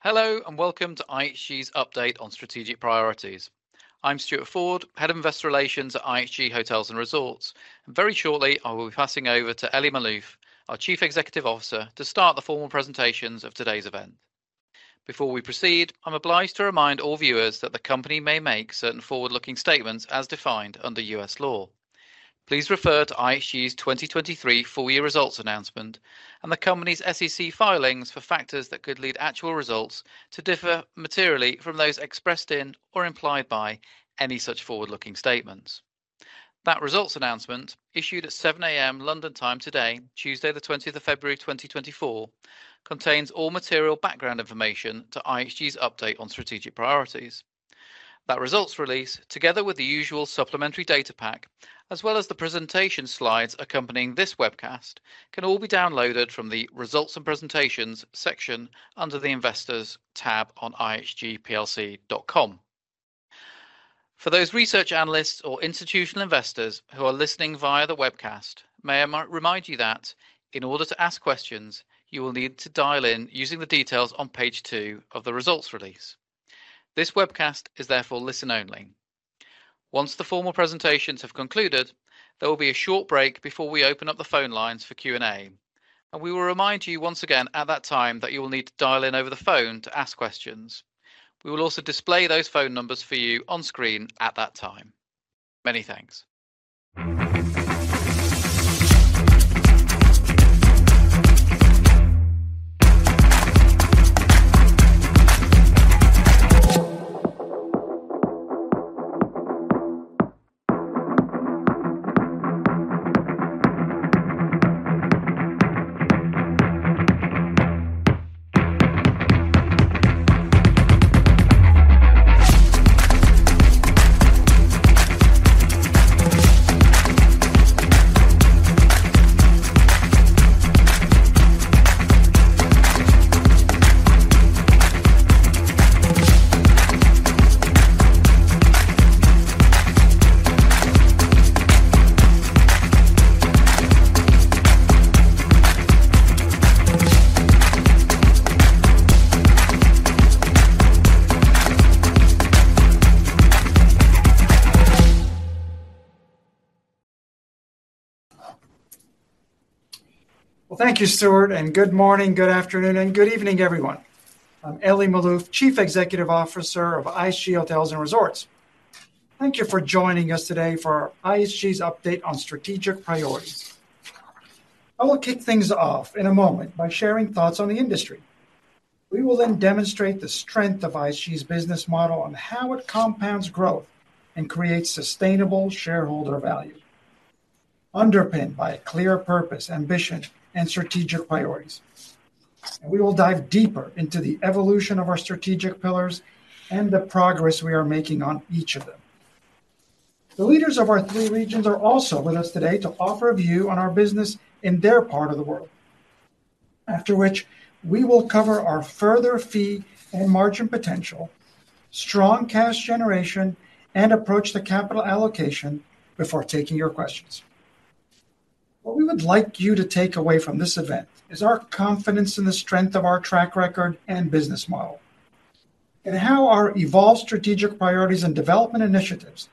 Hello, and welcome to IHG's update on strategic priorities. I'm Stuart Ford, Head of Investor Relations at IHG Hotels & Resorts, and very shortly, I will be passing over to Elie Maalouf, our Chief Executive Officer, to start the formal presentations of today's event. Before we proceed, I'm obliged to remind all viewers that the company may make certain forward-looking statements as defined under U.S. law. Please refer to IHG's 2023 full year results announcement and the company's SEC filings for factors that could lead actual results to differ materially from those expressed in or implied by any such forward-looking statements. That results announcement, issued at 7 A.M. London time today, Tuesday, the 20th of February, 2024, contains all material background information to IHG's update on strategic priorities. That results release, together with the usual supplementary data pack, as well as the presentation slides accompanying this webcast, can all be downloaded from the Results and Presentations section under the Investors tab on ihgplc.com. For those research analysts or institutional investors who are listening via the webcast, may I re-remind you that in order to ask questions, you will need to dial in using the details on page 2 of the results release. This webcast is therefore listen only. Once the formal presentations have concluded, there will be a short break before we open up the phone lines for Q&A, and we will remind you once again at that time that you will need to dial in over the phone to ask questions. We will also display those phone numbers for you on screen at that time. Many thanks. Well, thank you, Stuart, and good morning, good afternoon, and good evening, everyone. I'm Elie Maalouf, Chief Executive Officer of IHG Hotels & Resorts. Thank you for joining us today for IHG's update on strategic priorities. I will kick things off in a moment by sharing thoughts on the industry. We will then demonstrate the strength of IHG's business model and how it compounds growth and creates sustainable shareholder value, underpinned by a clear purpose, ambition, and strategic priorities. We will dive deeper into the evolution of our strategic pillars and the progress we are making on each of them. The leaders of our three regions are also with us today to offer a view on our business in their part of the world. After which, we will cover our further fee and margin potential, strong cash generation, and approach to capital allocation before taking your questions. What we would like you to take away from this event is our confidence in the strength of our track record and business model, and how our evolved strategic priorities and development initiatives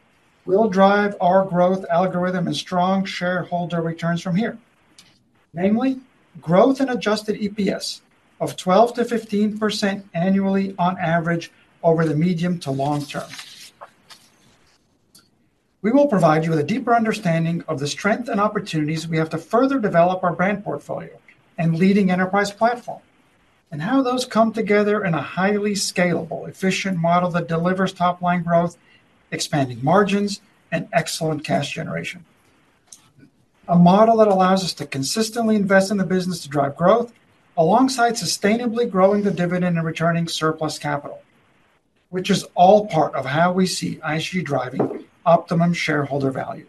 will drive our growth algorithm and strong shareholder returns from here. Namely, growth and Adjusted EPS of 12%-15% annually on average over the medium to long term. We will provide you with a deeper understanding of the strength and opportunities we have to further develop our brand portfolio and leading enterprise platform, and how those come together in a highly scalable, efficient model that delivers top-line growth, expanding margins, and excellent cash generation. A model that allows us to consistently invest in the business to drive growth, alongside sustainably growing the dividend and returning surplus capital, which is all part of how we see IHG driving optimum shareholder value.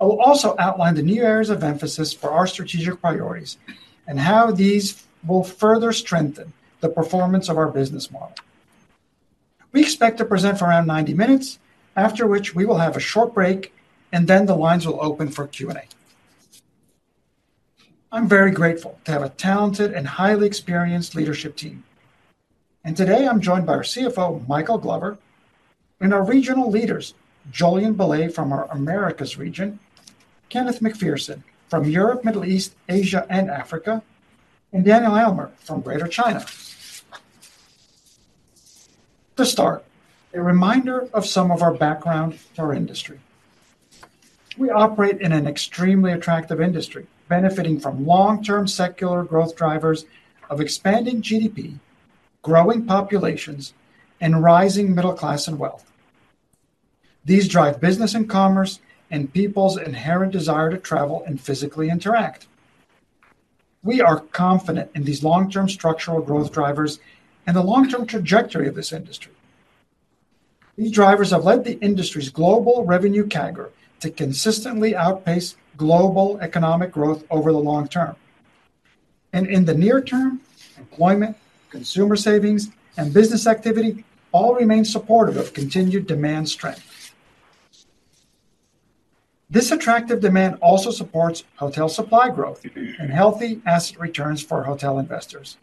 I will also outline the new areas of emphasis for our strategic priorities and how these will further strengthen the performance of our business model. We expect to present for around 90 minutes, after which we will have a short break, and then the lines will open for Q&A. I'm very grateful to have a talented and highly experienced leadership team, and today I'm joined by our CFO, Michael Glover, and our regional leaders, Jolyon Bulley from our Americas region, Kenneth MacPherson from Europe, Middle East, Asia, and Africa, and Daniel Aylmer from Greater China. To start, a reminder of some of our background to our industry. We operate in an extremely attractive industry, benefiting from long-term secular growth drivers of expanding GDP, growing populations, and rising middle class and wealth. These drive business and commerce and people's inherent desire to travel and physically interact. We are confident in these long-term structural growth drivers and the long-term trajectory of this industry. These drivers have led the industry's global revenue CAGR to consistently outpace global economic growth over the long term. And in the near term, employment, consumer savings, and business activity all remain supportive of continued demand strength... This attractive demand also supports hotel supply growth and healthy asset returns for hotel investors.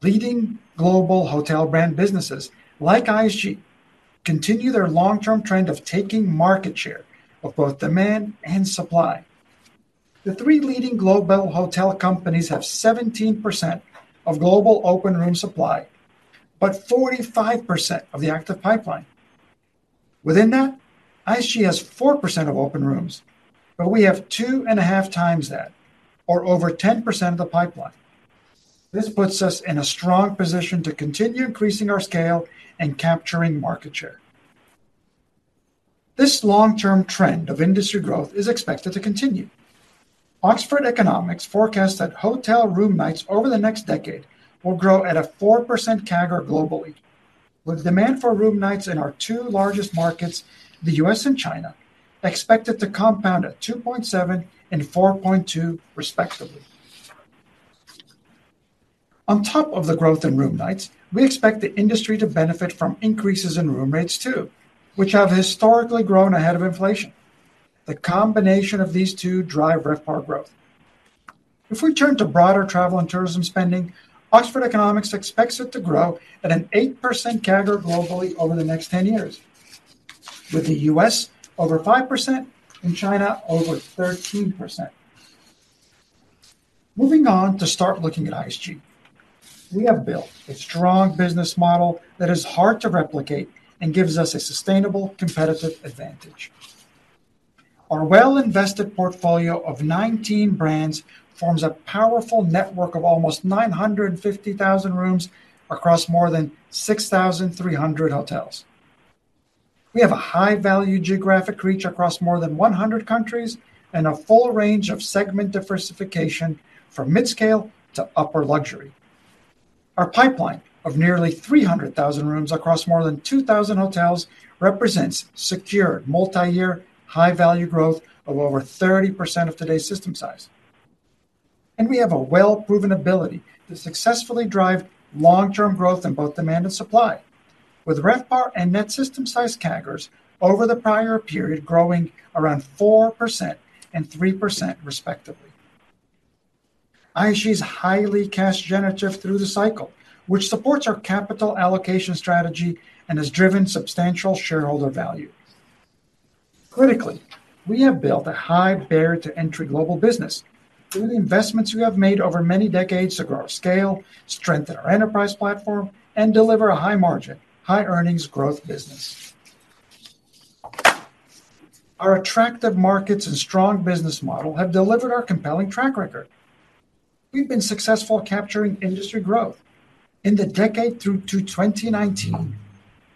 Leading global hotel brand businesses like IHG continue their long-term trend of taking market share of both demand and supply. The three leading global hotel companies have 17% of global open room supply, but 45% of the active pipeline. Within that, IHG has 4% of open rooms, but we have 2.5x that, or over 10% of the pipeline. This puts us in a strong position to continue increasing our scale and capturing market share. This long-term trend of industry growth is expected to continue. Oxford Economics forecasts that hotel room nights over the next decade will grow at a 4% CAGR globally, with demand for room nights in our two largest markets, the U.S. and China, expected to compound at 2.7 and 4.2 respectively. On top of the growth in room nights, we expect the industry to benefit from increases in room rates, too, which have historically grown ahead of inflation. The combination of these two drive RevPAR growth. If we turn to broader travel and tourism spending, Oxford Economics expects it to grow at an 8% CAGR globally over the next ten years, with the U.S. over 5% and China over 13%. Moving on to start looking at IHG. We have built a strong business model that is hard to replicate and gives us a sustainable competitive advantage. Our well-invested portfolio of 19 brands forms a powerful network of almost 950,000 rooms across more than 6,300 hotels. We have a high-value geographic reach across more than 100 countries and a full range of segment diversification from midscale to upper luxury. Our pipeline of nearly 300,000 rooms across more than 2,000 hotels represents secure, multi-year, high-value growth of over 30% of today's system size. We have a well-proven ability to successfully drive long-term growth in both demand and supply, with RevPAR and net system size CAGRs over the prior period growing around 4% and 3%, respectively. IHG is highly cash generative through the cycle, which supports our capital allocation strategy and has driven substantial shareholder value. Critically, we have built a high barrier to entry global business through the investments we have made over many decades to grow our scale, strengthen our enterprise platform, and deliver a high margin, high earnings growth business. Our attractive markets and strong business model have delivered our compelling track record. We've been successful capturing industry growth. In the decade through to 2019,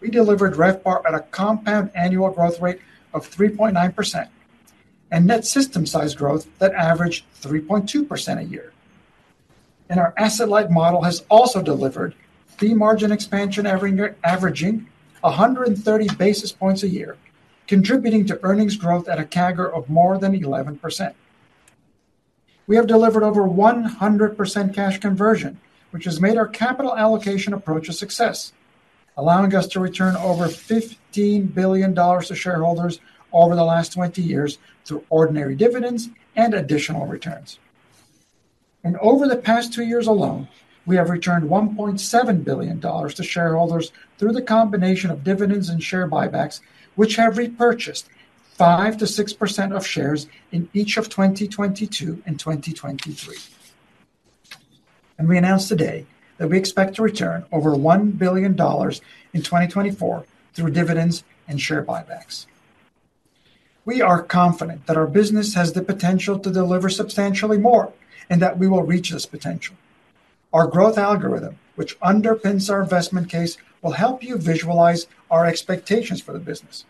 we delivered RevPAR at a compound annual growth rate of 3.9% and net system size growth that averaged 3.2% a year. Our asset-light model has also delivered fee margin expansion every year, averaging 130 basis points a year, contributing to earnings growth at a CAGR of more than 11%. We have delivered over 100% cash conversion, which has made our capital allocation approach a success, allowing us to return over $15 billion to shareholders over the last 20 years through ordinary dividends and additional returns. Over the past 2 years alone, we have returned $1.7 billion to shareholders through the combination of dividends and share buybacks, which have repurchased 5%-6% of shares in each of 2022 and 2023. We announce today that we expect to return over $1 billion in 2024 through dividends and share buybacks. We are confident that our business has the potential to deliver substantially more and that we will reach this potential. Our growth algorithm, which underpins our investment case, will help you visualize our expectations for the business.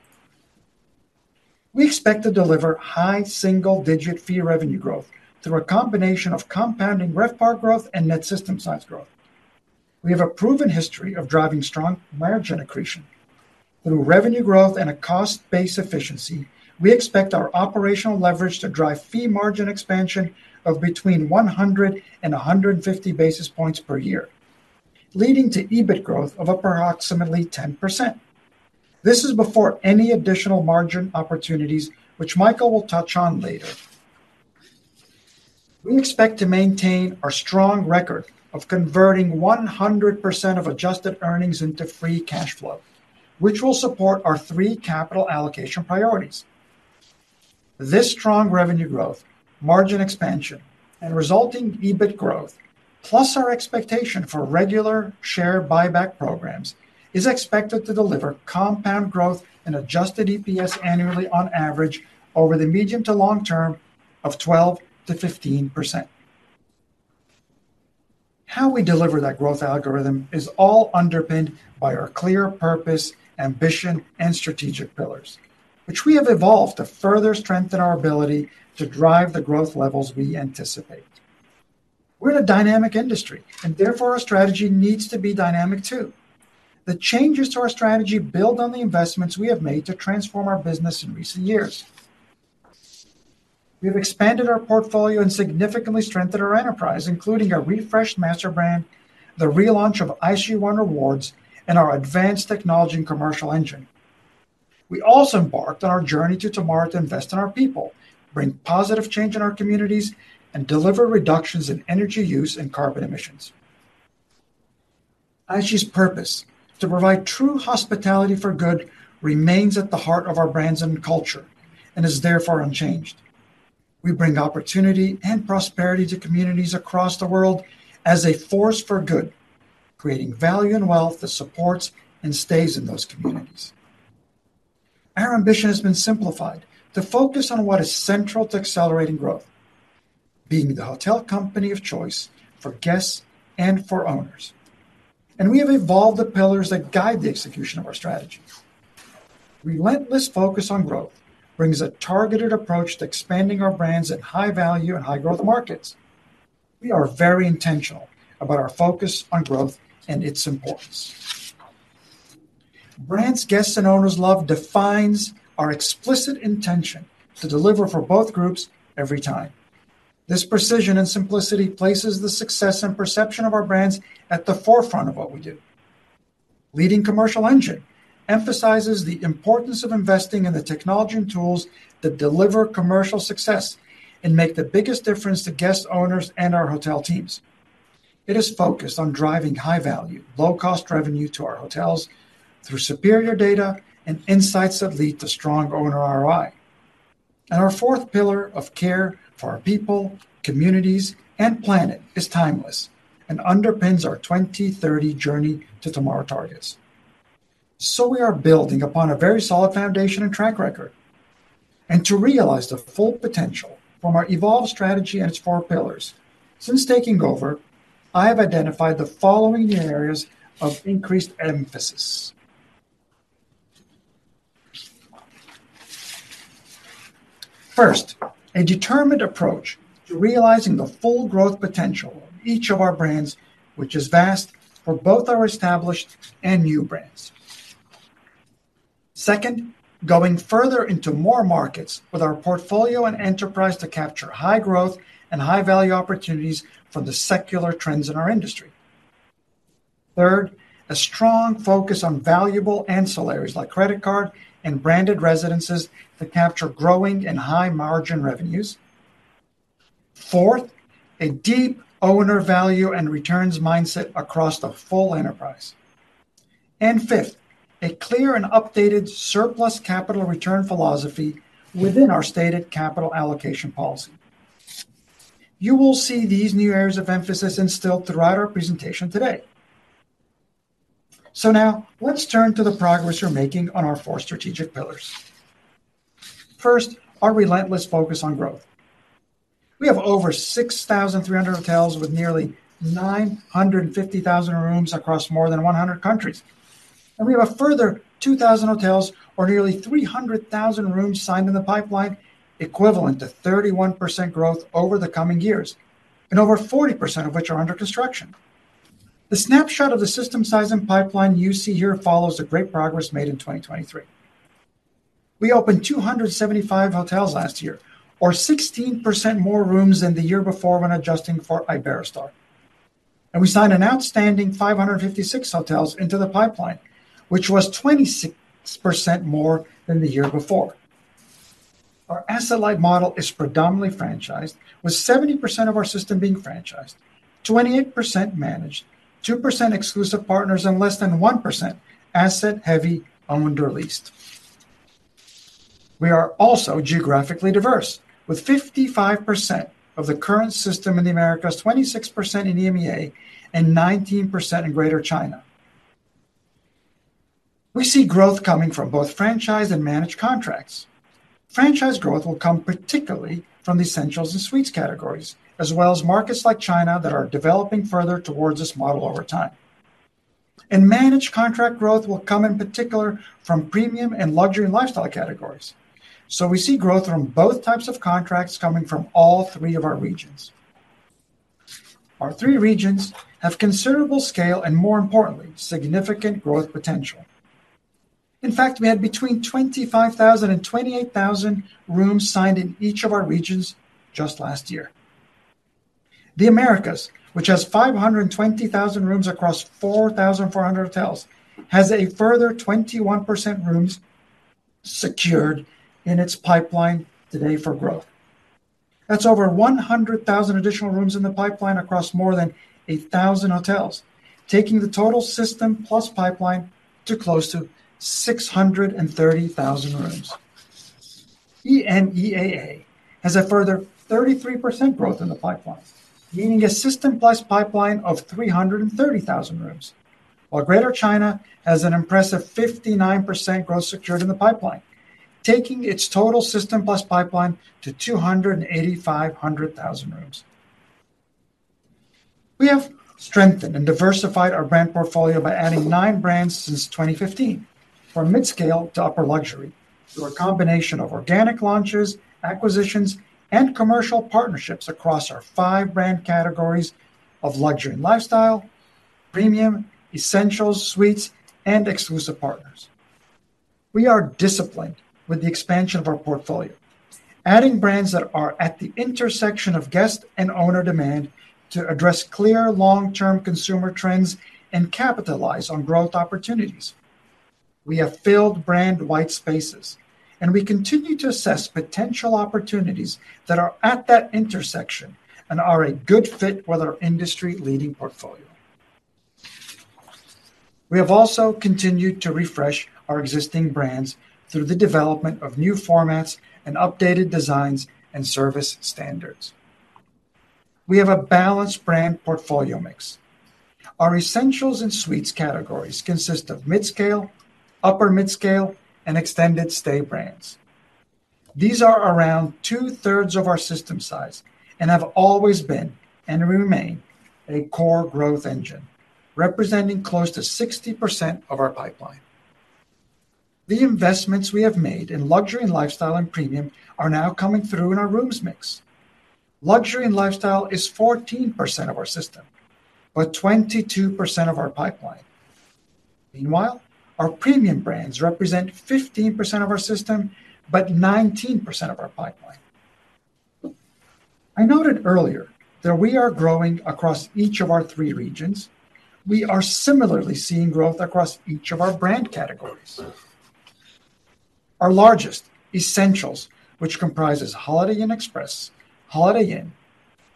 We expect to deliver high single-digit fee revenue growth through a combination of compounding RevPAR growth and net system size growth. We have a proven history of driving strong margin accretion. Through revenue growth and a cost base efficiency, we expect our operational leverage to drive fee margin expansion of between 100 and 150 basis points per year, leading to EBIT growth of approximately 10%. This is before any additional margin opportunities, which Michael will touch on later. We expect to maintain our strong record of converting 100% of adjusted earnings into free cash flow, which will support our three capital allocation priorities. This strong revenue growth, margin expansion, and resulting EBIT growth, plus our expectation for regular share buyback programs, is expected to deliver compound growth and Adjusted EPS annually on average over the medium to long term of 12%-15%. How we deliver that growth algorithm is all underpinned by our clear purpose, ambition, and strategic pillars, which we have evolved to further strengthen our ability to drive the growth levels we anticipate. We're in a dynamic industry, and therefore our strategy needs to be dynamic, too. The changes to our strategy build on the investments we have made to transform our business in recent years.... We've expanded our portfolio and significantly strengthened our enterprise, including a refreshed master brand, the relaunch of IHG One Rewards, and our advanced technology and commercial engine. We also embarked on our Journey to Tomorrow to invest in our people, bring positive change in our communities, and deliver reductions in energy use and carbon emissions. IHG's purpose, to provide true hospitality for good, remains at the heart of our brands and culture, and is therefore unchanged. We bring opportunity and prosperity to communities across the world as a force for good, creating value and wealth that supports and stays in those communities. Our ambition has been simplified to focus on what is central to accelerating growth: being the hotel company of choice for guests and for owners. We have evolved the pillars that guide the execution of our strategy. Relentless focus on growth brings a targeted approach to expanding our brands at high value and high growth markets. We are very intentional about our focus on growth and its importance. Brands guests and owners love defines our explicit intention to deliver for both groups every time. This precision and simplicity places the success and perception of our brands at the forefront of what we do. Leading commercial engine emphasizes the importance of investing in the technology and tools that deliver commercial success and make the biggest difference to guests, owners, and our hotel teams. It is focused on driving high-value, low-cost revenue to our hotels through superior data and insights that lead to strong owner ROI. And our fourth pillar of care for our people, communities, and planet is timeless and underpins our 2030 Journey to Tomorrow targets. So we are building upon a very solid foundation and track record. And to realize the full potential from our evolved strategy and its four pillars, since taking over, I have identified the following new areas of increased emphasis. First, a determined approach to realizing the full growth potential of each of our brands, which is vast for both our established and new brands. Second, going further into more markets with our portfolio and enterprise to capture high growth and high-value opportunities from the secular trends in our industry. Third, a strong focus on valuable ancillaries like credit card and branded residences that capture growing and high-margin revenues. Fourth, a deep owner value and returns mindset across the full enterprise. And fifth, a clear and updated surplus capital return philosophy within our stated capital allocation policy. You will see these new areas of emphasis instilled throughout our presentation today. Now let's turn to the progress we're making on our four strategic pillars. First, our relentless focus on growth. We have over 6,300 hotels with nearly 950,000 rooms across more than 100 countries, and we have a further 2,000 hotels or nearly 300,000 rooms signed in the pipeline, equivalent to 31% growth over the coming years, and over 40% of which are under construction. The snapshot of the system size and pipeline you see here follows the great progress made in 2023. We opened 275 hotels last year, or 16% more rooms than the year before when adjusting for Iberostar. We signed an outstanding 556 hotels into the pipeline, which was 26% more than the year before. Our asset-light model is predominantly franchised, with 70% of our system being franchised, 28% managed, 2% exclusive partners, and less than 1% asset heavy, owned, or leased. We are also geographically diverse, with 55% of the current system in the Americas, 26% in EMEAA, and 19% in Greater China. We see growth coming from both franchise and managed contracts. Franchise growth will come particularly from the essentials and suites categories, as well as markets like China that are developing further towards this model over time. Managed contract growth will come, in particular, from premium and luxury lifestyle categories. We see growth from both types of contracts coming from all three of our regions. Our three regions have considerable scale and, more importantly, significant growth potential. In fact, we had between 25,000 and 28,000 rooms signed in each of our regions just last year. The Americas, which has 520,000 rooms across 4,400 hotels, has a further 21% rooms secured in its pipeline today for growth. That's over 100,000 additional rooms in the pipeline across more than 1,000 hotels, taking the total system plus pipeline to close to 630,000 rooms. EMEAA has a further 33% growth in the pipeline, meaning a system plus pipeline of 330,000 rooms. While Greater China has an impressive 59% growth secured in the pipeline, taking its total system plus pipeline to 285,000 rooms. We have strengthened and diversified our brand portfolio by adding nine brands since 2015, from midscale to upper luxury, through a combination of organic launches, acquisitions, and commercial partnerships across our five brand categories of luxury and lifestyle, premium, essentials, suites, and exclusive partners. We are disciplined with the expansion of our portfolio, adding brands that are at the intersection of guest and owner demand to address clear long-term consumer trends and capitalize on growth opportunities. We have filled brand white spaces, and we continue to assess potential opportunities that are at that intersection and are a good fit for their industry-leading portfolio. We have also continued to refresh our existing brands through the development of new formats and updated designs and service standards. We have a balanced brand portfolio mix. Our essentials and suites categories consist of mid-scale, upper mid-scale, and extended stay brands. These are around two-thirds of our system size and have always been, and remain, a core growth engine, representing close to 60% of our pipeline. The investments we have made in luxury and lifestyle and premium are now coming through in our rooms mix. Luxury and lifestyle is 14% of our system, but 22% of our pipeline. Meanwhile, our premium brands represent 15% of our system, but 19% of our pipeline. I noted earlier that we are growing across each of our three regions. We are similarly seeing growth across each of our brand categories. Our largest, Essentials, which comprises Holiday Inn Express, Holiday Inn,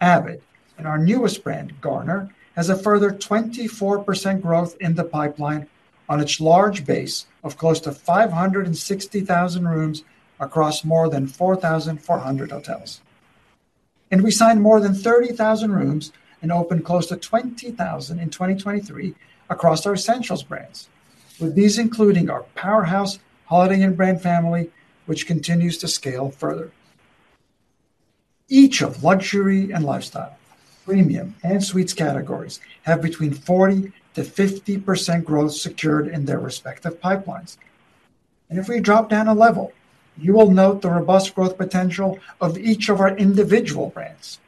avid, and our newest brand, Garner, has a further 24% growth in the pipeline on its large base of close to 560,000 rooms across more than 4,400 hotels. We signed more than 30,000 rooms and opened close to 20,000 in 2023 across our Essentials brands, with these including our powerhouse Holiday Inn brand family, which continues to scale further. Each of luxury and lifestyle, premium, and suites categories have between 40%-50% growth secured in their respective pipelines. If we drop down a level, you will note the robust growth potential of each of our individual brands.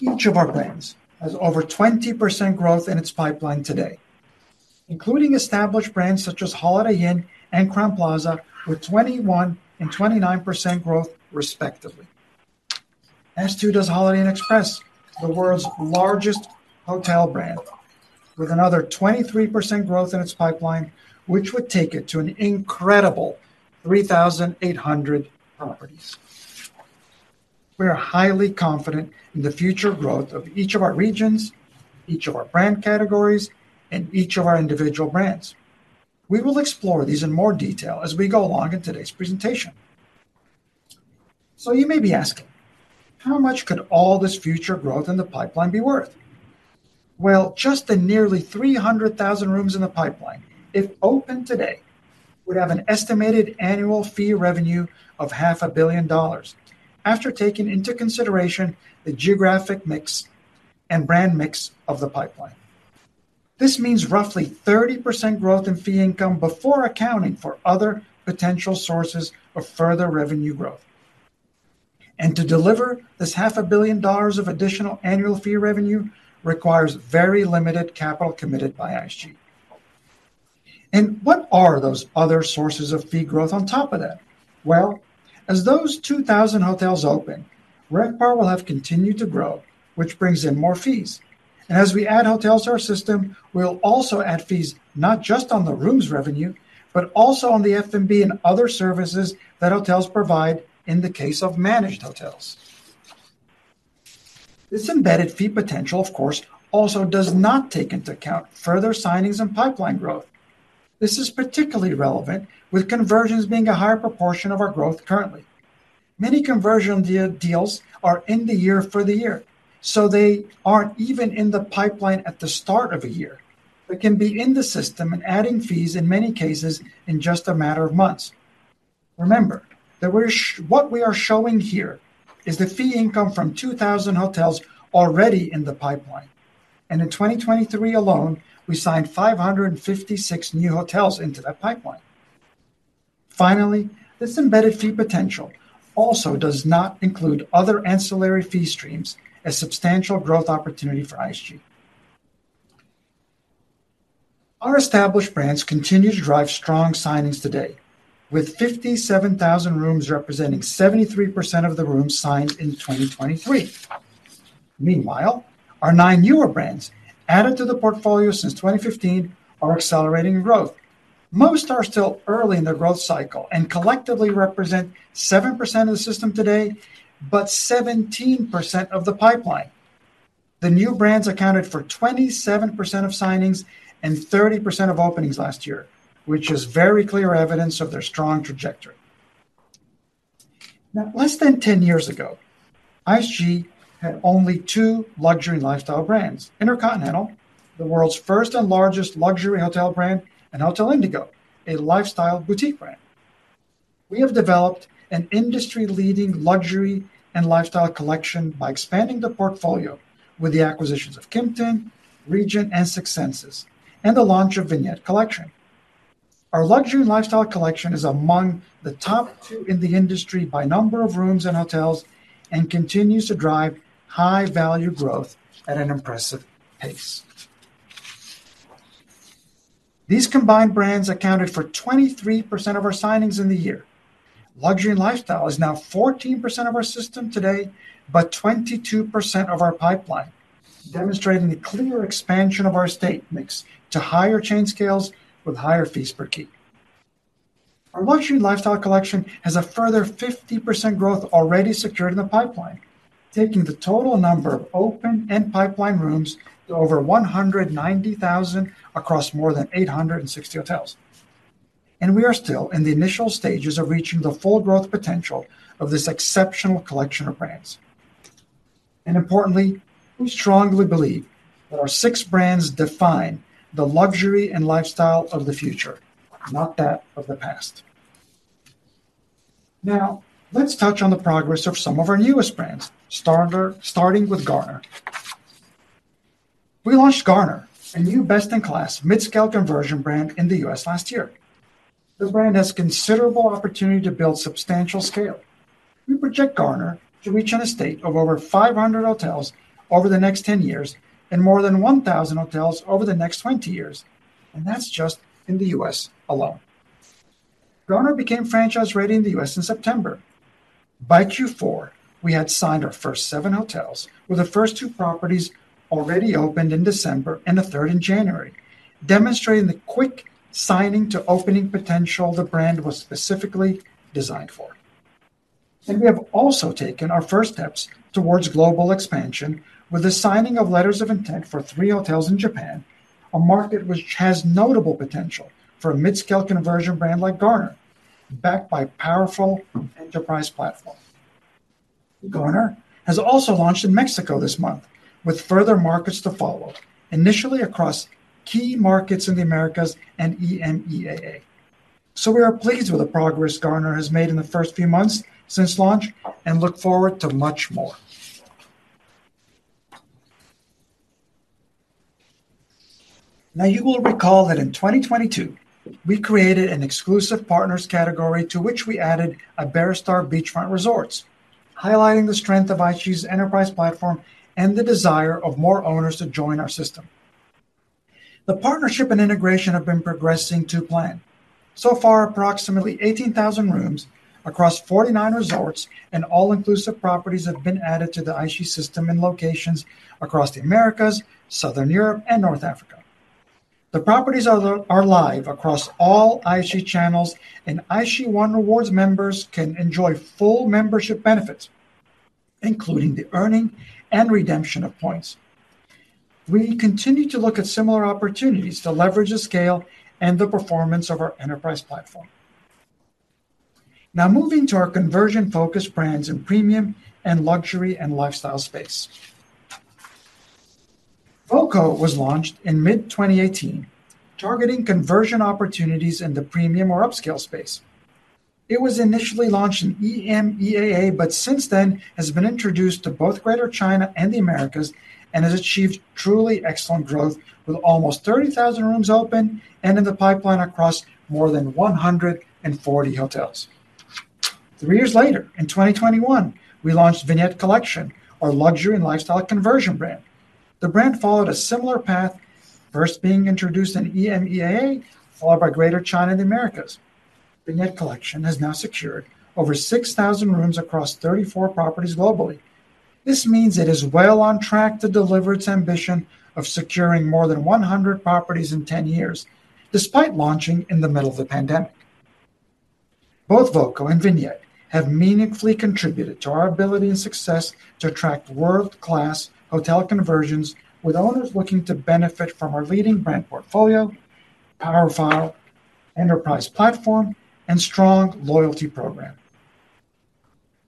Each of our brands has over 20% growth in its pipeline today, including established brands such as Holiday Inn and Crowne Plaza, with 21% and 29% growth, respectively. As too does Holiday Inn Express, the world's largest hotel brand, with another 23% growth in its pipeline, which would take it to an incredible 3,800 properties. We are highly confident in the future growth of each of our regions, each of our brand categories, and each of our individual brands. We will explore these in more detail as we go along in today's presentation. So you may be asking, how much could all this future growth in the pipeline be worth? Well, just the nearly 300,000 rooms in the pipeline, if open today, would have an estimated annual fee revenue of $500 million, after taking into consideration the geographic mix and brand mix of the pipeline. This means roughly 30% growth in fee income before accounting for other potential sources of further revenue growth. And to deliver this $500 million of additional annual fee revenue requires very limited capital committed by IHG. And what are those other sources of fee growth on top of that? Well, as those 2,000 hotels open, RevPAR will have continued to grow, which brings in more fees. And as we add hotels to our system, we'll also add fees, not just on the rooms revenue, but also on the F&B and other services that hotels provide in the case of managed hotels. This embedded fee potential, of course, also does not take into account further signings and pipeline growth. This is particularly relevant, with conversions being a higher proportion of our growth currently. Many conversion deals are in the year for the year, so they aren't even in the pipeline at the start of a year, but can be in the system and adding fees, in many cases, in just a matter of months. Remember, what we are showing here is the fee income from 2,000 hotels already in the pipeline, and in 2023 alone, we signed 556 new hotels into that pipeline. Finally, this embedded fee potential also does not include other ancillary fee streams as substantial growth opportunity for IHG. Our established brands continue to drive strong signings today, with 57,000 rooms representing 73% of the rooms signed in 2023. Meanwhile, our nine newer brands, added to the portfolio since 2015, are accelerating in growth. Most are still early in their growth cycle and collectively represent 7% of the system today, but 17% of the pipeline. The new brands accounted for 27% of signings and 30% of openings last year, which is very clear evidence of their strong trajectory. Now, less than 10 years ago, IHG had only 2 luxury and lifestyle brands: InterContinental, the world's first and largest luxury hotel brand, and Hotel Indigo, a lifestyle boutique brand. We have developed an industry-leading luxury and lifestyle collection by expanding the portfolio with the acquisitions of Kimpton, Regent, and Six Senses, and the launch of Vignette Collection.... Our luxury and lifestyle collection is among the top 2 in the industry by number of rooms and hotels, and continues to drive high value growth at an impressive pace. These combined brands accounted for 23% of our signings in the year. Luxury and lifestyle is now 14% of our system today, but 22% of our pipeline, demonstrating the clear expansion of our estate mix to higher chain scales with higher fees per key. Our luxury lifestyle collection has a further 50% growth already secured in the pipeline, taking the total number of open and pipeline rooms to over 190,000 across more than 860 hotels. We are still in the initial stages of reaching the full growth potential of this exceptional collection of brands. Importantly, we strongly believe that our six brands define the luxury and lifestyle of the future, not that of the past. Now, let's touch on the progress of some of our newest brands, starting with Garner. We launched Garner, a new best-in-class mid-scale conversion brand in the U.S. last year. This brand has considerable opportunity to build substantial scale. We project Garner to reach an estate of over 500 hotels over the next 10 years and more than 1,000 hotels over the next 20 years, and that's just in the US alone. Garner became franchise-ready in the US in September. By Q4, we had signed our first 7 hotels, with the first 2 properties already opened in December and the third in January, demonstrating the quick signing to opening potential the brand was specifically designed for. And we have also taken our first steps towards global expansion with the signing of letters of intent for 3 hotels in Japan, a market which has notable potential for a mid-scale conversion brand like Garner, backed by a powerful enterprise platform. Garner has also launched in Mexico this month, with further markets to follow, initially across key markets in the Americas and EMEAA. So we are pleased with the progress Garner has made in the first few months since launch, and look forward to much more. Now, you will recall that in 2022, we created an exclusive partners category to which we added Iberostar Beachfront Resorts, highlighting the strength of IHG's enterprise platform and the desire of more owners to join our system. The partnership and integration have been progressing to plan. So far, approximately 18,000 rooms across 49 resorts and all-inclusive properties have been added to the IHG system in locations across the Americas, Southern Europe, and North Africa. The properties are live across all IHG channels, and IHG One Rewards members can enjoy full membership benefits, including the earning and redemption of points. We continue to look at similar opportunities to leverage the scale and the performance of our enterprise platform. Now, moving to our conversion-focused brands in premium and luxury and lifestyle space. Voco was launched in mid-2018, targeting conversion opportunities in the premium or upscale space. It was initially launched in EMEAA, but since then has been introduced to both Greater China and the Americas, and has achieved truly excellent growth, with almost 30,000 rooms open and in the pipeline across more than 140 hotels. 3 years later, in 2021, we launched Vignette Collection, our luxury and lifestyle conversion brand. The brand followed a similar path, first being introduced in EMEAA, followed by Greater China and the Americas. Vignette Collection has now secured over 6,000 rooms across 34 properties globally. This means it is well on track to deliver its ambition of securing more than 100 properties in 10 years, despite launching in the middle of the pandemic. Both voco and Vignette have meaningfully contributed to our ability and success to attract world-class hotel conversions with owners looking to benefit from our leading brand portfolio, powerful enterprise platform, and strong loyalty program.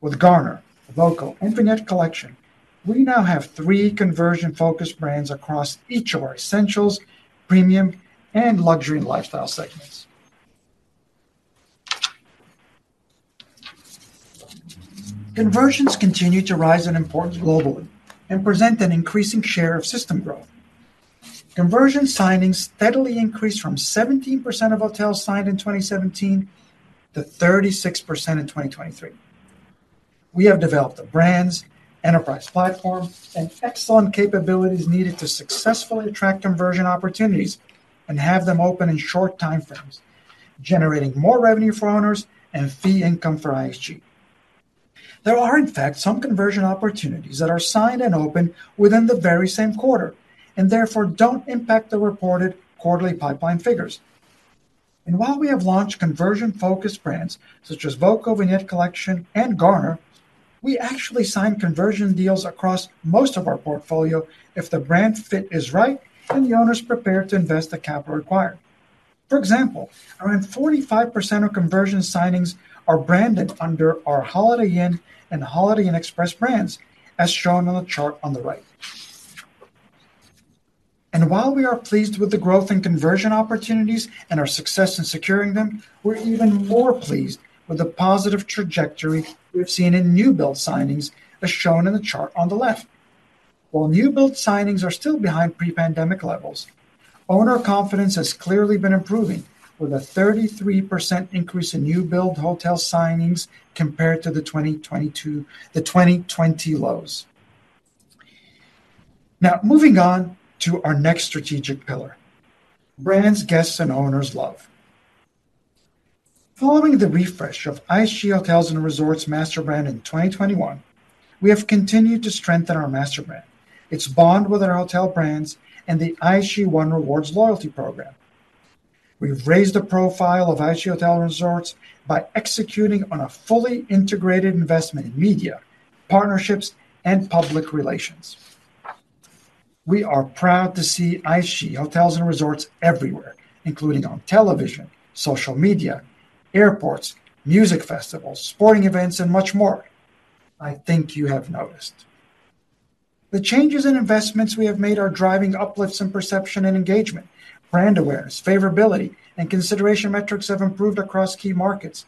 With Garner, voco, and Vignette Collection, we now have three conversion-focused brands across each of our Essentials, Premium, and Luxury and Lifestyle segments. Conversions continue to rise in importance globally and present an increasing share of system growth. Conversion signings steadily increased from 17% of hotels signed in 2017 to 36% in 2023. We have developed the brands, enterprise platform, and excellent capabilities needed to successfully attract conversion opportunities and have them open in short time frames, generating more revenue for owners and fee income for IHG. There are, in fact, some conversion opportunities that are signed and opened within the very same quarter, and therefore don't impact the reported quarterly pipeline figures. While we have launched conversion-focused brands such as voco, Vignette Collection, and Garner, we actually sign conversion deals across most of our portfolio if the brand fit is right and the owner's prepared to invest the capital required. For example, around 45% of conversion signings are branded under our Holiday Inn and Holiday Inn Express brands, as shown on the chart on the right. While we are pleased with the growth in conversion opportunities and our success in securing them, we're even more pleased with the positive trajectory we've seen in new-build signings, as shown in the chart on the left.... While new build signings are still behind pre-pandemic levels, owner confidence has clearly been improving, with a 33% increase in new build hotel signings compared to the 2020 lows. Now, moving on to our next strategic pillar: brands guests and owners love. Following the refresh of IHG Hotels & Resorts master brand in 2021, we have continued to strengthen our master brand, its bond with our hotel brands, and the IHG One Rewards loyalty program. We've raised the profile of IHG Hotels & Resorts by executing on a fully integrated investment in media, partnerships, and public relations. We are proud to see IHG Hotels & Resorts everywhere, including on television, social media, airports, music festivals, sporting events, and much more. I think you have noticed. The changes in investments we have made are driving uplifts in perception and engagement. Brand awareness, favorability, and consideration metrics have improved across key markets.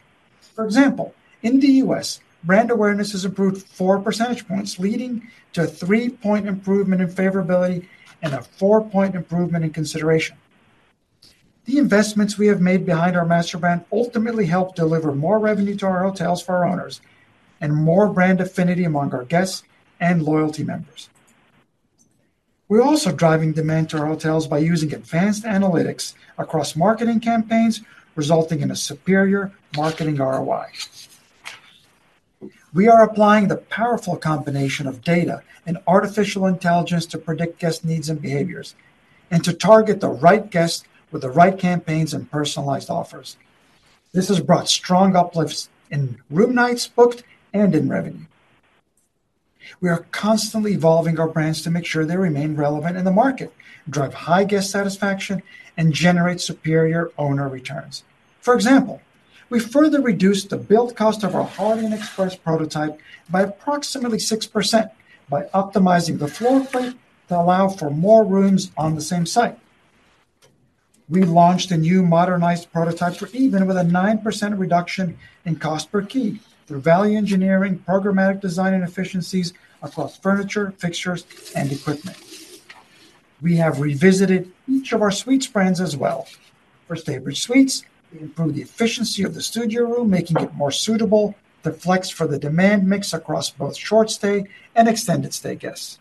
For example, in the U.S., brand awareness has improved 4 percentage points, leading to a 3-point improvement in favorability and a 4-point improvement in consideration. The investments we have made behind our master brand ultimately help deliver more revenue to our hotels for our owners, and more brand affinity among our guests and loyalty members. We're also driving demand to our hotels by using advanced analytics across marketing campaigns, resulting in a superior marketing ROI. We are applying the powerful combination of data and artificial intelligence to predict guest needs and behaviors, and to target the right guests with the right campaigns and personalized offers. This has brought strong uplifts in room nights booked and in revenue. We are constantly evolving our brands to make sure they remain relevant in the market, drive high guest satisfaction, and generate superior owner returns. For example, we further reduced the build cost of our Holiday Inn Express prototype by approximately 6% by optimizing the floor plan to allow for more rooms on the same site. We launched a new modernized prototype for EVEN with a 9% reduction in cost per key through value engineering, programmatic design, and efficiencies across furniture, fixtures, and equipment. We have revisited each of our suites brands as well. For Staybridge Suites, we improved the efficiency of the studio room, making it more suitable to flex for the demand mix across both short stay and extended stay guests.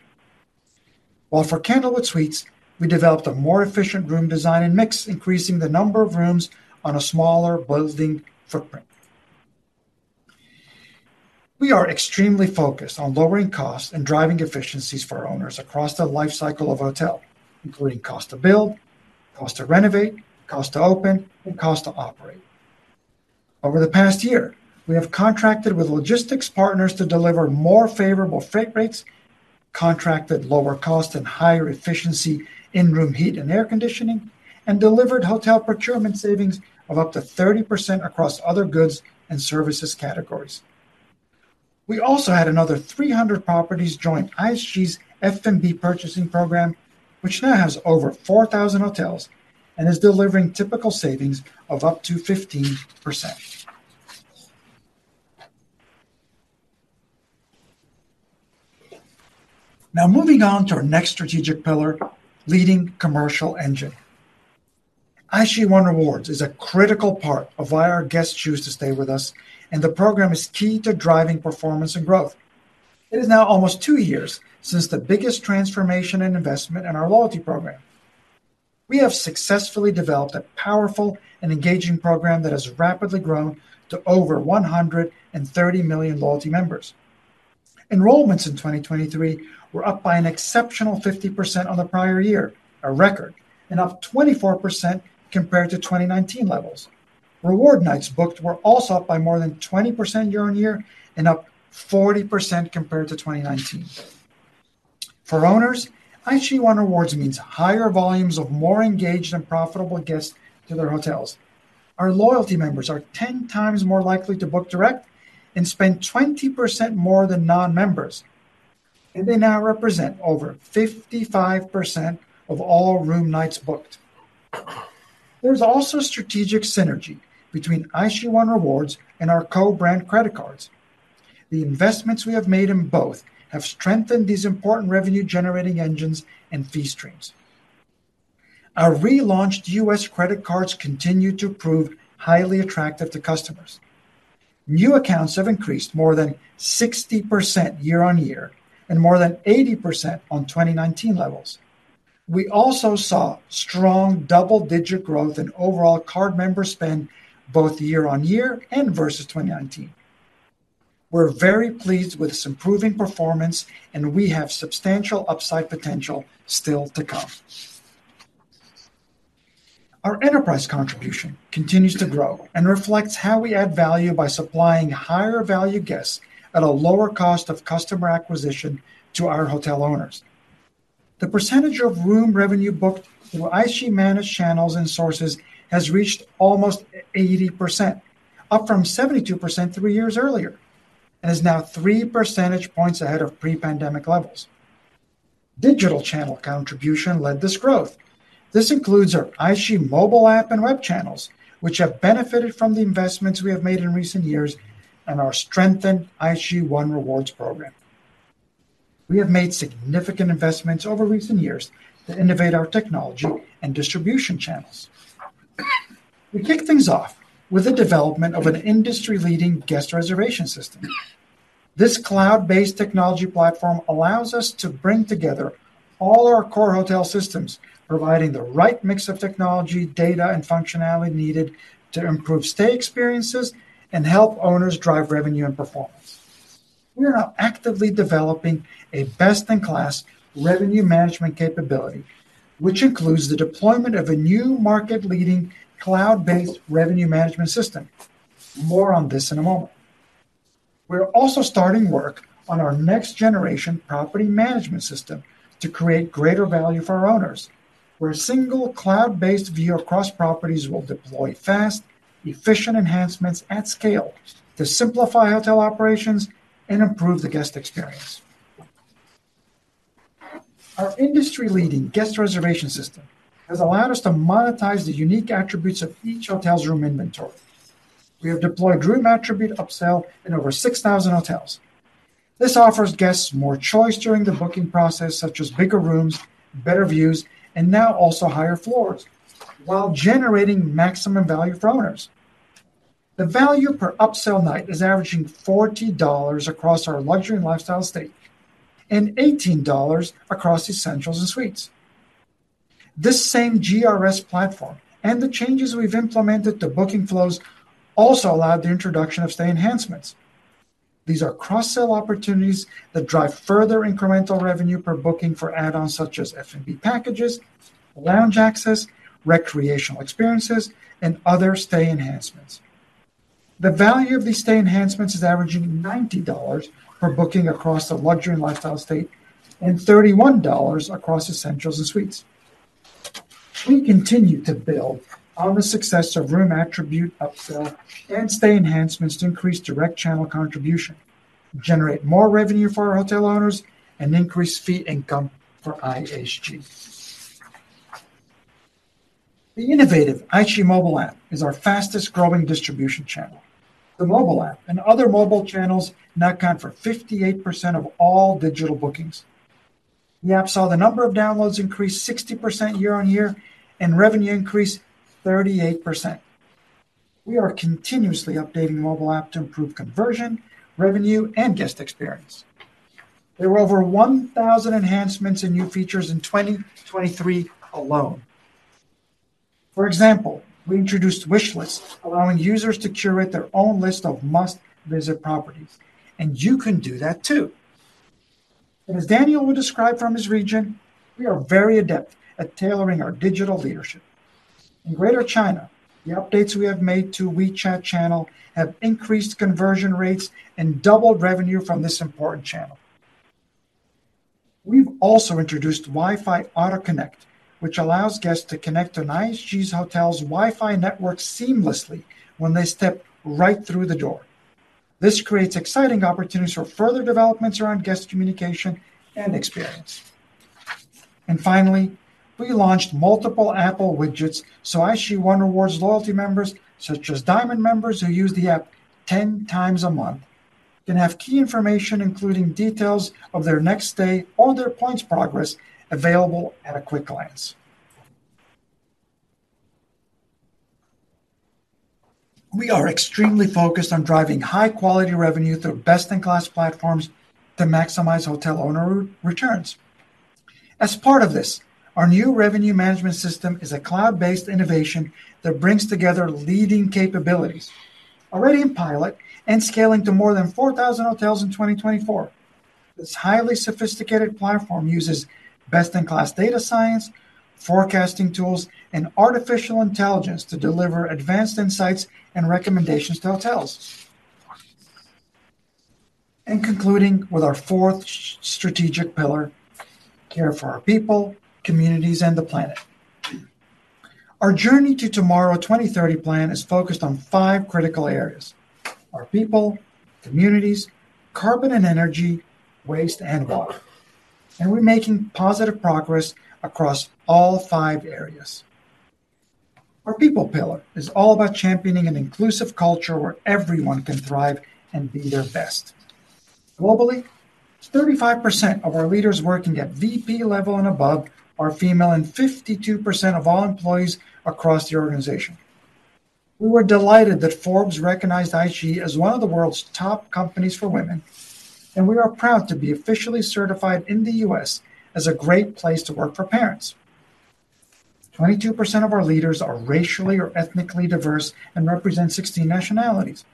While for Candlewood Suites, we developed a more efficient room design and mix, increasing the number of rooms on a smaller building footprint. We are extremely focused on lowering costs and driving efficiencies for our owners across the life cycle of hotel, including cost to build, cost to renovate, cost to open, and cost to operate. Over the past year, we have contracted with logistics partners to deliver more favorable freight rates, contracted lower cost and higher efficiency in room heat and air conditioning, and delivered hotel procurement savings of up to 30% across other goods and services categories. We also had another 300 properties join IHG's F&B purchasing program, which now has over 4,000 hotels and is delivering typical savings of up to 15%. Now, moving on to our next strategic pillar: Leading commercial engine. IHG One Rewards is a critical part of why our guests choose to stay with us, and the program is key to driving performance and growth. It is now almost two years since the biggest transformation and investment in our loyalty program. We have successfully developed a powerful and engaging program that has rapidly grown to over 130 million loyalty members. Enrollments in 2023 were up by an exceptional 50% on the prior year, a record, and up 24% compared to 2019 levels. Reward nights booked were also up by more than 20% year-on-year and up 40% compared to 2019. For owners, IHG One Rewards means higher volumes of more engaged and profitable guests to their hotels. Our loyalty members are 10x more likely to book direct and spend 20% more than non-members, and they now represent over 55% of all room nights booked. There's also strategic synergy between IHG One Rewards and our co-brand credit cards. The investments we have made in both have strengthened these important revenue-generating engines and fee streams. Our relaunched U.S. credit cards continue to prove highly attractive to customers. New accounts have increased more than 60% year-on-year, and more than 80% on 2019 levels. We also saw strong double-digit growth in overall card member spend, both year-on-year and versus 2019. We're very pleased with this improving performance, and we have substantial upside potential still to come. Our enterprise contribution continues to grow and reflects how we add value by supplying higher value guests at a lower cost of customer acquisition to our hotel owners. The percentage of room revenue booked through IHG managed channels and sources has reached almost 80%, up from 72% three years earlier, and is now three percentage points ahead of pre-pandemic levels. Digital channel contribution led this growth. This includes our IHG mobile app and web channels, which have benefited from the investments we have made in recent years... and our strengthened IHG One Rewards program. We have made significant investments over recent years to innovate our technology and distribution channels. We kicked things off with the development of an industry-leading guest reservation system. This cloud-based technology platform allows us to bring together all our core hotel systems, providing the right mix of technology, data, and functionality needed to improve stay experiences and help owners drive revenue and performance. We are now actively developing a best-in-class revenue management capability, which includes the deployment of a new market-leading cloud-based revenue management system. More on this in a moment. We're also starting work on our next generation property management system to create greater value for our owners, where a single cloud-based view across properties will deploy fast, efficient enhancements at scale to simplify hotel operations and improve the guest experience. Our industry-leading guest reservation system has allowed us to monetize the unique attributes of each hotel's room inventory. We have deployed room attribute upsell in over 6,000 hotels. This offers guests more choice during the booking process, such as bigger rooms, better views, and now also higher floors, while generating maximum value for owners. The value per upsell night is averaging $40 across our luxury and lifestyle state, and $18 across essentials and suites. This same GRS platform and the changes we've implemented to booking flows also allowed the introduction of stay enhancements. These are cross-sell opportunities that drive further incremental revenue per booking for add-ons, such as F&B packages, lounge access, recreational experiences, and other stay enhancements. The value of these stay enhancements is averaging $90 per booking across the luxury and lifestyle suite and $31 across essentials and suites. We continue to build on the success of room attribute, upsell, and stay enhancements to increase direct channel contribution, generate more revenue for our hotel owners, and increase fee income for IHG. The innovative IHG mobile app is our fastest growing distribution channel. The mobile app and other mobile channels now account for 58% of all digital bookings. The app saw the number of downloads increase 60% year-on-year and revenue increase 38%. We are continuously updating the mobile app to improve conversion, revenue, and guest experience. There were over 1,000 enhancements and new features in 2023 alone. For example, we introduced wishlists, allowing users to curate their own list of must-visit properties, and you can do that too. As Daniel will describe from his region, we are very adept at tailoring our digital leadership. In Greater China, the updates we have made to WeChat channel have increased conversion rates and doubled revenue from this important channel. We've also introduced Wi-Fi Auto Connect, which allows guests to connect to an IHG's hotel's Wi-Fi network seamlessly when they step right through the door. This creates exciting opportunities for further developments around guest communication and experience. Finally, we launched multiple Apple widgets, so IHG One Rewards loyalty members, such as Diamond members who use the app 10x a month, can have key information, including details of their next stay or their points progress, available at a quick glance. We are extremely focused on driving high-quality revenue through best-in-class platforms to maximize hotel owner returns. As part of this, our new revenue management system is a cloud-based innovation that brings together leading capabilities. Already in pilot and scaling to more than 4,000 hotels in 2024, this highly sophisticated platform uses best-in-class data science, forecasting tools, and artificial intelligence to deliver advanced insights and recommendations to hotels. Concluding with our fourth strategic pillar: care for our people, communities, and the planet. Our Journey to Tomorrow 2030 plan is focused on five critical areas: our people, communities, carbon and energy, waste, and water, and we're making positive progress across all five areas. Our people pillar is all about championing an inclusive culture where everyone can thrive and be their best. Globally, 35% of our leaders working at VP level and above are female, and 52% of all employees across the organization. We were delighted that Forbes recognized IHG as one of the world's top companies for women, and we are proud to be officially certified in the U.S. as a great place to work for parents. 22% of our leaders are racially or ethnically diverse and represent 16 nationalities.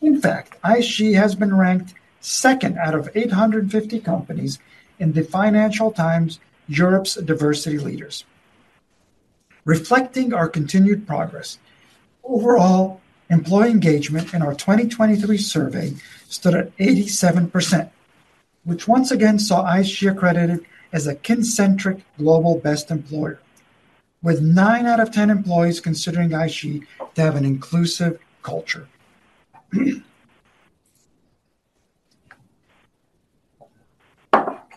In fact, IHG has been ranked second out of 850 companies in the Financial Times Europe's Diversity Leaders. Reflecting our continued progress, overall, employee engagement in our 2023 survey stood at 87%, which once again saw IHG accredited as a Kincentric Global Best Employer, with 9 out of 10 employees considering IHG to have an inclusive culture....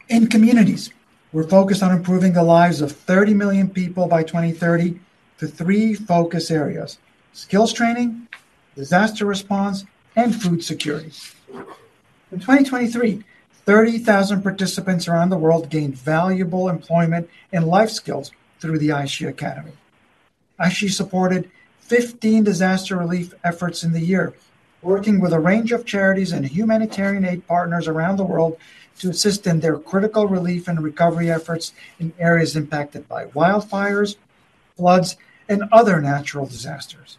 In communities, we're focused on improving the lives of 30 million people by 2030 to 3 focus areas: skills training, disaster response, and food security. In 2023, 30,000 participants around the world gained valuable employment and life skills through the IHG Academy. IHG supported 15 disaster relief efforts in the year, working with a range of charities and humanitarian aid partners around the world to assist in their critical relief and recovery efforts in areas impacted by wildfires, floods, and other natural disasters.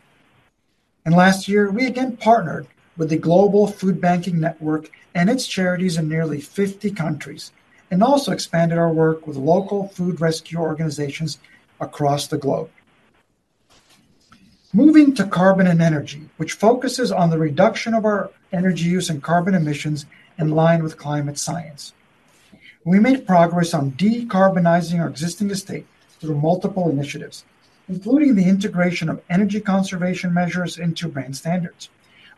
Last year, we again partnered with the Global FoodBanking Network and its charities in nearly 50 countries, and also expanded our work with local food rescue organizations across the globe. Moving to carbon and energy, which focuses on the reduction of our energy use and carbon emissions in line with climate science. We made progress on decarbonizing our existing estate through multiple initiatives, including the integration of energy conservation measures into brand standards,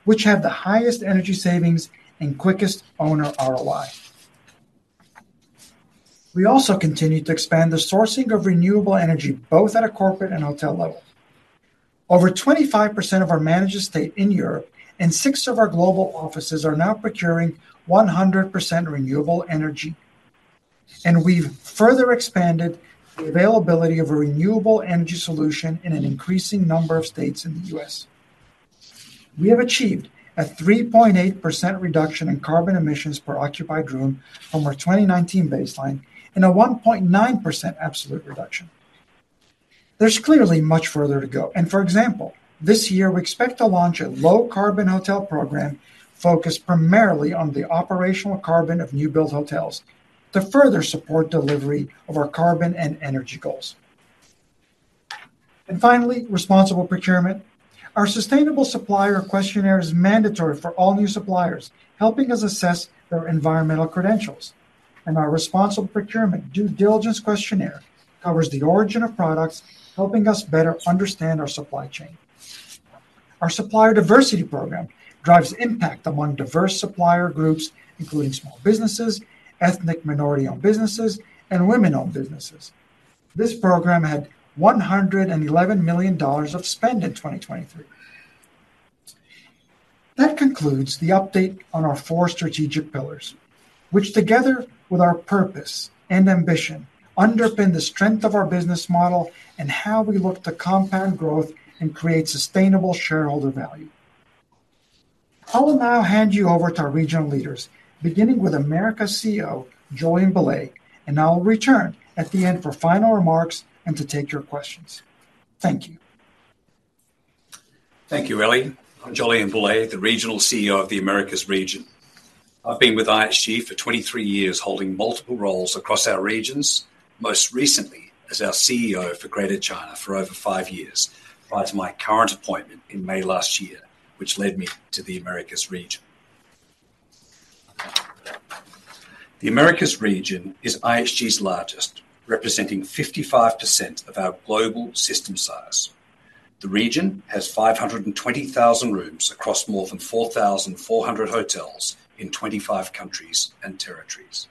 which have the highest energy savings and quickest owner ROI. We also continued to expand the sourcing of renewable energy, both at a corporate and hotel level. Over 25% of our managed estate in Europe and six of our global offices are now procuring 100% renewable energy, and we've further expanded the availability of a renewable energy solution in an increasing number of states in the U.S. We have achieved a 3.8% reduction in carbon emissions per occupied room from our 2019 baseline and a 1.9% absolute reduction. There's clearly much further to go, and, for example, this year we expect to launch a low-carbon hotel program focused primarily on the operational carbon of new-built hotels to further support delivery of our carbon and energy goals. Finally, responsible procurement. Our sustainable supplier questionnaire is mandatory for all new suppliers, helping us assess their environmental credentials. And our responsible procurement due diligence questionnaire covers the origin of products, helping us better understand our supply chain. Our supplier diversity program drives impact among diverse supplier groups, including small businesses, ethnic minority-owned businesses, and women-owned businesses. This program had $111 million of spend in 2023. That concludes the update on our four strategic pillars, which, together with our purpose and ambition, underpin the strength of our business model and how we look to compound growth and create sustainable shareholder value. I will now hand you over to our regional leaders, beginning with Americas CEO, Jolyon Bulley, and I will return at the end for final remarks and to take your questions. Thank you. Thank you, Elie. I'm Jolyon Bulley, the Regional CEO of the Americas region. I've been with IHG for 23 years, holding multiple roles across our regions, most recently as our CEO for Greater China for over five years, prior to my current appointment in May last year, which led me to the Americas region. The Americas region is IHG's largest, representing 55% of our global system size. The region has 520,000 rooms across more than 4,400 hotels in 25 countries and territories.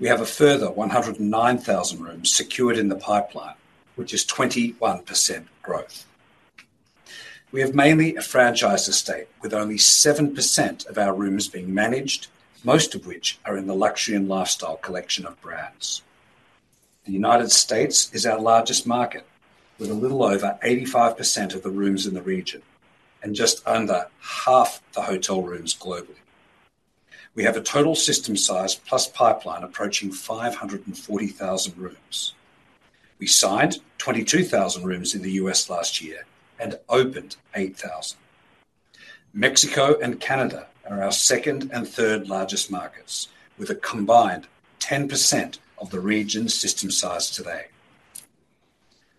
We have a further 109,000 rooms secured in the pipeline, which is 21% growth. We have mainly a franchised estate, with only 7% of our rooms being managed, most of which are in the luxury and lifestyle collection of brands. The United States is our largest market, with a little over 85% of the rooms in the region and just under half the hotel rooms globally. We have a total system size plus pipeline approaching 540,000 rooms. We signed 22,000 rooms in the U.S. last year and opened 8,000. Mexico and Canada are our second and third largest markets, with a combined 10% of the region's system size today.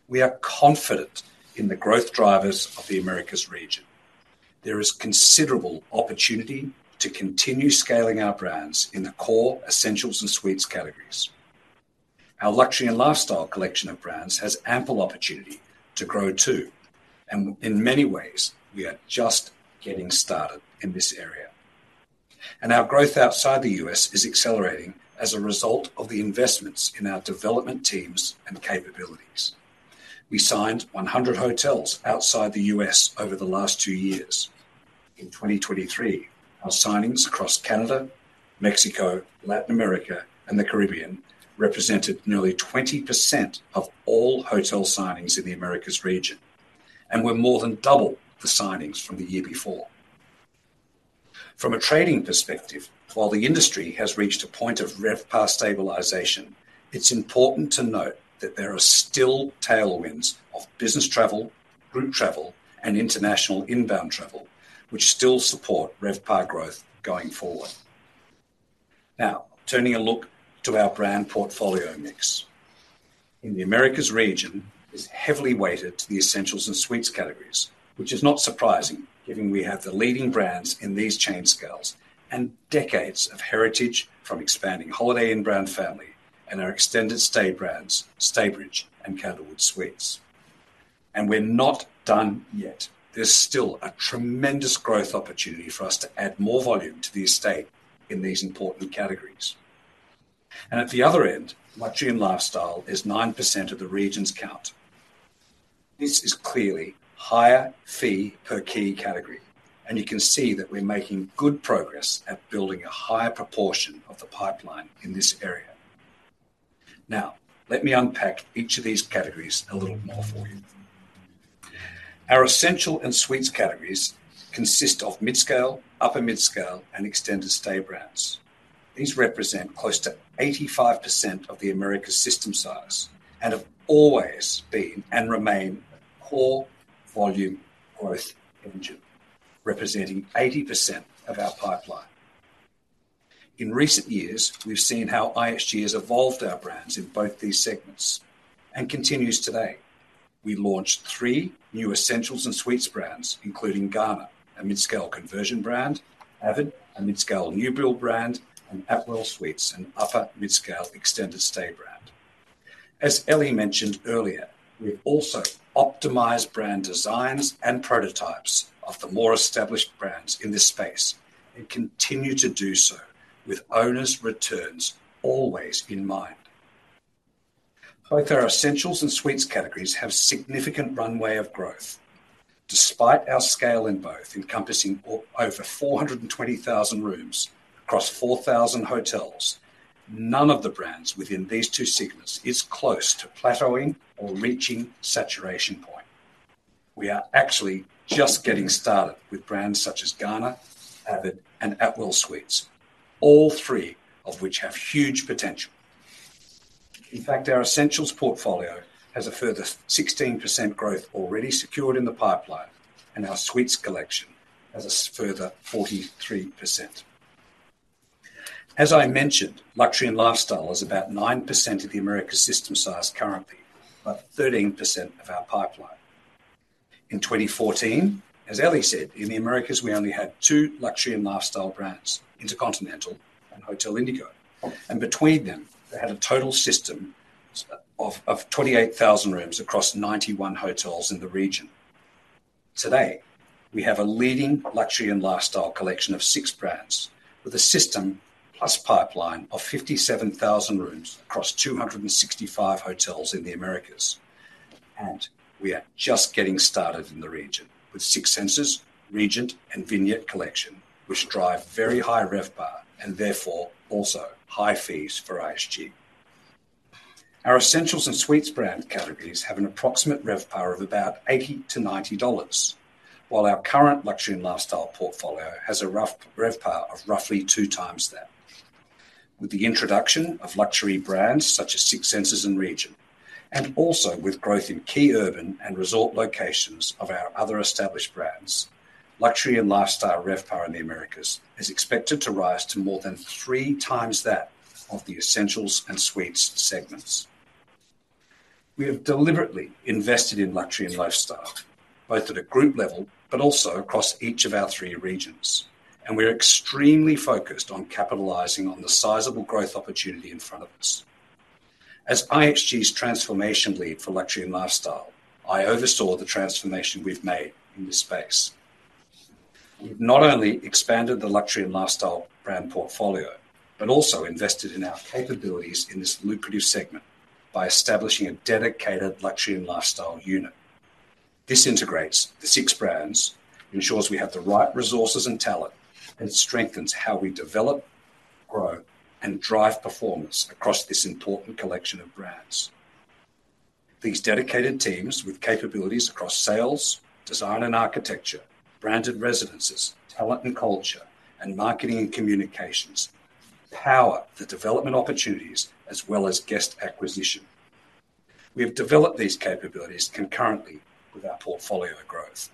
We are confident in the growth drivers of the Americas region. There is considerable opportunity to continue scaling our brands in the core essentials and suites categories. Our luxury and lifestyle collection of brands has ample opportunity to grow, too, and in many ways, we are just getting started in this area. Our growth outside the U.S. is accelerating as a result of the investments in our development teams and capabilities. We signed 100 hotels outside the U.S. over the last 2 years. In 2023, our signings across Canada, Mexico, Latin America, and the Caribbean represented nearly 20% of all hotel signings in the Americas region and were more than double the signings from the year before. From a trading perspective, while the industry has reached a point of RevPAR stabilization, it's important to note that there are still tailwinds of business travel, group travel, and international inbound travel, which still support RevPAR growth going forward. Now, turning a look to our brand portfolio mix. In the Americas region, it's heavily weighted to the essentials and suites categories, which is not surprising, given we have the leading brands in these chain scales and decades of heritage from expanding Holiday Inn brand family and our extended stay brands, Staybridge Suites and Candlewood Suites... We're not done yet. There's still a tremendous growth opportunity for us to add more volume to the estate in these important categories. At the other end, luxury and lifestyle is 9% of the region's count. This is clearly higher fee per key category, and you can see that we're making good progress at building a higher proportion of the pipeline in this area. Now, let me unpack each of these categories a little more for you. Our essential and suites categories consist of mid-scale, upper mid-scale, and extended stay brands. These represent close to 85% of the Americas system size and have always been, and remain, a core volume growth engine, representing 80% of our pipeline. In recent years, we've seen how IHG has evolved our brands in both these segments and continues today. We launched three new essentials and suites brands, including Garner, a mid-scale conversion brand, Avid, a mid-scale new build brand, and Atwell Suites, an upper mid-scale extended stay brand. As Elie mentioned earlier, we've also optimized brand designs and prototypes of the more established brands in this space and continue to do so with owners' returns always in mind. Both our essentials and suites categories have significant runway of growth. Despite our scale in both, encompassing over 420,000 rooms across 4,000 hotels, none of the brands within these two segments is close to plateauing or reaching saturation point. We are actually just getting started with brands such as Garner, Avid, and Atwell Suites, all three of which have huge potential. In fact, our essentials portfolio has a further 16% growth already secured in the pipeline, and our suites collection has a further 43%. As I mentioned, luxury and lifestyle is about 9% of the Americas system size currently, but 13% of our pipeline. In 2014, as Ellie said, in the Americas, we only had two luxury and lifestyle brands, InterContinental and Hotel Indigo. Between them, they had a total system of twenty-eight thousand rooms across ninety-one hotels in the region. Today, we have a leading luxury and lifestyle collection of six brands, with a system plus pipeline of fifty-seven thousand rooms across two hundred and sixty-five hotels in the Americas, and we are just getting started in the region, with Six Senses, Regent, and Vignette Collection, which drive very high RevPAR and therefore also high fees for IHG. Our essentials and suites brand categories have an approximate RevPAR of about $80-$90, while our current luxury and lifestyle portfolio has a rough RevPAR of roughly 2x that. With the introduction of luxury brands such as Six Senses and Regent, and also with growth in key urban and resort locations of our other established brands, luxury and lifestyle RevPAR in the Americas is expected to rise to more than 3x that of the essentials and suites segments. We have deliberately invested in luxury and lifestyle, both at a group level, but also across each of our three regions, and we are extremely focused on capitalizing on the sizable growth opportunity in front of us. As IHG's transformation lead for luxury and lifestyle, I oversaw the transformation we've made in this space. We've not only expanded the luxury and lifestyle brand portfolio, but also invested in our capabilities in this lucrative segment by establishing a dedicated luxury and lifestyle unit. This integrates the six brands, ensures we have the right resources and talent, and it strengthens how we develop, grow, and drive performance across this important collection of brands. These dedicated teams, with capabilities across sales, design and architecture, branded residences, talent and culture, and marketing and communications, power the development opportunities as well as guest acquisition. We've developed these capabilities concurrently with our portfolio growth.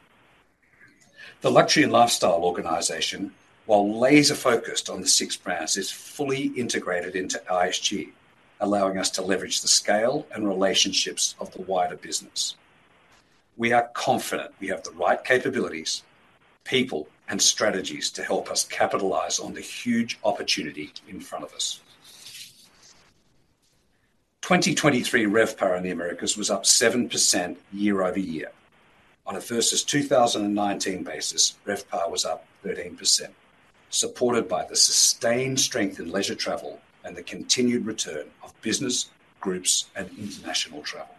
The luxury and lifestyle organization, while laser-focused on the six brands, is fully integrated into IHG, allowing us to leverage the scale and relationships of the wider business. We are confident we have the right capabilities, people, and strategies to help us capitalize on the huge opportunity in front of us. 2023 RevPAR in the Americas was up 7% year-over-year. On a versus 2019 basis, RevPAR was up 13%, supported by the sustained strength in leisure travel and the continued return of business, groups, and international travel.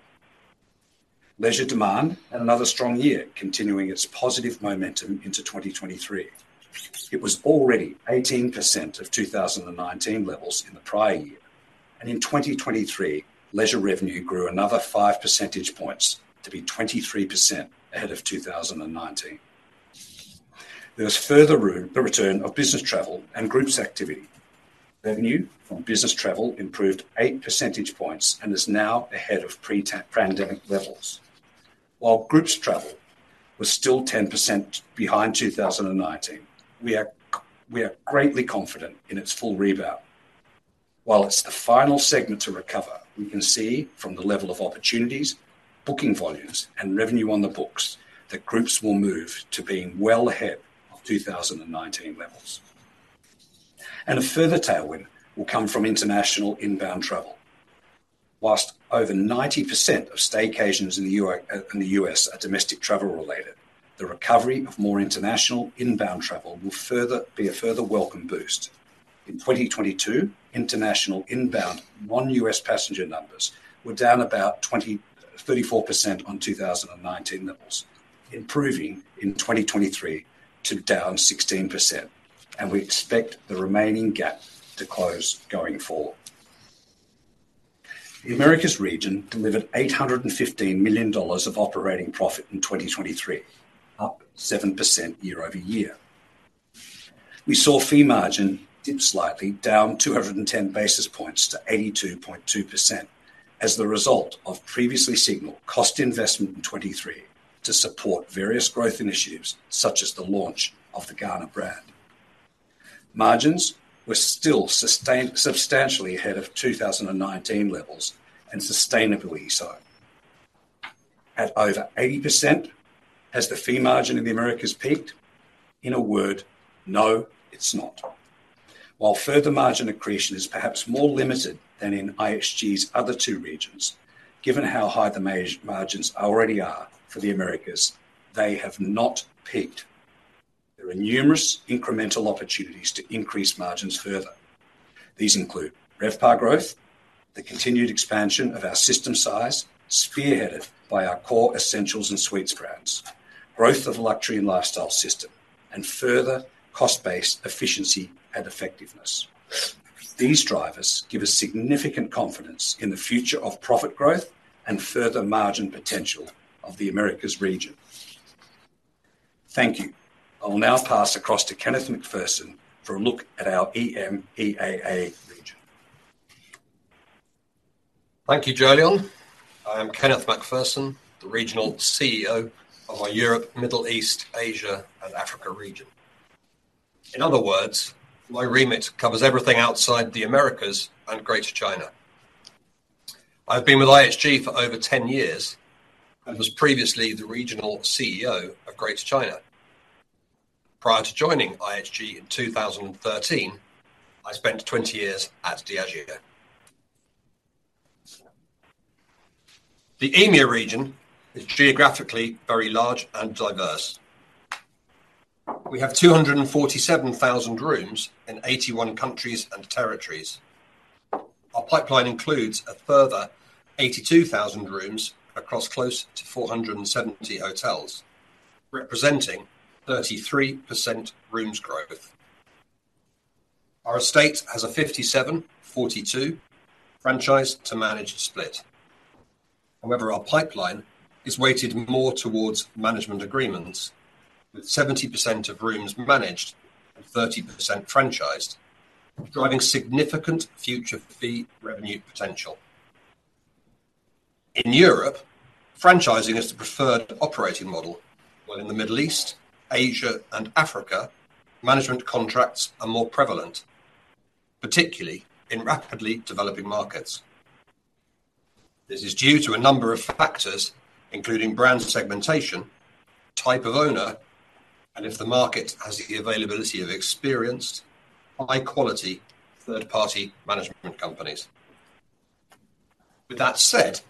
Leisure demand had another strong year, continuing its positive momentum into 2023. It was already 18% of 2019 levels in the prior year, and in 2023, leisure revenue grew another 5 percentage points to be 23% ahead of 2019. There was further the return of business travel and groups activity. Revenue from business travel improved 8 percentage points and is now ahead of pre-pandemic levels. While groups travel was still 10% behind 2019, we are greatly confident in its full rebound. While it's the final segment to recover, we can see from the level of opportunities, booking volumes, and revenue on the books that groups will move to being well ahead of 2019 levels. A further tailwind will come from international inbound travel. While over 90% of staycations in the UK—uh, in the US are domestic travel-related, the recovery of more international inbound travel will further, be a further welcome boost. In 2022, international inbound non-US passenger numbers were down about 34% on 2019 levels, improving in 2023 to down 16%, and we expect the remaining gap to close going forward. The Americas region delivered $815 million of operating profit in 2023, up 7% year-over-year. We saw fee margin dip slightly, down 210 basis points to 82.2%, as the result of previously signaled cost investment in 2023 to support various growth initiatives, such as the launch of the Garner brand. Margins were still substantially ahead of 2019 levels, and sustainably so. At over 80%, has the fee margin in the Americas peaked? In a word, no, it's not. While further margin accretion is perhaps more limited than in IHG's other two regions, given how high the margins already are for the Americas, they have not peaked. There are numerous incremental opportunities to increase margins further. These include RevPAR growth, the continued expansion of our system size, spearheaded by our core essentials and suites brands, growth of the luxury and lifestyle system, and further cost-based efficiency and effectiveness. These drivers give us significant confidence in the future of profit growth and further margin potential of the Americas region. Thank you. I will now pass across to Kenneth MacPherson for a look at our EMEAA region. Thank you, Jolyon. I am Kenneth MacPherson, the Regional CEO of our Europe, Middle East, Asia, and Africa region. In other words, my remit covers everything outside the Americas and Greater China. I've been with IHG for over 10 years and was previously the regional CEO of Greater China. Prior to joining IHG in 2013, I spent 20 years at Diageo. The EMEAA region is geographically very large and diverse. We have 247,000 rooms in 81 countries and territories. Our pipeline includes a further 82,000 rooms across close to 470 hotels, representing 33% rooms growth. Our estate has a 57-42 franchise to managed split. However, our pipeline is weighted more towards management agreements, with 70% of rooms managed and 30% franchised, driving significant future fee revenue potential. In Europe, franchising is the preferred operating model, while in the Middle East, Asia, and Africa, management contracts are more prevalent, particularly in rapidly developing markets. This is due to a number of factors, including brand segmentation, type of owner, and if the market has the availability of experienced, high-quality, third-party management companies. With that said,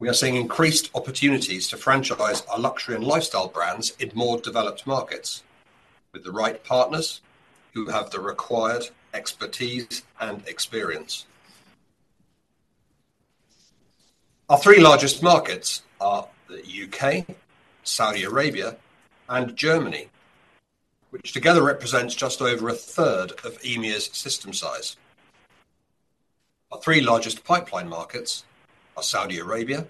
we are seeing increased opportunities to franchise our luxury and lifestyle brands in more developed markets with the right partners who have the required expertise and experience. Our three largest markets are the U.K., Saudi Arabia, and Germany, which together represents just over a third of EMEAA's system size. Our three largest pipeline markets are Saudi Arabia,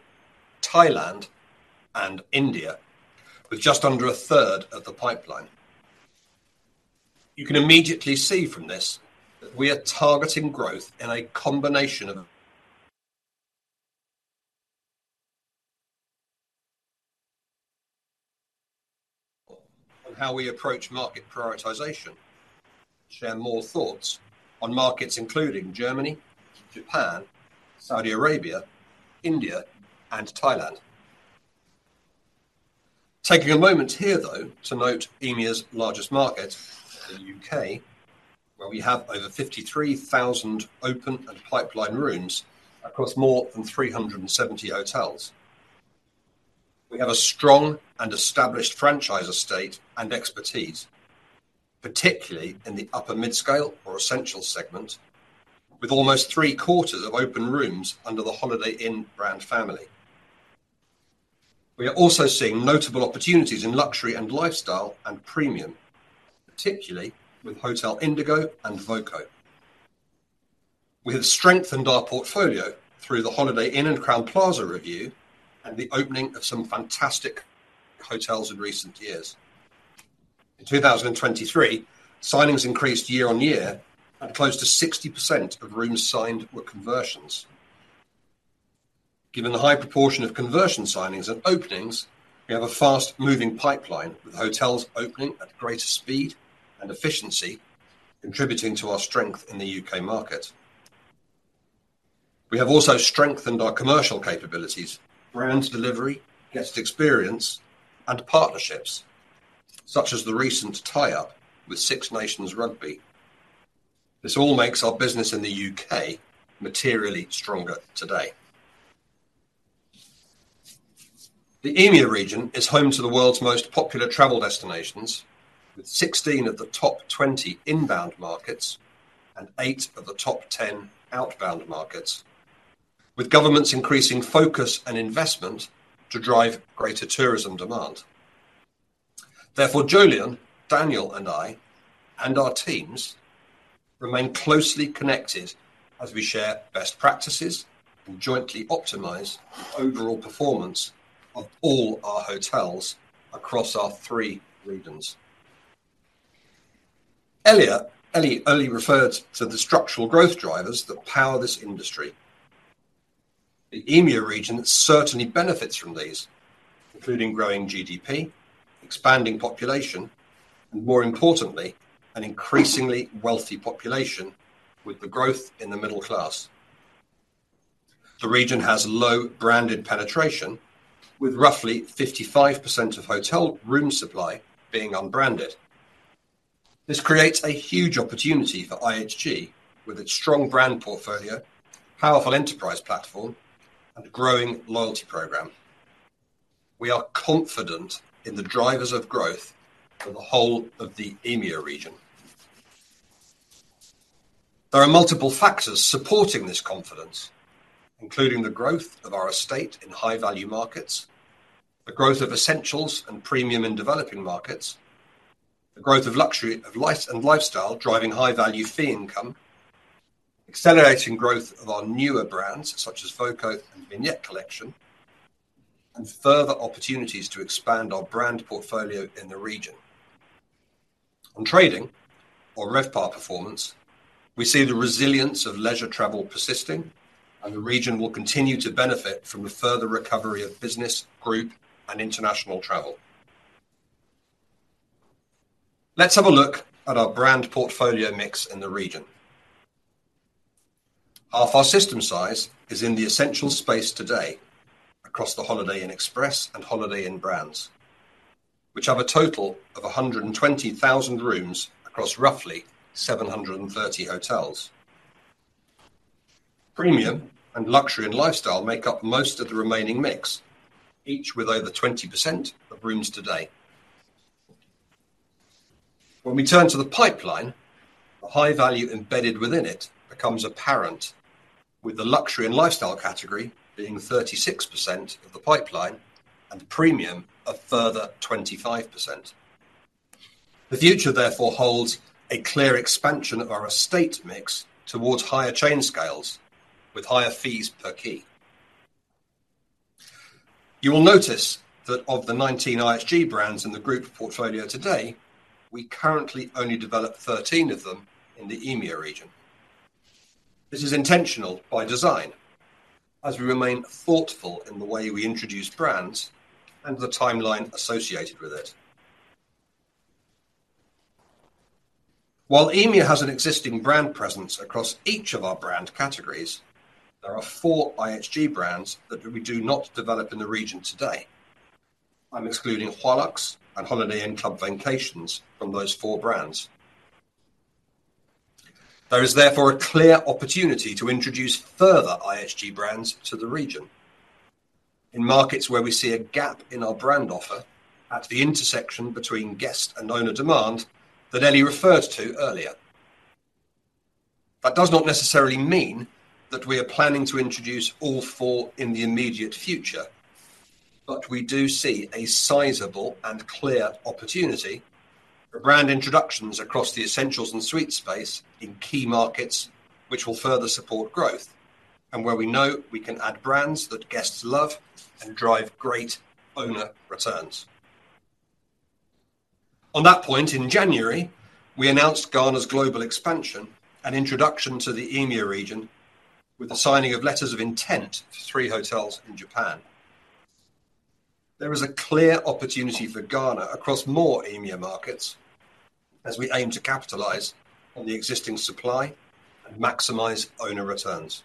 Thailand, and India, with just under a third of the pipeline. You can immediately see from this that we are targeting growth in a combination of... On how we approach market prioritization, share more thoughts on markets including Germany, Japan, Saudi Arabia, India, and Thailand. Taking a moment here, though, to note EMEA's largest market, the UK, where we have over 53,000 open and pipeline rooms across more than 370 hotels. We have a strong and established franchise estate and expertise, particularly in the upper mid-scale or essential segment, with almost three-quarters of open rooms under the Holiday Inn brand family. We are also seeing notable opportunities in luxury and lifestyle and premium, particularly with Hotel Indigo and Voco. We have strengthened our portfolio through the Holiday Inn and Crowne Plaza review and the opening of some fantastic hotels in recent years. In 2023, signings increased year-on-year, and close to 60% of rooms signed were conversions. Given the high proportion of conversion signings and openings, we have a fast-moving pipeline, with hotels opening at greater speed and efficiency, contributing to our strength in the UK market. We have also strengthened our commercial capabilities, brands delivery, guest experience, and partnerships, such as the recent tie-up with Six Nations Rugby. This all makes our business in the UK materially stronger today. The EMEA region is home to the world's most popular travel destinations, with 16 of the top 20 inbound markets and 8 of the top 10 outbound markets, with governments increasing focus and investment to drive greater tourism demand. Therefore, Jolyon, Daniel, and I, and our teams, remain closely connected as we share best practices and jointly optimize overall performance of all our hotels across our three regions. Elie only referred to the structural growth drivers that power this industry. The EMEA region certainly benefits from these, including growing GDP, expanding population, and more importantly, an increasingly wealthy population with the growth in the middle class. The region has low branded penetration, with roughly 55% of hotel room supply being unbranded. This creates a huge opportunity for IHG, with its strong brand portfolio, powerful enterprise platform, and a growing loyalty program. We are confident in the drivers of growth for the whole of the EMEA region. There are multiple factors supporting this confidence, including the growth of our estate in high-value markets, the growth of essentials and premium in developing markets, the growth of luxury of life- and lifestyle driving high-value fee income, accelerating growth of our newer brands such as Voco and Vignette Collection, and further opportunities to expand our brand portfolio in the region. On trading or RevPAR performance, we see the resilience of leisure travel persisting, and the region will continue to benefit from the further recovery of business, group, and international travel. Let's have a look at our brand portfolio mix in the region. Half our system size is in the essential space today across the Holiday Inn Express and Holiday Inn brands, which have a total of 120,000 rooms across roughly 730 hotels. Premium and luxury and lifestyle make up most of the remaining mix, each with over 20% of rooms today. When we turn to the pipeline, the high value embedded within it becomes apparent, with the luxury and lifestyle category being 36% of the pipeline and the premium a further 25%. The future, therefore, holds a clear expansion of our estate mix towards higher chain scales with higher fees per key. You will notice that of the 19 IHG brands in the group portfolio today, we currently only develop 13 of them in the EMEAA region. This is intentional by design as we remain thoughtful in the way we introduce brands and the timeline associated with it. While EMEAA has an existing brand presence across each of our brand categories, there are four IHG brands that we do not develop in the region today. I'm excluding HUALUXE and Holiday Inn Club Vacations from those four brands. There is therefore a clear opportunity to introduce further IHG brands to the region. In markets where we see a gap in our brand offer at the intersection between guest and owner demand that Elie referred to earlier. That does not necessarily mean that we are planning to introduce all four in the immediate future, but we do see a sizable and clear opportunity for brand introductions across the essentials and suite space in key markets, which will further support growth, and where we know we can add brands that guests love and drive great owner returns. On that point, in January, we announced Garner's global expansion and introduction to the EMEAA region with the signing of letters of intent to three hotels in Japan. There is a clear opportunity for Garner across more EMEAA markets as we aim to capitalize on the existing supply and maximize owner returns.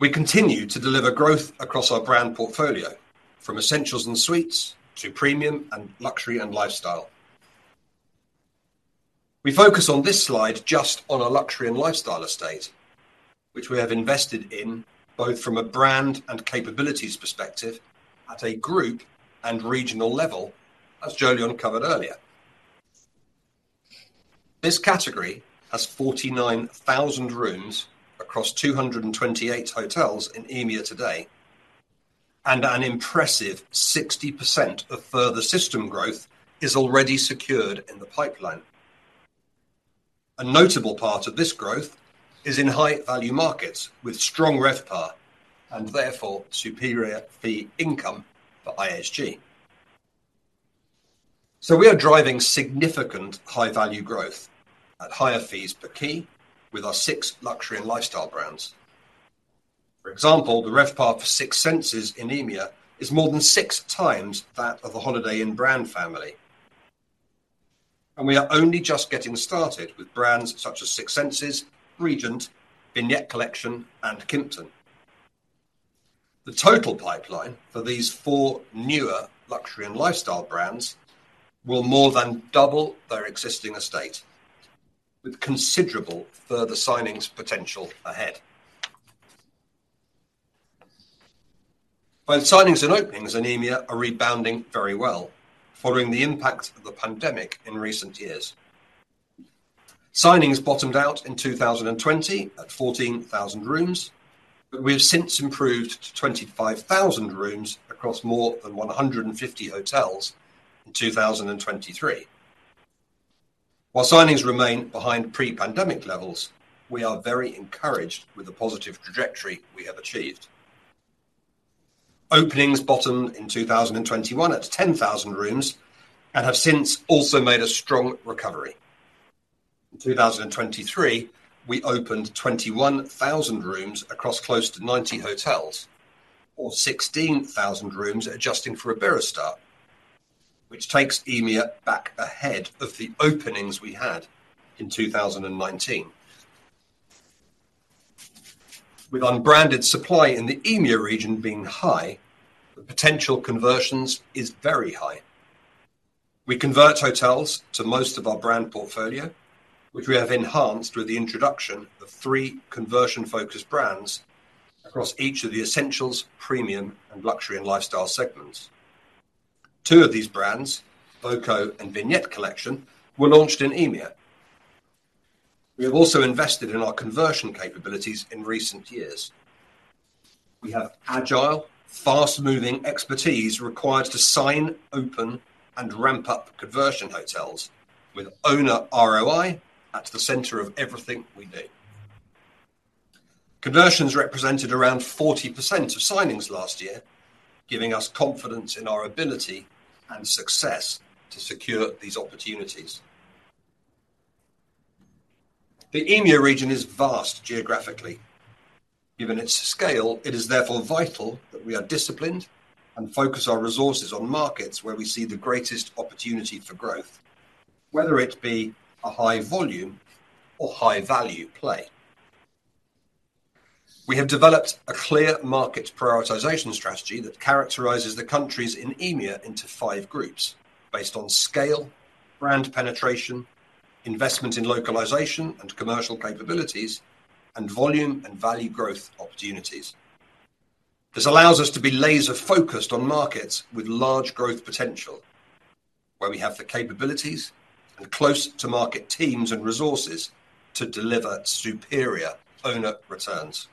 We continue to deliver growth across our brand portfolio, from essentials and suites to premium and luxury and lifestyle. We focus on this slide just on our luxury and lifestyle estate, which we have invested in, both from a brand and capabilities perspective, at a group and regional level, as Jolyon covered earlier. This category has 49,000 rooms across 228 hotels in EMEA today, and an impressive 60% of further system growth is already secured in the pipeline. A notable part of this growth is in high-value markets with strong RevPAR and therefore superior fee income for IHG. So we are driving significant high-value growth at higher fees per key with our six luxury and lifestyle brands. For example, the RevPAR for Six Senses in EMEA is more than six times that of the Holiday Inn brand family.... And we are only just getting started with brands such as Six Senses, Regent, Vignette Collection, and Kimpton. The total pipeline for these 4 newer luxury and lifestyle brands will more than double their existing estate, with considerable further signings potential ahead. Both signings and openings in EMEA are rebounding very well following the impact of the pandemic in recent years. Signings bottomed out in 2020 at 14,000 rooms, but we have since improved to 25,000 rooms across more than 150 hotels in 2023. While signings remain behind pre-pandemic levels, we are very encouraged with the positive trajectory we have achieved. Openings bottomed in 2021 at 10,000 rooms, and have since also made a strong recovery. In 2023, we opened 21,000 rooms across close to 90 hotels, or 16,000 rooms, adjusting for Iberostar, which takes EMEA back ahead of the openings we had in 2019. With unbranded supply in the EMEAA region being high, the potential conversions is very high. We convert hotels to most of our brand portfolio, which we have enhanced with the introduction of three conversion-focused brands across each of the essentials, premium, and luxury and lifestyle segments. Two of these brands, Voco and Vignette Collection, were launched in EMEAA. We have also invested in our conversion capabilities in recent years. We have agile, fast-moving expertise required to sign, open, and ramp up conversion hotels with owner ROI at the center of everything we do. Conversions represented around 40% of signings last year, giving us confidence in our ability and success to secure these opportunities. The EMEAA region is vast geographically. Given its scale, it is therefore vital that we are disciplined and focus our resources on markets where we see the greatest opportunity for growth, whether it be a high volume or high value play. We have developed a clear market prioritization strategy that characterizes the countries in EMEAA into five groups based on scale, brand penetration, investment in localization and commercial capabilities, and volume and value growth opportunities. This allows us to be laser-focused on markets with large growth potential, where we have the capabilities and close to market teams and resources to deliver superior owner returns.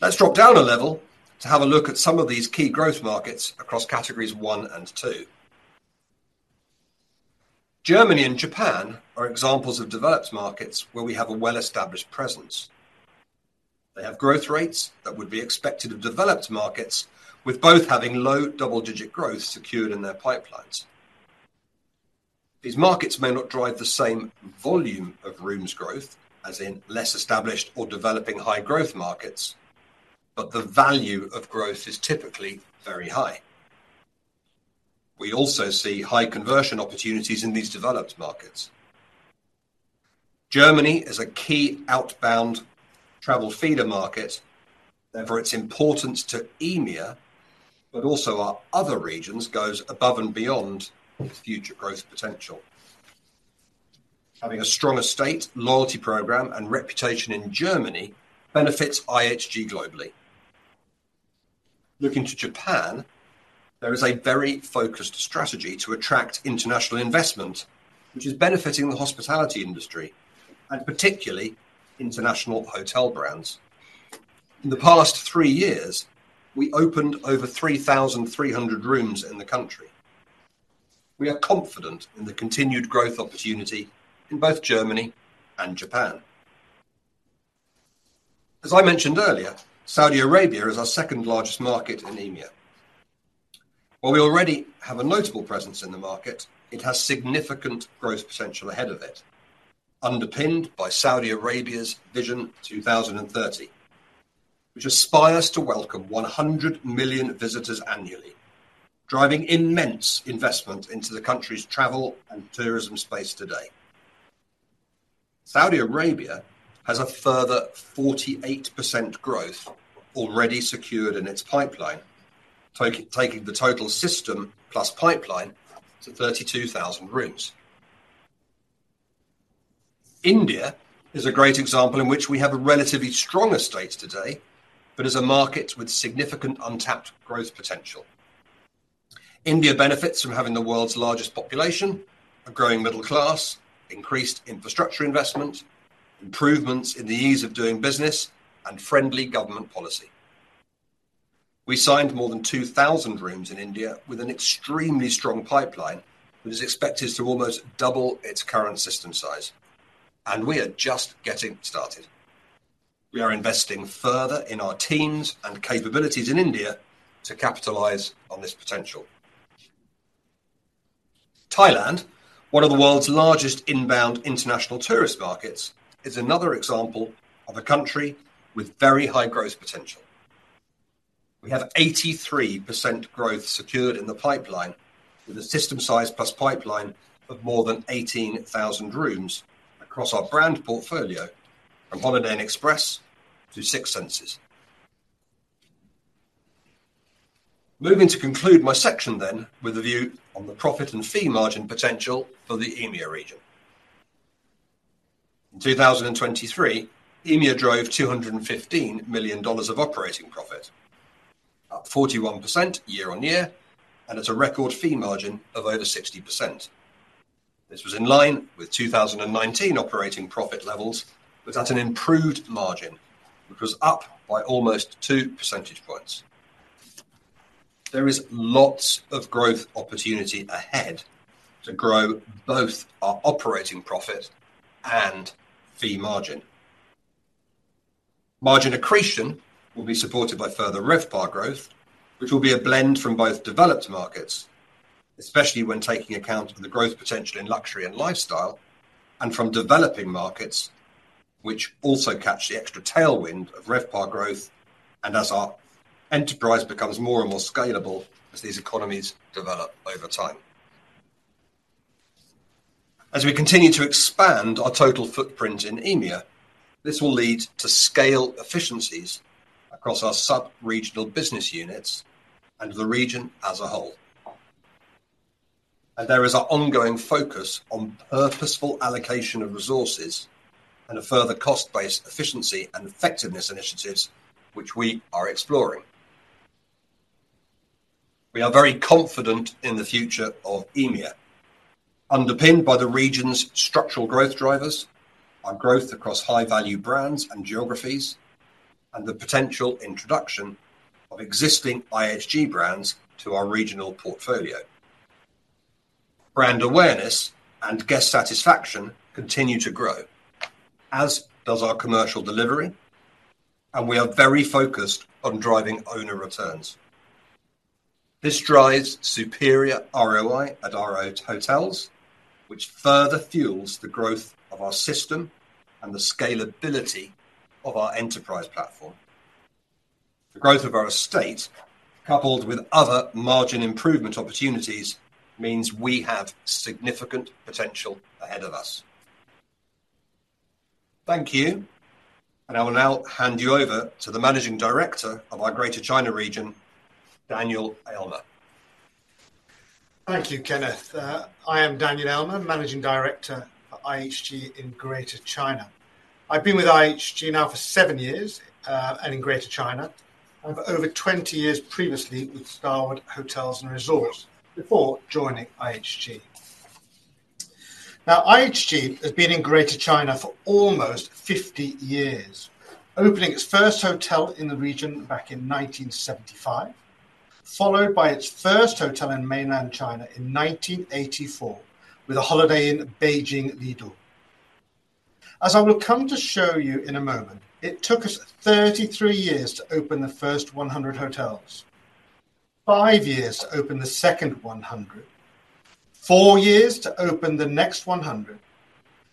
Let's drop down a level to have a look at some of these key growth markets across categories one and two. Germany and Japan are examples of developed markets where we have a well-established presence. They have growth rates that would be expected of developed markets, with both having low double-digit growth secured in their pipelines. These markets may not drive the same volume of rooms growth as in less established or developing high growth markets, but the value of growth is typically very high. We also see high conversion opportunities in these developed markets. Germany is a key outbound travel feeder market. Therefore, its importance to EMEAA, but also our other regions, goes above and beyond its future growth potential. Having a strong estate, loyalty program, and reputation in Germany benefits IHG globally. Looking to Japan, there is a very focused strategy to attract international investment, which is benefiting the hospitality industry and particularly international hotel brands. In the past three years, we opened over 3,300 rooms in the country. We are confident in the continued growth opportunity in both Germany and Japan. As I mentioned earlier, Saudi Arabia is our second-largest market in EMEA. While we already have a notable presence in the market, it has significant growth potential ahead of it, underpinned by Saudi Arabia's Vision 2030, which aspires to welcome 100 million visitors annually, driving immense investment into the country's travel and tourism space today. Saudi Arabia has a further 48% growth already secured in its pipeline, taking the total system plus pipeline to 32,000 rooms. India is a great example in which we have a relatively strong estate today, but is a market with significant untapped growth potential. India benefits from having the world's largest population, a growing middle class, increased infrastructure investment, improvements in the ease of doing business, and friendly government policy. We signed more than 2,000 rooms in India with an extremely strong pipeline, which is expected to almost double its current system size, and we are just getting started. We are investing further in our teams and capabilities in India to capitalize on this potential. Thailand, one of the world's largest inbound international tourist markets, is another example of a country with very high growth potential.... We have 83% growth secured in the pipeline, with a system size plus pipeline of more than 18,000 rooms across our brand portfolio, from Holiday Inn Express to Six Senses. Moving to conclude my section then, with a view on the profit and fee margin potential for the EMEAA region. In 2023, EMEAA drove $215 million of operating profit, up 41% year-on-year, and at a record fee margin of over 60%. This was in line with 2019 operating profit levels, but at an improved margin, which was up by almost 2 percentage points. There is lots of growth opportunity ahead to grow both our operating profit and fee margin. Margin accretion will be supported by further RevPAR growth, which will be a blend from both developed markets, especially when taking account of the growth potential in luxury and lifestyle, and from developing markets, which also catch the extra tailwind of RevPAR growth, and as our enterprise becomes more and more scalable as these economies develop over time. As we continue to expand our total footprint in EMEAA, this will lead to scale efficiencies across our sub-regional business units and the region as a whole. There is an ongoing focus on purposeful allocation of resources and a further cost-based efficiency and effectiveness initiatives, which we are exploring. We are very confident in the future of EMEAA, underpinned by the region's structural growth drivers, our growth across high-value brands and geographies, and the potential introduction of existing IHG brands to our regional portfolio. Brand awareness and guest satisfaction continue to grow, as does our commercial delivery, and we are very focused on driving owner returns. This drives superior ROI at our hotels, which further fuels the growth of our system and the scalability of our enterprise platform. The growth of our estate, coupled with other margin improvement opportunities, means we have significant potential ahead of us. Thank you, and I will now hand you over to the Managing Director of our Greater China region, Daniel Aylmer. Thank you, Kenneth. I am Daniel Aylmer, Managing Director for IHG in Greater China. I've been with IHG now for 7 years, and in Greater China, and for over 20 years previously with Starwood Hotels and Resorts before joining IHG. Now, IHG has been in Greater China for almost 50 years, opening its first hotel in the region back in 1975, followed by its first hotel in mainland China in 1984 with a Holiday Inn, Beijing, Lido. As I will come to show you in a moment, it took us 33 years to open the first 100 hotels, 5 years to open the second 100, 4 years to open the next 100,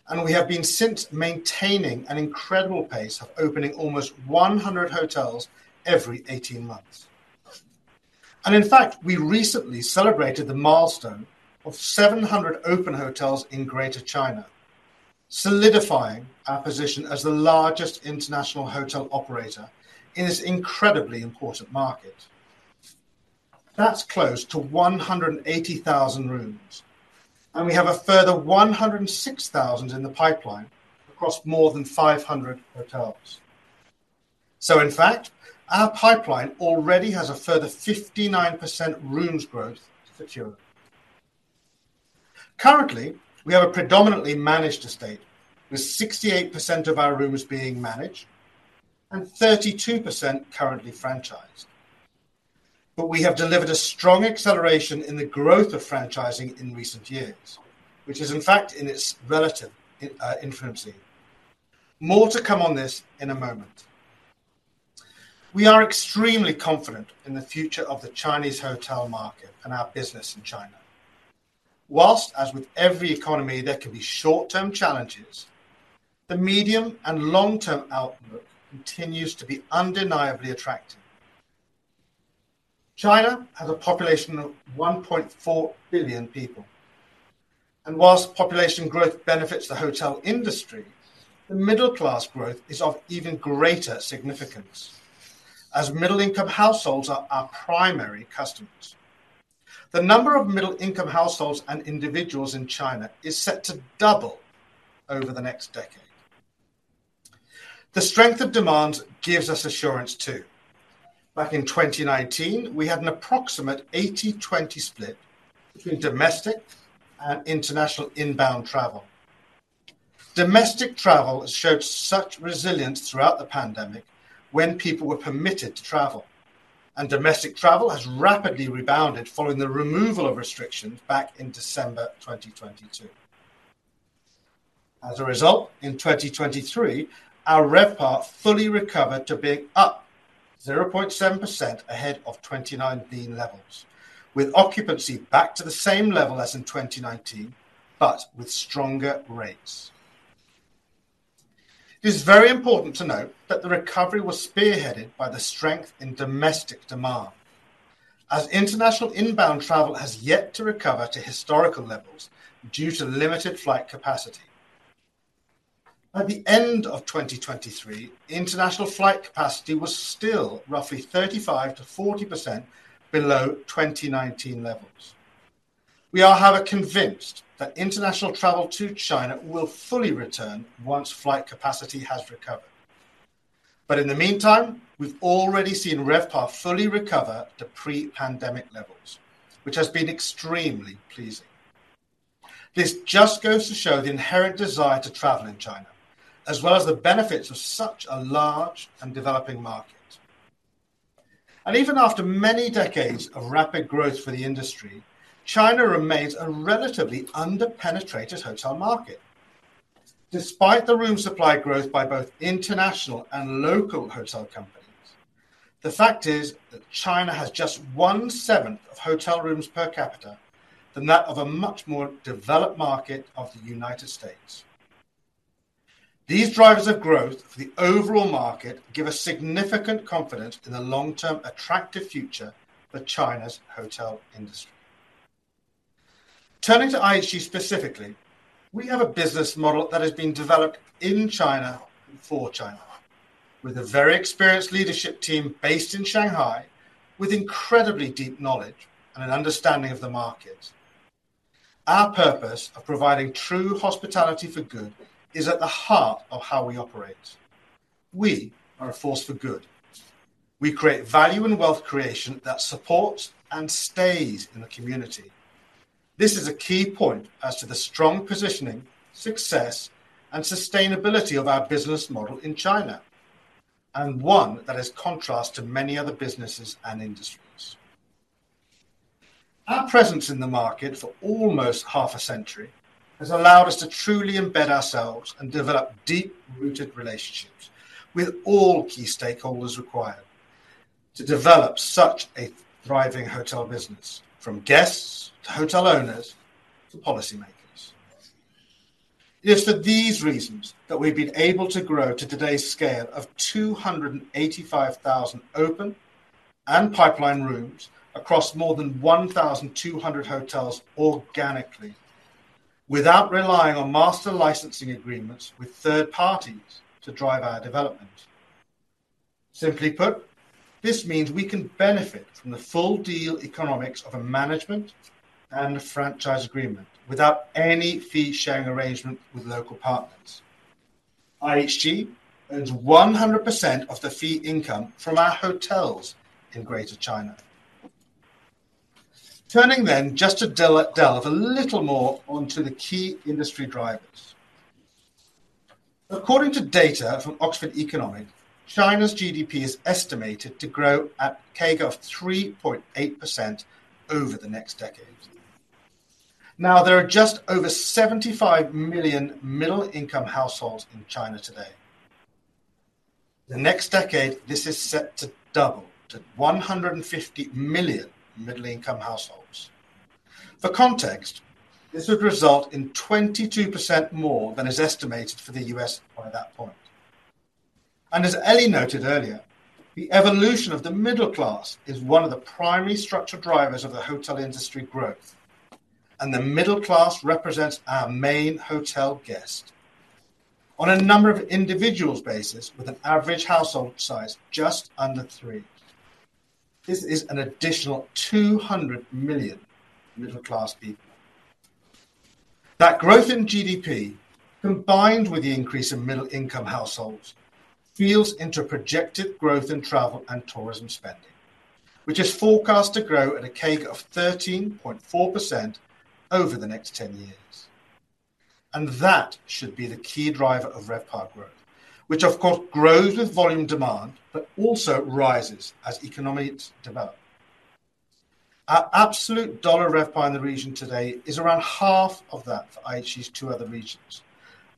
and we have been since maintaining an incredible pace of opening almost 100 hotels every 18 months. In fact, we recently celebrated the milestone of 700 open hotels in Greater China, solidifying our position as the largest international hotel operator in this incredibly important market. That's close to 180,000 rooms, and we have a further 106,000 in the pipeline across more than 500 hotels. In fact, our pipeline already has a further 59% rooms growth to secure. Currently, we have a predominantly managed estate, with 68% of our rooms being managed and 32% currently franchised. But we have delivered a strong acceleration in the growth of franchising in recent years, which is, in fact, in its relative infancy. More to come on this in a moment. We are extremely confident in the future of the Chinese hotel market and our business in China. Whilst, as with every economy, there could be short-term challenges, the medium- and long-term outlook continues to be undeniably attractive. China has a population of 1.4 billion people, and whilst population growth benefits the hotel industry, the middle-class growth is of even greater significance, as middle-income households are our primary customers. The number of middle-income households and individuals in China is set to double over the next decade. The strength of demand gives us assurance, too. Back in 2019, we had an approximate 80-20 split between domestic and international inbound travel. Domestic travel has showed such resilience throughout the pandemic when people were permitted to travel, and domestic travel has rapidly rebounded following the removal of restrictions back in December 2022. As a result, in 2023, our RevPAR fully recovered to being up 0.7% ahead of 2019 levels, with occupancy back to the same level as in 2019, but with stronger rates. It is very important to note that the recovery was spearheaded by the strength in domestic demand, as international inbound travel has yet to recover to historical levels due to limited flight capacity. By the end of 2023, international flight capacity was still roughly 35%-40% below 2019 levels. We are, however, convinced that international travel to China will fully return once flight capacity has recovered. But in the meantime, we've already seen RevPAR fully recover to pre-pandemic levels, which has been extremely pleasing. This just goes to show the inherent desire to travel in China, as well as the benefits of such a large and developing market. Even after many decades of rapid growth for the industry, China remains a relatively under-penetrated hotel market. Despite the room supply growth by both international and local hotel companies, the fact is that China has just one-seventh of hotel rooms per capita than that of a much more developed market of the United States. These drivers of growth for the overall market give us significant confidence in the long-term attractive future for China's hotel industry. Turning to IHG specifically, we have a business model that has been developed in China and for China, with a very experienced leadership team based in Shanghai, with incredibly deep knowledge and an understanding of the market. Our purpose of providing true hospitality for good is at the heart of how we operate. We are a force for good. We create value and wealth creation that supports and stays in the community. This is a key point as to the strong positioning, success, and sustainability of our business model in China, and one that is in contrast to many other businesses and industries. Our presence in the market for almost half a century has allowed us to truly embed ourselves and develop deep-rooted relationships with all key stakeholders required to develop such a thriving hotel business, from guests to hotel owners to policymakers. It is for these reasons that we've been able to grow to today's scale of 285,000 open and pipeline rooms across more than 1,200 hotels organically, without relying on master licensing agreements with third parties to drive our development. Simply put, this means we can benefit from the full deal economics of a management and a franchise agreement without any fee-sharing arrangement with local partners. IHG earns 100% of the fee income from our hotels in Greater China. Turning then just to delve a little more onto the key industry drivers. According to data from Oxford Economics, China's GDP is estimated to grow at a CAGR of 3.8% over the next decade. Now, there are just over 75 million middle-income households in China today. The next decade, this is set to double to 150 million middle-income households. For context, this would result in 22% more than is estimated for the US by that point. And as Eli noted earlier, the evolution of the middle class is one of the primary structural drivers of the hotel industry growth, and the middle class represents our main hotel guest. On a number of individuals basis, with an average household size just under three, this is an additional 200 million middle-class people. That growth in GDP, combined with the increase in middle-income households, feeds into projected growth in travel and tourism spending, which is forecast to grow at a CAGR of 13.4% over the next 10 years. That should be the key driver of RevPAR growth, which of course, grows with volume demand, but also rises as economies develop. Our absolute dollar RevPAR in the region today is around half of that for IHG's two other regions,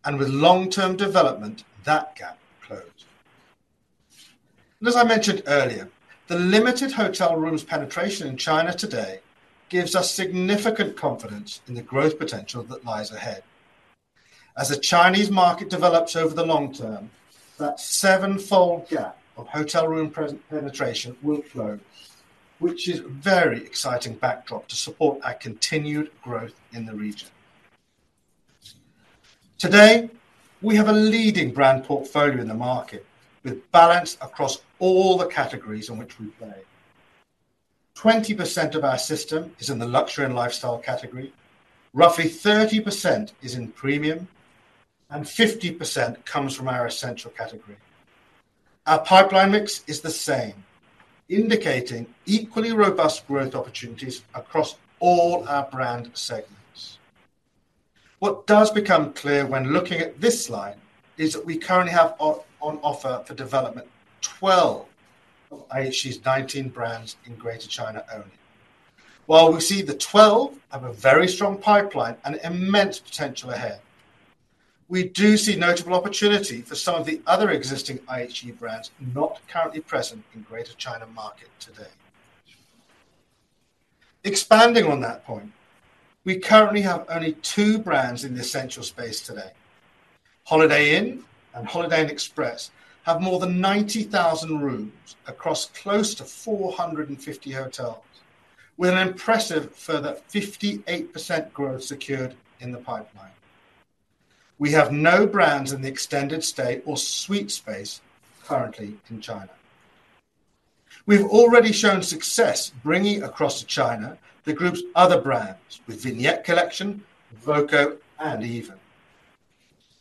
and with long-term development, that gap will close. As I mentioned earlier, the limited hotel rooms penetration in China today gives us significant confidence in the growth potential that lies ahead. As the Chinese market develops over the long term, that sevenfold gap of hotel room penetration will close, which is a very exciting backdrop to support our continued growth in the region. Today, we have a leading brand portfolio in the market, with balance across all the categories on which we play. 20% of our system is in the luxury and lifestyle category, roughly 30% is in premium, and 50% comes from our essential category. Our pipeline mix is the same, indicating equally robust growth opportunities across all our brand segments. What does become clear when looking at this slide is that we currently have on offer for development, 12 of IHG's 19 brands in Greater China only. While we see the 12 have a very strong pipeline and immense potential ahead, we do see notable opportunity for some of the other existing IHG brands not currently present in Greater China market today. Expanding on that point, we currently have only two brands in the essential space today. Holiday Inn and Holiday Inn Express have more than 90,000 rooms across close to 450 hotels, with an impressive further 58% growth secured in the pipeline. We have no brands in the extended stay or suite space currently in China. We've already shown success bringing across to China the group's other brands, with Vignette Collection, Voco, and Even.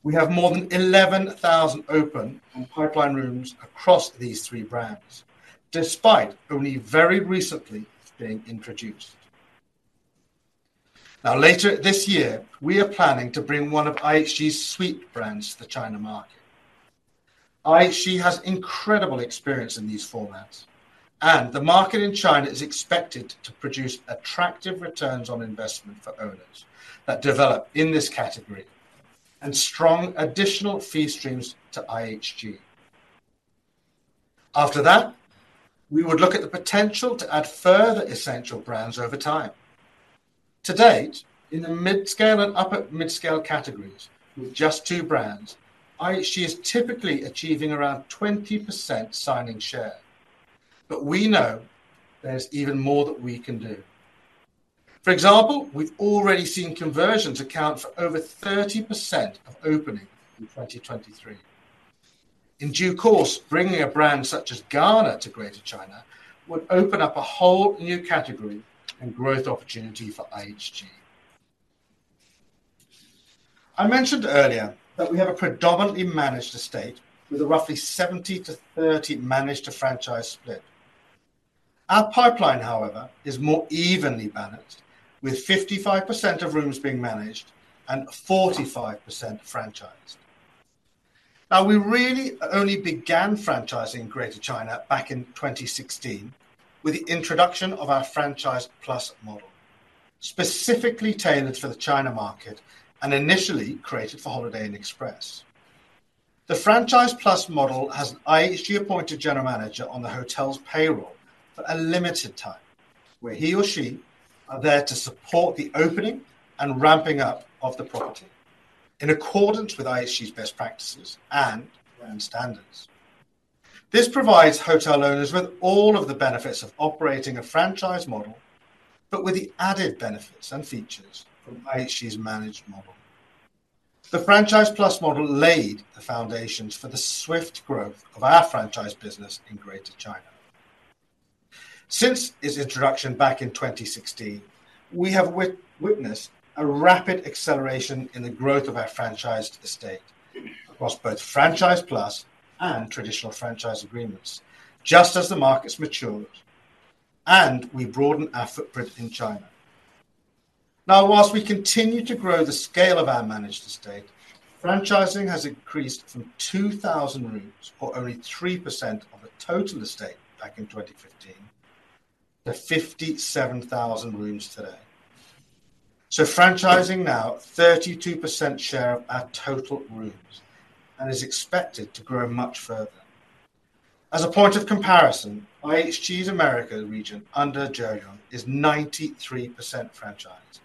We have more than 11,000 open and pipeline rooms across these three brands, despite only very recently being introduced. Now, later this year, we are planning to bring one of IHG's suite brands to the China market. IHG has incredible experience in these formats, and the market in China is expected to produce attractive returns on investment for owners that develop in this category, and strong additional fee streams to IHG. After that, we would look at the potential to add further essential brands over time. To date, in the mid-scale and upper mid-scale categories, with just two brands, IHG is typically achieving around 20% signing share. But we know there's even more that we can do. For example, we've already seen conversions account for over 30% of opening in 2023. In due course, bringing a brand such as Garner to Greater China would open up a whole new category and growth opportunity for IHG. I mentioned earlier that we have a predominantly managed estate with a roughly 70-30 managed to franchise split. Our pipeline, however, is more evenly balanced, with 55% of rooms being managed and 45% franchised. Now, we really only began franchising Greater China back in 2016, with the introduction of our Franchise Plus model, specifically tailored for the China market and initially created for Holiday Inn Express. The Franchise Plus model has an IHG-appointed general manager on the hotel's payroll for a limited time, where he or she are there to support the opening and ramping up of the property in accordance with IHG's best practices and brand standards. This provides hotel owners with all of the benefits of operating a franchise model, but with the added benefits and features from IHG's managed model. The Franchise Plus model laid the foundations for the swift growth of our franchise business in Greater China. Since its introduction back in 2016, we have witnessed a rapid acceleration in the growth of our franchised estate across both Franchise Plus and traditional franchise agreements, just as the markets matured, and we broaden our footprint in China. Now, while we continue to grow the scale of our managed estate, franchising has increased from 2,000 rooms, or only 3% of the total estate back in 2015, to 57,000 rooms today. So franchising now, 32% share of our total rooms, and is expected to grow much further. As a point of comparison, IHG's Americas region under Jolyon Bulleid, is 93% franchised.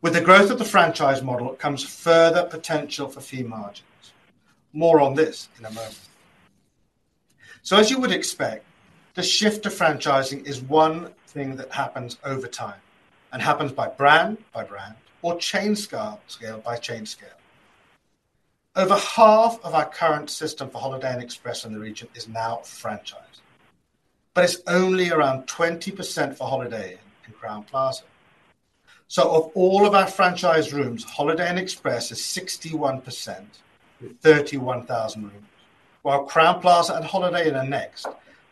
With the growth of the franchise model, comes further potential for fee margins. More on this in a moment. So as you would expect, the shift to franchising is one thing that happens over time, and happens by brand by brand, or chain scale, scale by chain scale. Over half of our current system for Holiday Inn Express in the region is now franchised, but it's only around 20% for Holiday Inn and Crowne Plaza. So of all of our franchise rooms, Holiday Inn Express is 61%, with 31,000 rooms, while Crowne Plaza and Holiday Inn are next,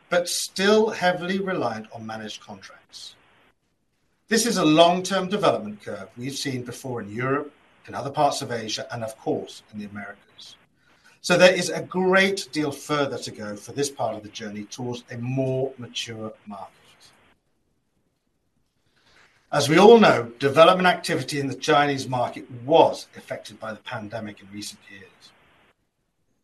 but still heavily reliant on managed contracts. This is a long-term development curve we've seen before in Europe, in other parts of Asia, and of course, in the Americas. So there is a great deal further to go for this part of the journey towards a more mature market. As we all know, development activity in the Chinese market was affected by the pandemic in recent years.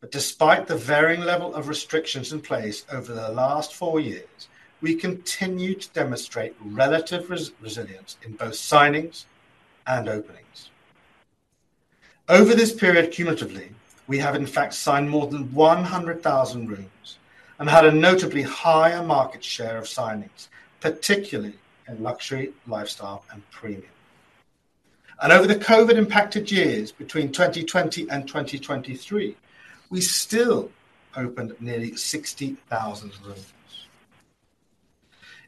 But despite the varying level of restrictions in place over the last four years, we continued to demonstrate relative resilience in both signings and openings. Over this period, cumulatively, we have in fact signed more than 100,000 rooms and had a notably higher market share of signings, particularly in luxury, lifestyle, and premium. Over the COVID-impacted years, between 2020 and 2023, we still opened nearly 60,000 rooms.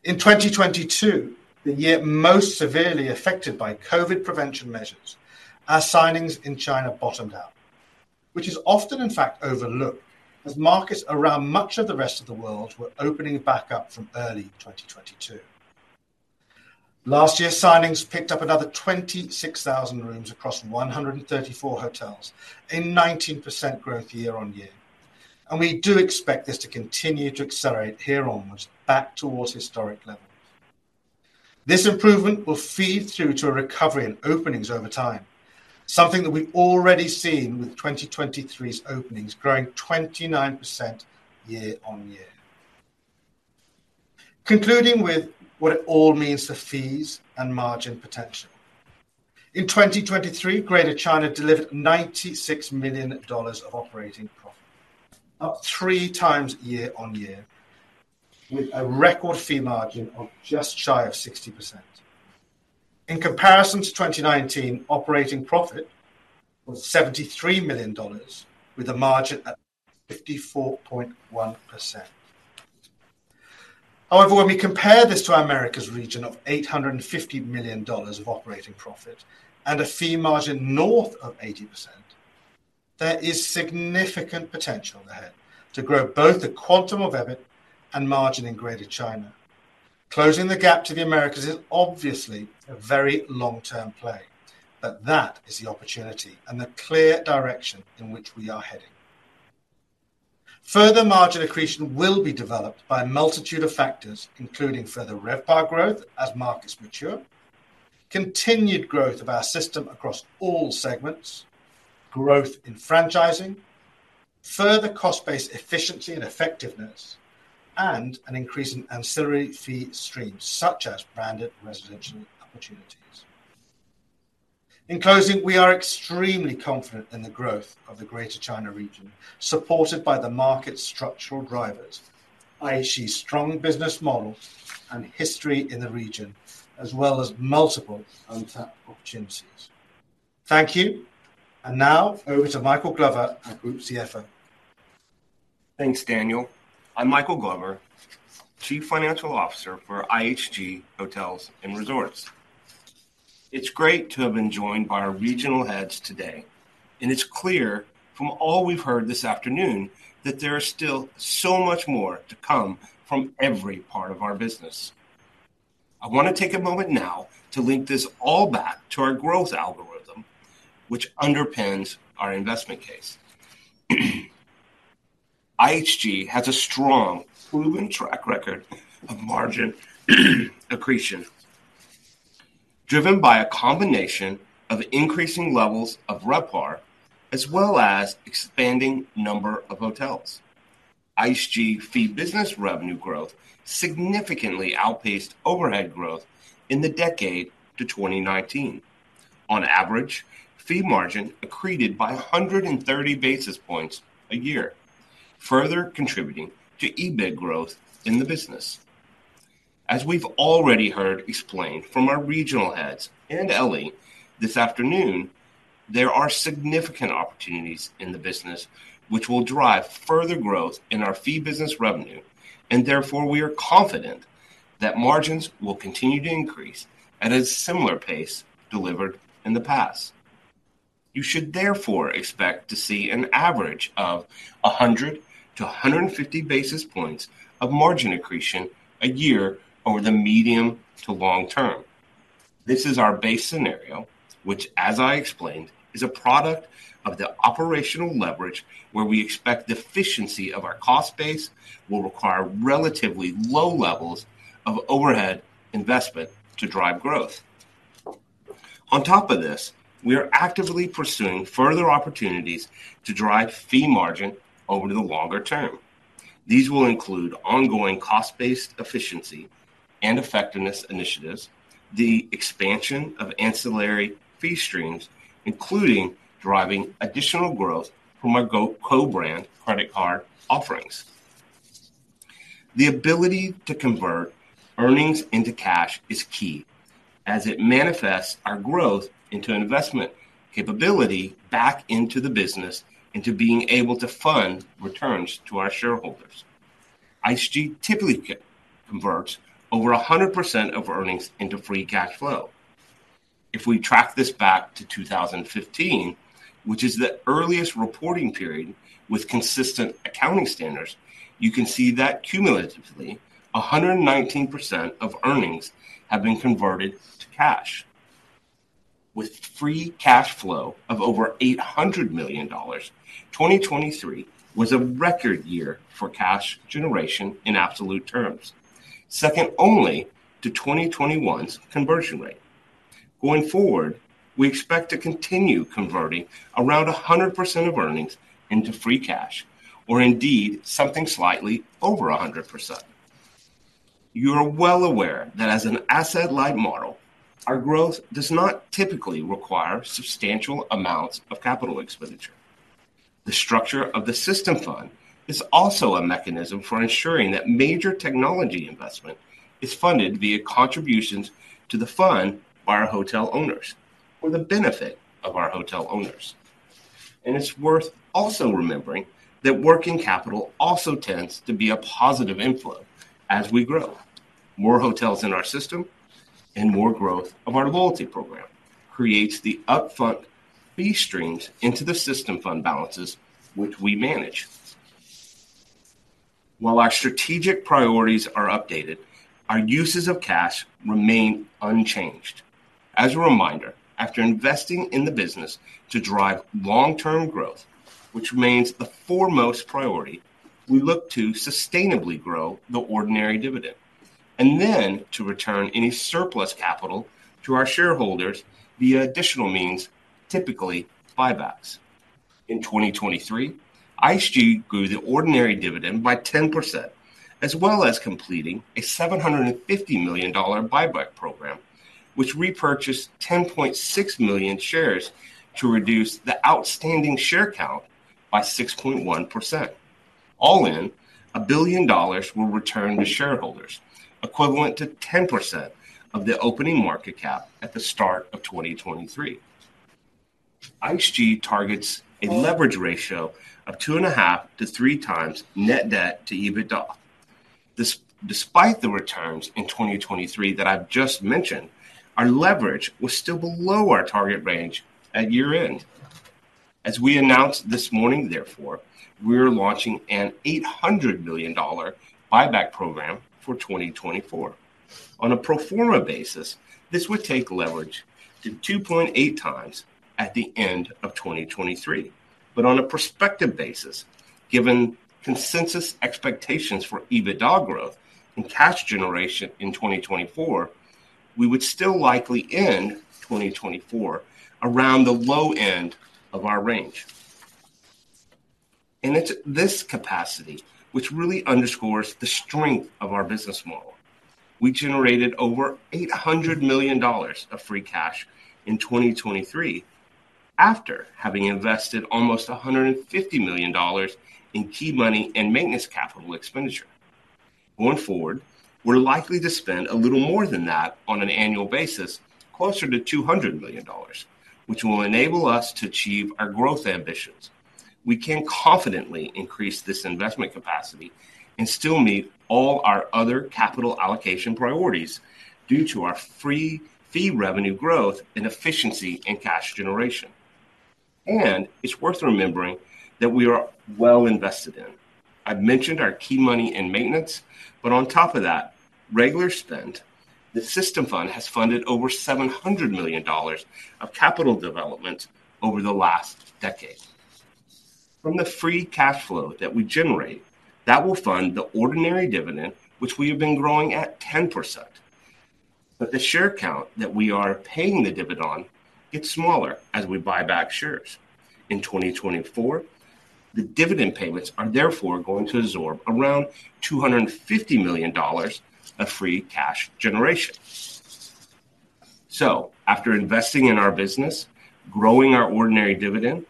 In 2022, the year most severely affected by COVID prevention measures, our signings in China bottomed out, which is often, in fact, overlooked, as markets around much of the rest of the world were opening back up from early 2022. Last year, signings picked up another 26,000 rooms across 134 hotels, a 19% growth year-on-year, and we do expect this to continue to accelerate here onwards back towards historic levels. This improvement will feed through to a recovery in openings over time. Something that we've already seen with 2023's openings, growing 29% year-on-year. Concluding with what it all means for fees and margin potential. In 2023, Greater China delivered $96 million of operating profit, up 3x year-on-year, with a record fee margin of just shy of 60%. In comparison to 2019, operating profit was $73 million, with a margin at 54.1%. However, when we compare this to our Americas region of $850 million of operating profit and a fee margin north of 80%, there is significant potential ahead to grow both the quantum of EBIT and margin in Greater China. Closing the gap to the Americas is obviously a very long-term play, but that is the opportunity and the clear direction in which we are heading. Further margin accretion will be developed by a multitude of factors, including further RevPAR growth as markets mature, continued growth of our system across all segments, growth in franchising, further cost-based efficiency and effectiveness, and an increase in ancillary fee streams, such as branded residential opportunities. In closing, we are extremely confident in the growth of the Greater China region, supported by the market's structural drivers, IHG's strong business model and history in the region, as well as multiple untapped opportunities. Thank you, and now over to Michael Glover, our Group CFO. Thanks, Daniel. I'm Michael Glover, Chief Financial Officer for IHG Hotels & Resorts. It's great to have been joined by our regional heads today, and it's clear from all we've heard this afternoon that there is still so much more to come from every part of our business. I want to take a moment now to link this all back to our growth algorithm, which underpins our investment case. IHG has a strong, proven track record of margin accretion, driven by a combination of increasing levels of RevPAR, as well as expanding number of hotels. IHG fee business revenue growth significantly outpaced overhead growth in the decade to 2019. On average, fee margin accreted by 130 basis points a year, further contributing to EBIT growth in the business. As we've already heard explained from our regional heads and Elie this afternoon, there are significant opportunities in the business which will drive further growth in our fee business revenue, and therefore, we are confident that margins will continue to increase at a similar pace delivered in the past. You should therefore expect to see an average of 100-150 basis points of margin accretion a year over the medium to long term. This is our base scenario, which, as I explained, is a product of the operational leverage, where we expect the efficiency of our cost base will require relatively low levels of overhead investment to drive growth. On top of this, we are actively pursuing further opportunities to drive fee margin over the longer term. These will include ongoing cost-based efficiency and effectiveness initiatives, the expansion of ancillary fee streams, including driving additional growth from our co-brand credit card offerings. The ability to convert earnings into cash is key as it manifests our growth into investment capability back into the business, into being able to fund returns to our shareholders. IHG typically converts over 100% of earnings into free cash flow. If we track this back to 2015, which is the earliest reporting period with consistent accounting standards, you can see that cumulatively, 119% of earnings have been converted to cash. With free cash flow of over $800 million, 2023 was a record year for cash generation in absolute terms, second only to 2021's conversion rate. Going forward, we expect to continue converting around 100% of earnings into free cash, or indeed, something slightly over 100%. You're well aware that as an asset-light model, our growth does not typically require substantial amounts of capital expenditure. The structure of the System Fund is also a mechanism for ensuring that major technology investment is funded via contributions to the fund by our hotel owners, for the benefit of our hotel owners. It's worth also remembering that working capital also tends to be a positive inflow as we grow. More hotels in our system and more growth of our loyalty program creates the upfront fee streams into the System Fund balances, which we manage. While our strategic priorities are updated, our uses of cash remain unchanged. As a reminder, after investing in the business to drive long-term growth, which remains the foremost priority, we look to sustainably grow the ordinary dividend, and then to return any surplus capital to our shareholders via additional means, typically buybacks. In 2023, IHG grew the ordinary dividend by 10%, as well as completing a $750 million buyback program, which repurchased 10.6 million shares to reduce the outstanding share count by 6.1%. All in, $1 billion were returned to shareholders, equivalent to 10% of the opening market cap at the start of 2023. IHG targets a leverage ratio of 2.5-3x net debt to EBITDA. Despite the returns in 2023 that I've just mentioned, our leverage was still below our target range at year-end. As we announced this morning, therefore, we're launching a $800 million buyback program for 2024. On a pro forma basis, this would take leverage to 2.8x at the end of 2023, but on a prospective basis, given consensus expectations for EBITDA growth and cash generation in 2024, we would still likely end 2024 around the low end of our range. It's this capacity which really underscores the strength of our business model. We generated over $800 million of free cash in 2023 after having invested almost $150 million in key money and maintenance capital expenditure. Going forward, we're likely to spend a little more than that on an annual basis, closer to $200 million, which will enable us to achieve our growth ambitions. We can confidently increase this investment capacity and still meet all our other capital allocation priorities due to our strong fee revenue growth and efficiency in cash generation. It's worth remembering that we are well invested in. I've mentioned our capex and maintenance, but on top of that, regular spend. The System Fund has funded over $700 million of capital development over the last decade. From the free cash flow that we generate, that will fund the ordinary dividend, which we have been growing at 10%. The share count that we are paying the dividend gets smaller as we buy back shares. In 2024, the dividend payments are therefore going to absorb around $250 million of free cash generation. So after investing in our business, growing our ordinary dividend,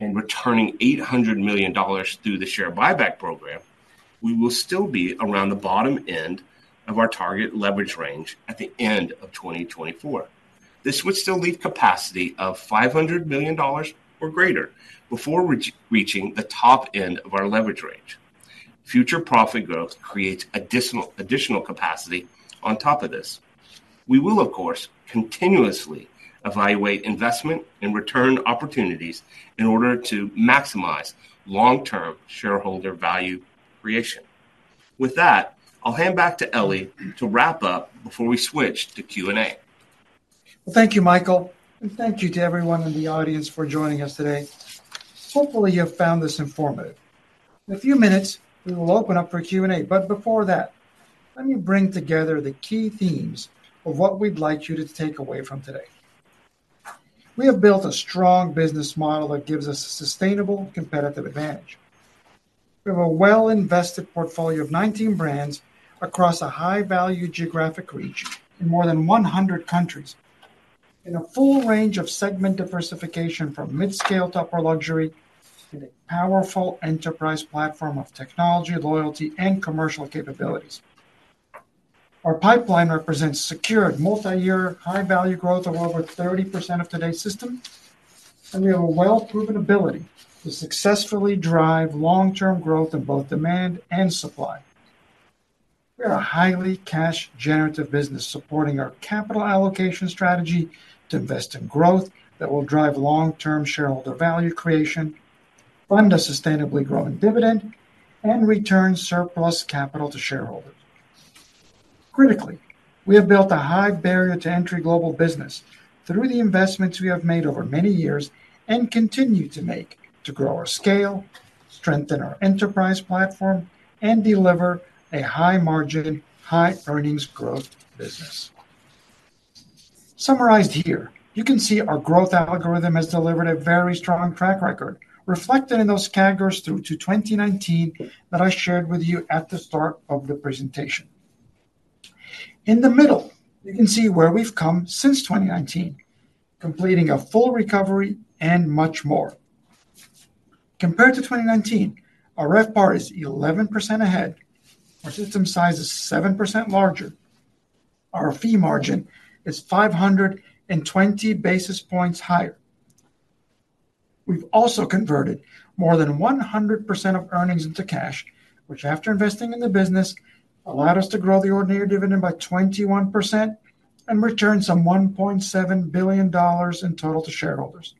and returning $800 million through the share buyback program, we will still be around the bottom end of our target leverage range at the end of 2024. This would still leave capacity of $500 million or greater before reaching the top end of our leverage range. Future profit growth creates additional capacity on top of this. We will, of course, continuously evaluate investment and return opportunities in order to maximize long-term shareholder value creation. With that, I'll hand back to Elie to wrap up before we switch to Q&A. Well, thank you, Michael, and thank you to everyone in the audience for joining us today. Hopefully, you found this informative. In a few minutes, we will open up for Q&A, but before that, let me bring together the key themes of what we'd like you to take away from today. We have built a strong business model that gives us a sustainable competitive advantage. We have a well-invested portfolio of 19 brands across a high-value geographic region in more than 100 countries, in a full range of segment diversification from mid-scale to upper luxury, to the powerful enterprise platform of technology, loyalty, and commercial capabilities. Our pipeline represents secured multi-year, high-value growth of over 30% of today's system, and we have a well-proven ability to successfully drive long-term growth in both demand and supply. We are a highly cash-generative business, supporting our capital allocation strategy to invest in growth that will drive long-term shareholder value creation, fund a sustainably growing dividend, and return surplus capital to shareholders. Critically, we have built a high barrier to entry global business through the investments we have made over many years and continue to make to grow our scale, strengthen our enterprise platform, and deliver a high-margin, high earnings growth business. Summarized here, you can see our growth algorithm has delivered a very strong track record, reflected in those CAGRs through to 2019 that I shared with you at the start of the presentation. In the middle, you can see where we've come since 2019, completing a full recovery and much more. Compared to 2019, our RevPAR is 11% ahead, our system size is 7% larger, our fee margin is 520 basis points higher. We've also converted more than 100% of earnings into cash, which, after investing in the business, allowed us to grow the ordinary dividend by 21% and return some $1.7 billion in total to shareholders.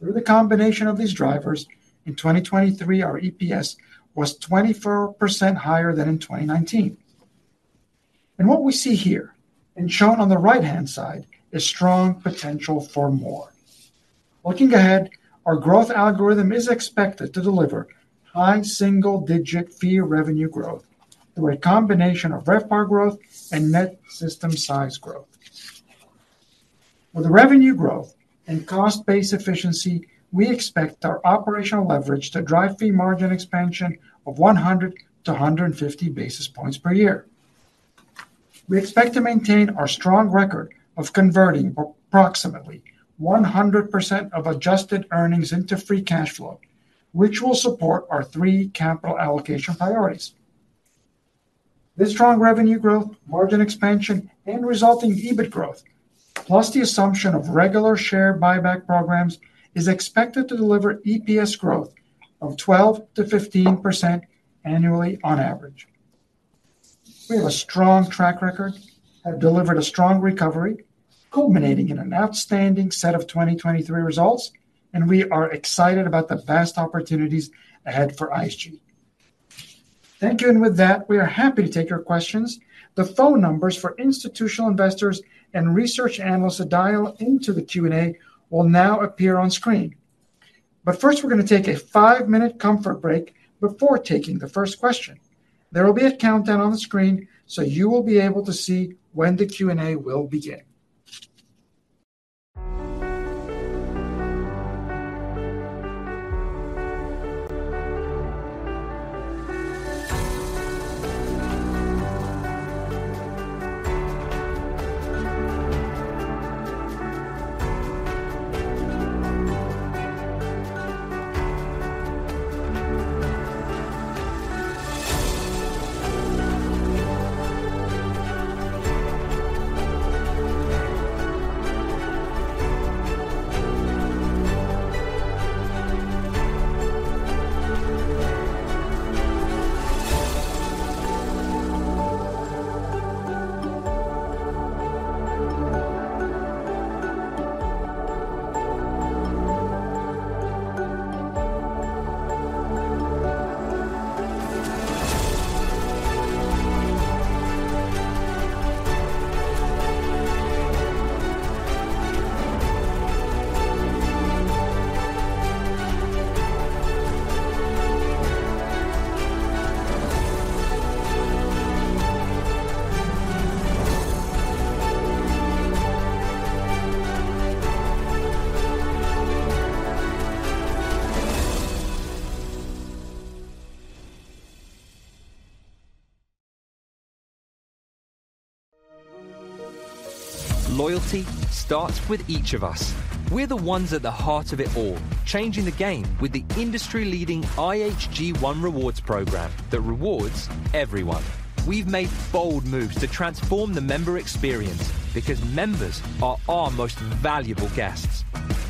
Through the combination of these drivers, in 2023, our EPS was 24% higher than in 2019. And what we see here, and shown on the right-hand side, is strong potential for more.... Looking ahead, our growth algorithm is expected to deliver high single-digit fee revenue growth through a combination of RevPAR growth and net system size growth. With the revenue growth and cost-based efficiency, we expect our operational leverage to drive fee margin expansion of 100 to 150 basis points per year. We expect to maintain our strong record of converting approximately 100% of adjusted earnings into free cash flow, which will support our three capital allocation priorities. This strong revenue growth, margin expansion, and resulting EBIT growth, plus the assumption of regular share buyback programs, is expected to deliver EPS growth of 12%-15% annually on average. We have a strong track record, have delivered a strong recovery, culminating in an outstanding set of 2023 results, and we are excited about the vast opportunities ahead for IHG. Thank you. With that, we are happy to take your questions. The phone numbers for institutional investors and research analysts to dial into the Q&A will now appear on screen. But first, we're going to take a 5-minute comfort break before taking the first question. There will be a countdown on the screen, so you will be able to see when the Q&A will begin. Loyalty starts with each of us. We're the ones at the heart of it all, changing the game with the industry-leading IHG One Rewards program that rewards everyone. We've made bold moves to transform the member experience because members are our most valuable guests.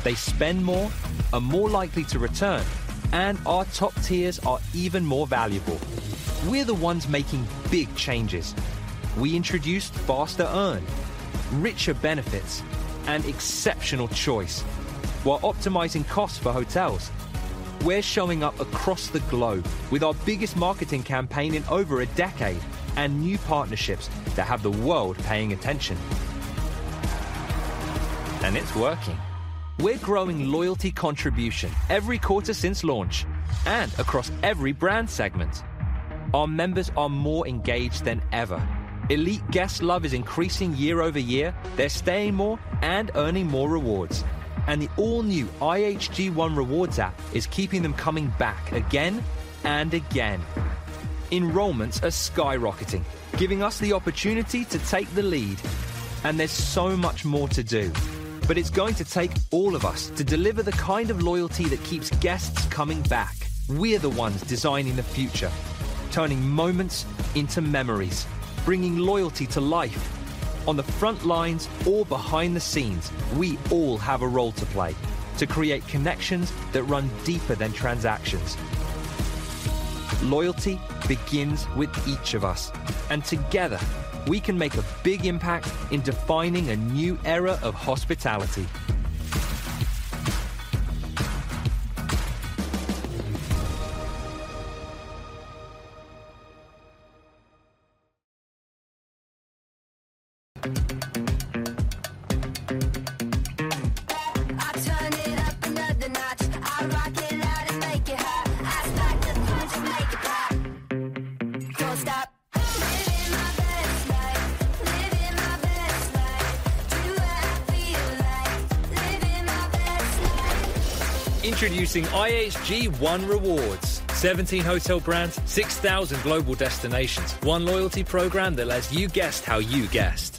They spend more, are more likely to return, and our top tiers are even more valuable. We're the ones making big changes. We introduced faster earn, richer benefits, and exceptional choice while optimizing costs for hotels. We're showing up across the globe with our biggest marketing campaign in over a decade, and new partnerships that have the world paying attention. It's working. We're growing loyalty contribution every quarter since launch and across every brand segment. Our members are more engaged than ever. Elite guest love is increasing year-over-year. They're staying more and earning more rewards, and the all-new IHG One Rewards app is keeping them coming back again and again. Enrollments are skyrocketing, giving us the opportunity to take the lead, and there's so much more to do. But it's going to take all of us to deliver the kind of loyalty that keeps guests coming back. We are the ones designing the future, turning moments into memories, bringing loyalty to life. On the front lines or behind the scenes, we all have a role to play to create connections that run deeper than transactions. Loyalty begins with each of us, and together, we can make a big impact in defining a new era of hospitality. I turn it up another notch. I rock it out and make it hot. I strike the punch and make it pop. Don't stop! Living my best life. Living my best life. Do what I feel like. Living my best life. Introducing IHG One Rewards: 17 hotel brands, 6,000 global destinations, one loyalty program that lets you guest how you guest.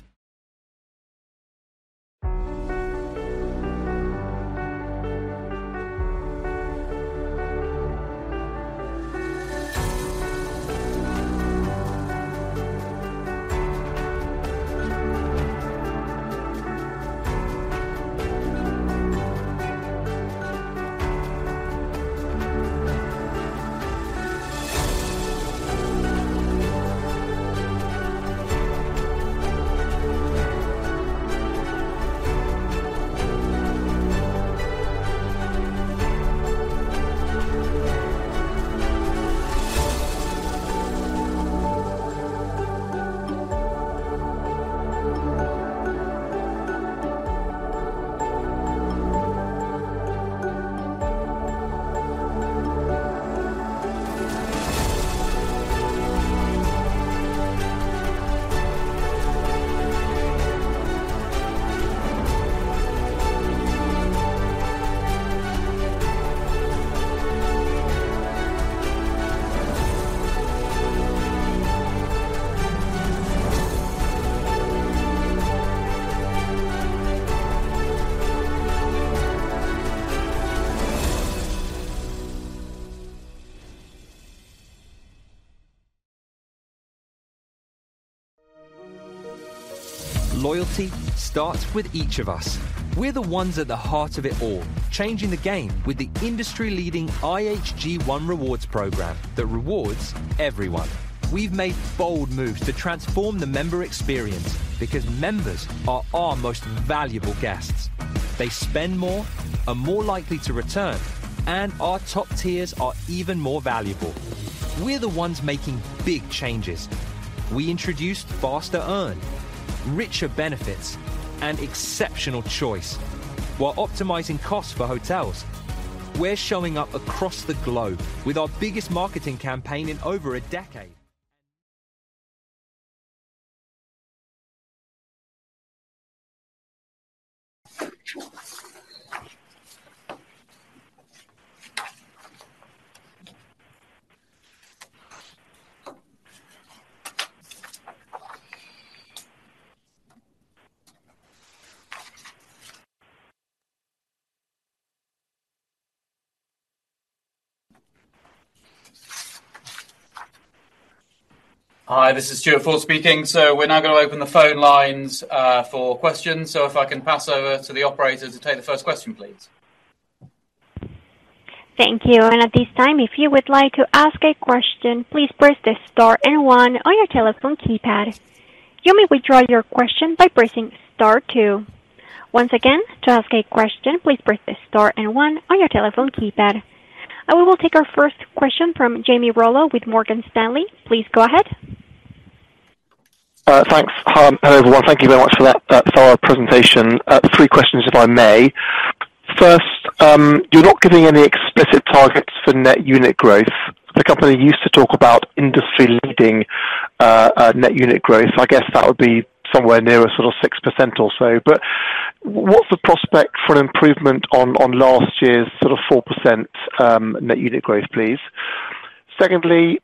Loyalty starts with each of us. We're the ones at the heart of it all, changing the game with the industry-leading IHG One Rewards program that rewards everyone. We've made bold moves to transform the member experience because members are our most valuable guests. They spend more, are more likely to return, and our top tiers are even more valuable. We're the ones making big changes. We introduced faster earn, richer benefits, and exceptional choice while optimizing costs for hotels. We're showing up across the globe with our biggest marketing campaign in over a decade. Hi, this is Stuart Ford speaking. So we're now going to open the phone lines, for questions. So if I can pass over to the operator to take the first question, please. Thank you. And at this time, if you would like to ask a question, please press the star and one on your telephone keypad. You may withdraw your question by pressing star two. Once again, to ask a question, please press the star and one on your telephone keypad. I will take our first question from Jamie Rollo with Morgan Stanley. Please go ahead. Thanks. Hi, everyone. Thank you very much for that, for our presentation. Three questions, if I may. First, you're not giving any explicit targets for net unit growth. The company used to talk about industry-leading net unit growth. I guess that would be somewhere near a sort of 6% or so. But what's the prospect for an improvement on last year's sort of 4% net unit growth, please? Secondly,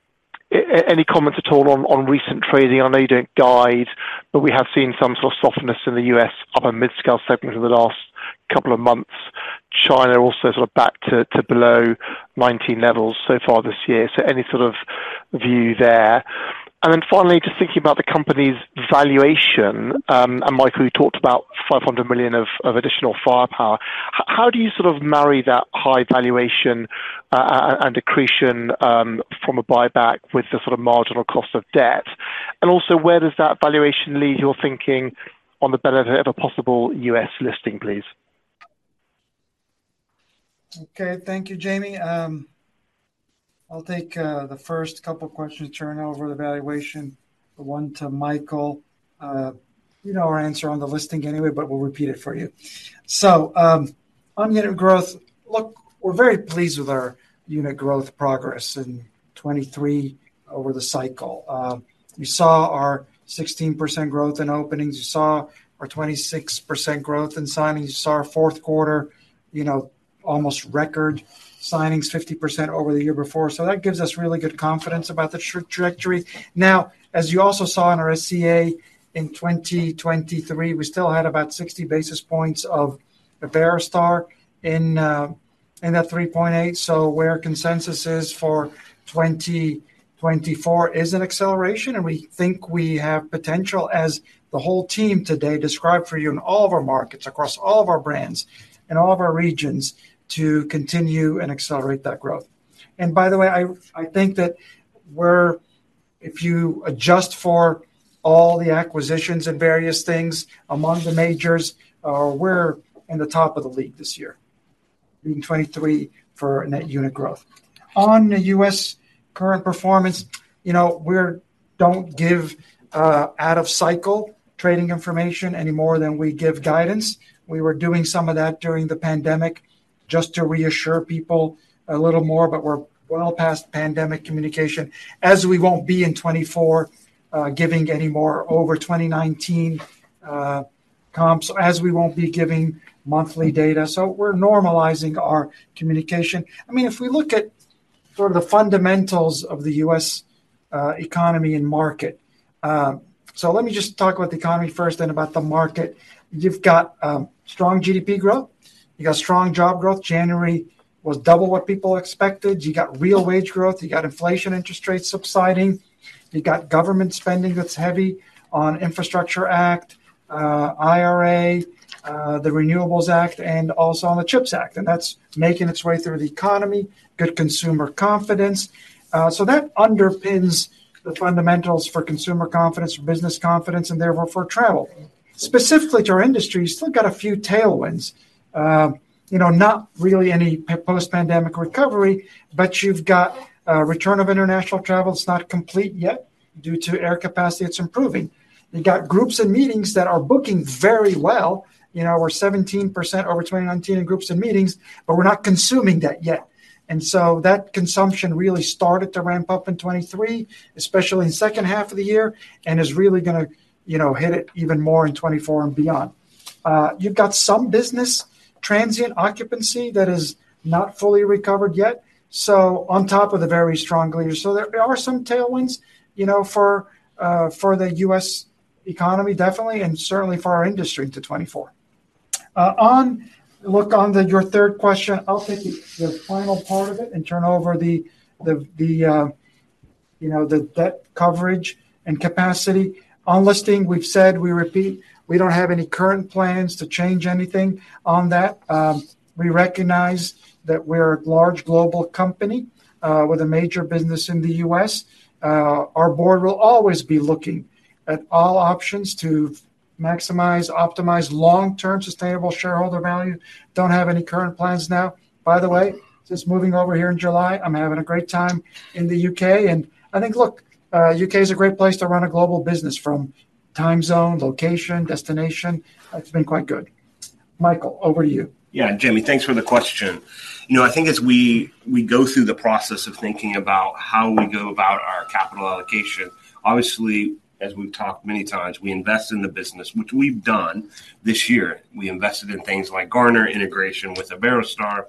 any comments at all on recent trading? I know you don't guide, but we have seen some sort of softness in the U.S. upper mid-scale segment over the last couple of months. China also sort of back to below 19 levels so far this year. So any sort of view there? Then finally, just thinking about the company's valuation, and Michael, you talked about $500 million of additional firepower. How do you sort of marry that high valuation, and accretion, from a buyback with the sort of marginal cost of debt? And also, where does that valuation lead your thinking on the benefit of a possible U.S. listing, please? Okay, thank you, Jamie. I'll take the first couple of questions, turn over the valuation, the one to Michael. You know our answer on the listing anyway, but we'll repeat it for you. So, on unit growth, look, we're very pleased with our unit growth progress in 2023 over the cycle. You saw our 16% growth in openings, you saw our 26% growth in signings, you saw our fourth quarter, you know, almost record signings, 50% over the year before. So that gives us really good confidence about the trajectory. Now, as you also saw in our SCA in 2023, we still had about 60 basis points of a fair start in, in that 3.8. So where consensus is for 2024 is an acceleration, and we think we have potential, as the whole team today described for you, in all of our markets, across all of our brands, in all of our regions, to continue and accelerate that growth. And by the way, I think that we're... If you adjust for all the acquisitions and various things among the majors, we're in the top of the league this year, in 2023 for net unit growth. On the U.S. current performance, you know, we're - don't give out of cycle trading information any more than we give guidance. We were doing some of that during the pandemic just to reassure people a little more, but we're well past pandemic communication, as we won't be in 2024 giving any more over 2019 comps, as we won't be giving monthly data. So we're normalizing our communication. I mean, if we look at sort of the fundamentals of the U.S. economy and market. So let me just talk about the economy first, then about the market. You've got strong GDP growth, you got strong job growth. January was double what people expected. You got real wage growth, you got inflation interest rates subsiding, you got government spending that's heavy on Infrastructure Act, IRA, the Renewables Act, and also on the CHIPS Act, and that's making its way through the economy. Good consumer confidence. So that underpins the fundamentals for consumer confidence, business confidence, and therefore for travel. Specifically to our industry, you still got a few tailwinds. You know, not really any post-pandemic recovery, but you've got return of international travel. It's not complete yet. Due to air capacity, it's improving. You got groups and meetings that are booking very well. You know, we're 17% over 2019 in groups and meetings, but we're not consuming that yet. And so that consumption really started to ramp up in 2023, especially in second half of the year, and is really gonna, you know, hit it even more in 2024 and beyond. You've got some business, transient occupancy that is not fully recovered yet, so on top of the very strong leaders. So there are some tailwinds, you know, for, for the U.S. economy, definitely, and certainly for our industry to 2024. On the, your third question, I'll take it, the final part of it and turn over the, you know, that coverage and capacity. On listing, we've said, we repeat, we don't have any current plans to change anything on that. We recognize that we're a large global company, with a major business in the U.S. Our board will always be looking at all options to maximize, optimize long-term sustainable shareholder value. Don't have any current plans now. By the way, just moving over here in July, I'm having a great time in the UK, and I think, look, UK is a great place to run a global business from time zone, location, destination. It's been quite good. Michael, over to you. Yeah, Jamie, thanks for the question. You know, I think as we go through the process of thinking about how we go about our capital allocation, obviously, as we've talked many times, we invest in the business, which we've done this year. We invested in things like Garner integration with Iberostar.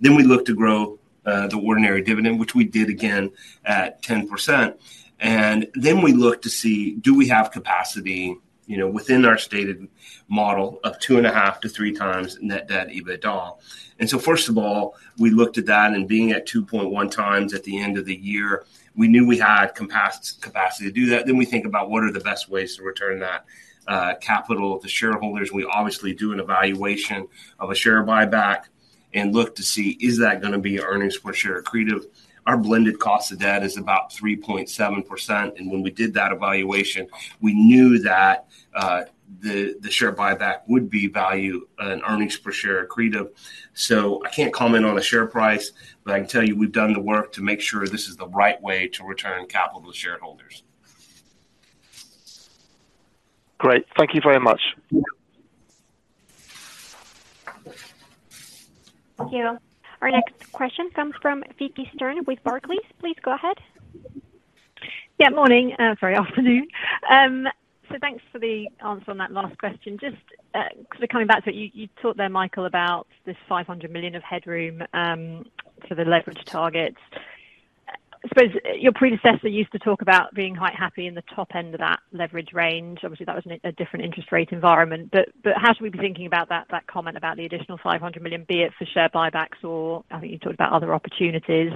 Then we look to grow the ordinary dividend, which we did again at 10%, and then we look to see, do we have capacity, you know, within our stated model of 2.5-3x Net Debt EBITDA? And so first of all, we looked at that, and being at 2.1x at the end of the year, we knew we had capacity to do that. Then we think about what are the best ways to return that capital to shareholders. We obviously do an evaluation of a share buyback and look to see is that gonna be earnings per share accretive. Our blended cost of debt is about 3.7%, and when we did that evaluation, we knew that, the share buyback would be value and earnings per share accretive. So I can't comment on the share price, but I can tell you we've done the work to make sure this is the right way to return capital to shareholders. Great. Thank you very much. Thank you. Our next question comes from Vicki Stern with Barclays. Please go ahead. Yeah, morning, very afternoon. So thanks for the answer on that last question. Just, so coming back to it, you, you talked there, Michael, about this $500 million of headroom, for the leverage targets. I suppose your predecessor used to talk about being quite happy in the top end of that leverage range. Obviously, that was in a different interest rate environment, but, but how should we be thinking about that, that comment about the additional $500 million, be it for share buybacks, or I think you talked about other opportunities,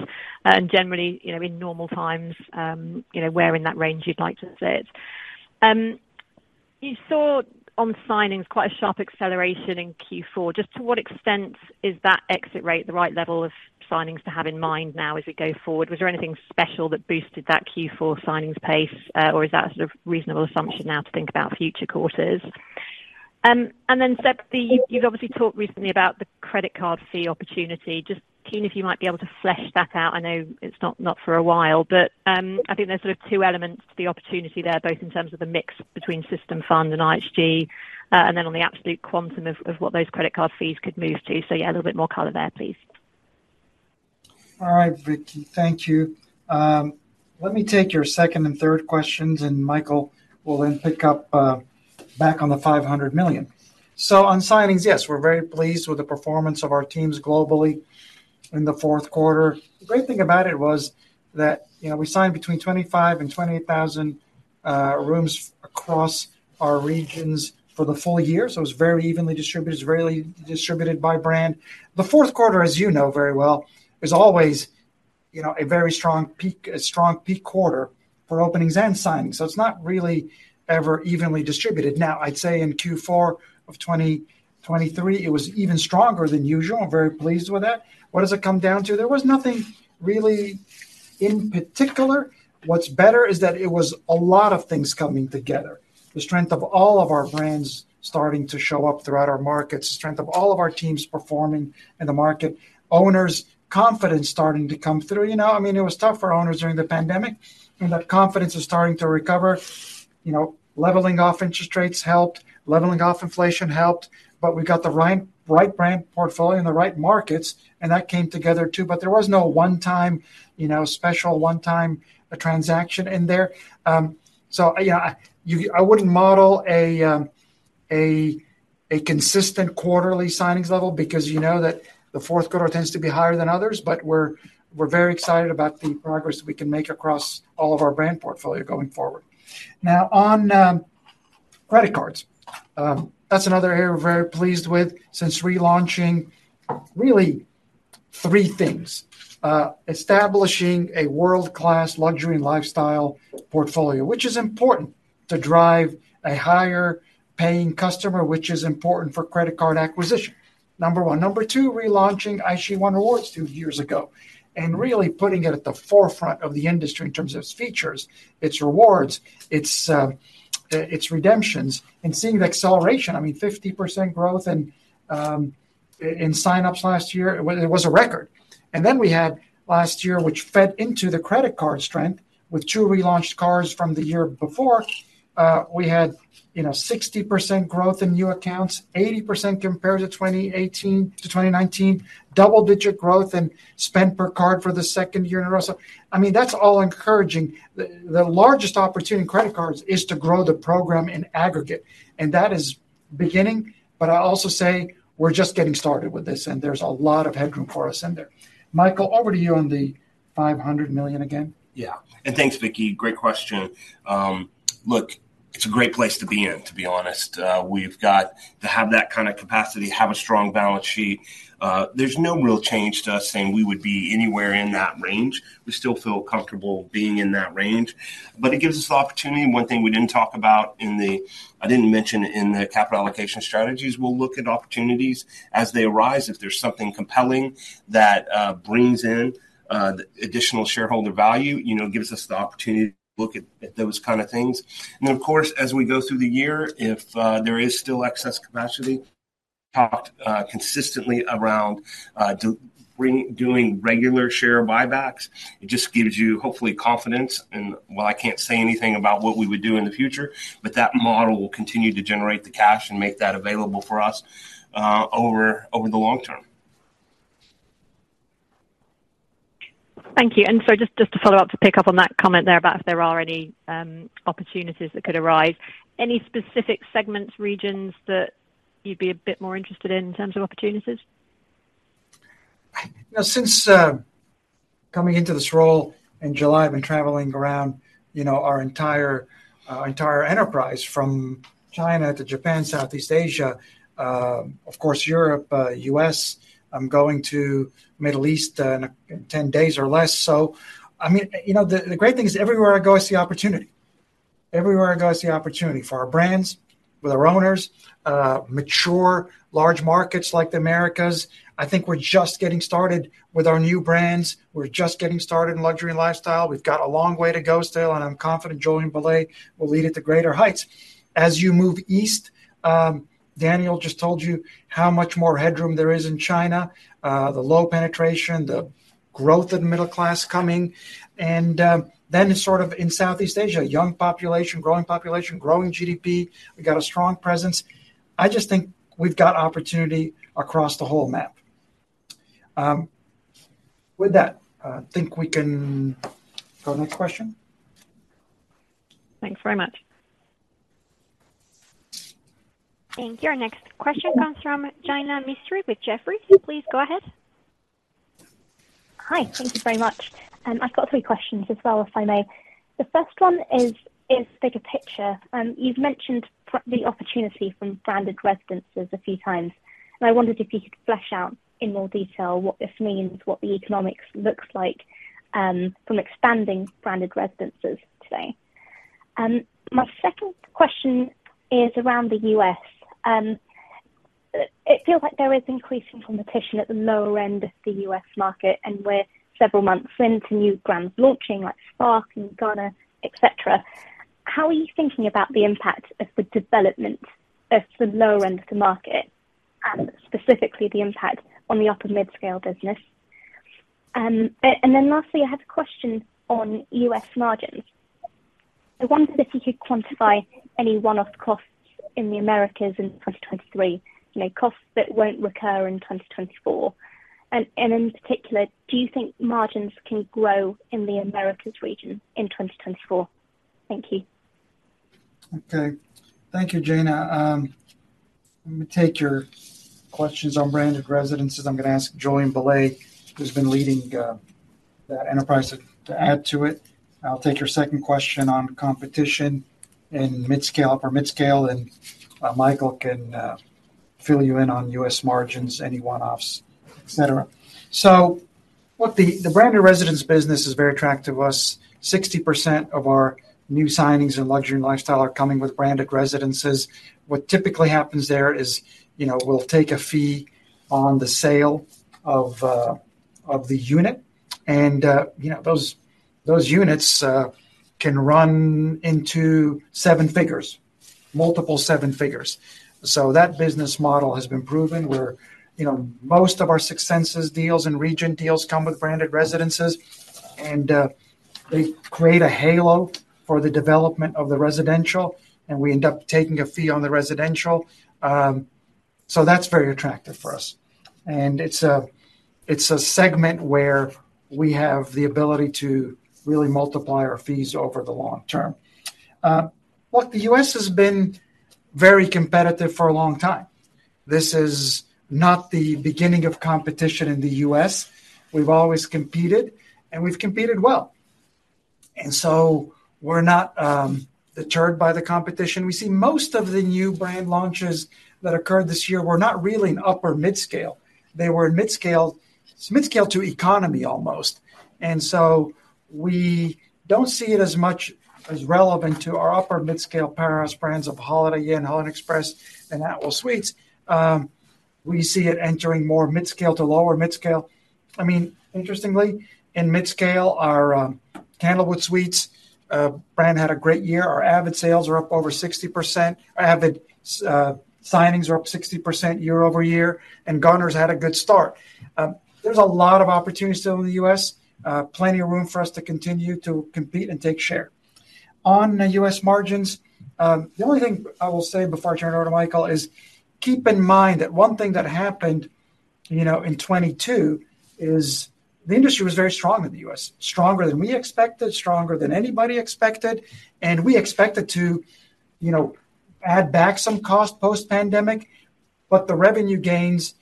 and generally, you know, in normal times, you know, where in that range you'd like to sit? You saw on signings, quite a sharp acceleration in Q4. Just to what extent is that exit rate the right level of signings to have in mind now as we go forward? Was there anything special that boosted that Q4 signings pace, or is that a reasonable assumption now to think about future quarters? Then, Elie, you've obviously talked recently about the credit card fee opportunity. Just keen if you might be able to flesh that out. I know it's not for a while, but I think there's sort of two elements to the opportunity there, both in terms of the mix between System Fund and IHG, and then on the absolute quantum of what those credit card fees could move to. So yeah, a little bit more color there, please. All right, Vicky. Thank you. Let me take your second and third questions, and Michael will then pick up back on the $500 million. So on signings, yes, we're very pleased with the performance of our teams globally in the fourth quarter. The great thing about it was that, you know, we signed between 25,000 and 28,000 rooms across our regions for the full year, so it's very evenly distributed, it's rarely distributed by brand. The fourth quarter, as you know very well, is always, you know, a very strong peak, a strong peak quarter for openings and signings, so it's not really ever evenly distributed. Now, I'd say in Q4 of 2023, it was even stronger than usual. I'm very pleased with that. What does it come down to? There was nothing really in particular. What's better is that it was a lot of things coming together. The strength of all of our brands starting to show up throughout our markets, the strength of all of our teams performing in the market, owners' confidence starting to come through. You know, I mean, it was tough for owners during the pandemic, and that confidence is starting to recover. You know, leveling off interest rates helped, leveling off inflation helped, but we got the right, right brand portfolio in the right markets, and that came together too. But there was no one time, you know, special one time transaction in there. So yeah, you—I wouldn't model a consistent quarterly signings level because you know that the fourth quarter tends to be higher than others, but we're very excited about the progress we can make across all of our brand portfolio going forward. Now, on credit cards, that's another area we're very pleased with since relaunching really three things. Establishing a world-class luxury and lifestyle portfolio, which is important to drive a higher paying customer, which is important for credit card acquisition, number one. Number two, relaunching IHG One Rewards two years ago, and really putting it at the forefront of the industry in terms of its features, its rewards, its redemptions, and seeing the acceleration, I mean, 50% growth in signups last year, it was a record. And then we had last year, which fed into the credit card strength with two relaunched cards from the year before, we had, you know, 60% growth in new accounts, 80% compared to 2018 to 2019, double-digit growth in spend per card for the second year in a row. So, I mean, that's all encouraging. The largest opportunity in credit cards is to grow the program in aggregate, and that is beginning. But I also say we're just getting started with this, and there's a lot of headroom for us in there. Michael, over to you on the $500 million again. Yeah. And thanks, Vicky. Great question. Look, it's a great place to be in, to be honest. We've got to have that kind of capacity, have a strong balance sheet. There's no real change to us saying we would be anywhere in that range. We still feel comfortable being in that range, but it gives us the opportunity. One thing we didn't talk about in the—I didn't mention in the capital allocation strategies, we'll look at opportunities as they arise if there's something compelling that brings in additional shareholder value, you know, gives us the opportunity to look at those kind of things. And then, of course, as we go through the year, if there is still excess capacity, talked consistently around doing regular share buybacks, it just gives you hopefully confidence. While I can't say anything about what we would do in the future, but that model will continue to generate the cash and make that available for us over the long term. Thank you. And so just, just to follow up, to pick up on that comment there about if there are any, opportunities that could arise. Any specific segments, regions that you'd be a bit more interested in in terms of opportunities? Since coming into this role in July, I've been traveling around, you know, our entire enterprise, from China to Japan, Southeast Asia, of course, Europe, U.S. I'm going to Middle East in 10 days or less. So I mean, you know, the great thing is everywhere I go, I see opportunity. Everywhere I go, I see opportunity for our brands, with our owners, mature large markets like the Americas. I think we're just getting started with our new brands. We're just getting started in luxury and lifestyle. We've got a long way to go still, and I'm confident Jolyon Bulleid will lead it to greater heights. As you move east, Daniel just told you how much more headroom there is in China, the low penetration, the growth of the middle class coming, and then sort of in Southeast Asia, young population, growing population, growing GDP. We got a strong presence. I just think we've got opportunity across the whole map. With that, I think we can go next question. Thanks very much. Thank you. Our next question comes from Jaina Mistry with Jefferies. Please go ahead. Hi. Thank you very much. I've got three questions as well, if I may. The first one is the bigger picture. You've mentioned the opportunity from branded residences a few times, and I wondered if you could flesh out in more detail what this means, what the economics looks like, from expanding branded residences today. My second question is around the US. It feels like there is increasing competition at the lower end of the US market, and we're several months into new brands launching, like Spark and Garner, et cetera. How are you thinking about the impact of the development of the lower end of the market, specifically the impact on the upper mid-scale business? And then lastly, I had a question on US margins. I wondered if you could quantify any one-off costs in the Americas in 2023, you know, costs that won't recur in 2024. And, and in particular, do you think margins can grow in the Americas region in 2024? Thank you. Okay. Thank you, Jaina. Let me take your questions on branded residences. I'm going to ask Jolyon Bulleid, who's been leading that enterprise, to add to it. I'll take your second question on competition in midscale, upper midscale, and Michael can fill you in on US margins, any one-offs, et cetera. So look, the branded residence business is very attractive to us. 60% of our new signings in luxury and lifestyle are coming with branded residences. What typically happens there is, you know, we'll take a fee on the sale of the unit, and you know, those units can run into seven figures, multiple seven figures. So that business model has been proven where, you know, most of our Six Senses deals and Regent deals come with branded residences, and they create a halo for the development of the residential, and we end up taking a fee on the residential. So that's very attractive for us, and it's a segment where we have the ability to really multiply our fees over the long term. Look, the U.S. has been very competitive for a long time. This is not the beginning of competition in the U.S. We've always competed, and we've competed well. And so we're not deterred by the competition. We see most of the new brand launches that occurred this year were not really in upper mid-scale. They were in mid-scale, mid-scale to economy, almost. And so we don't see it as much as relevant to our upper midscale IHG brands of Holiday Inn, Holiday Inn Express, and Atwell Suites. We see it entering more midscale to lower midscale. I mean, interestingly, in midscale, our Candlewood Suites brand had a great year. Our Avid sales are up over 60%. Our Avid signings are up 60% year-over-year, and Garner's had a good start. There's a lot of opportunity still in the US, plenty of room for us to continue to compete and take share. On the US margins, the only thing I will say before I turn it over to Michael is keep in mind that one thing that happened, you know, in 2022 is the industry was very strong in the US, stronger than we expected, stronger than anybody expected. We expected to, you know, add back some cost post-pandemic, but the revenue gains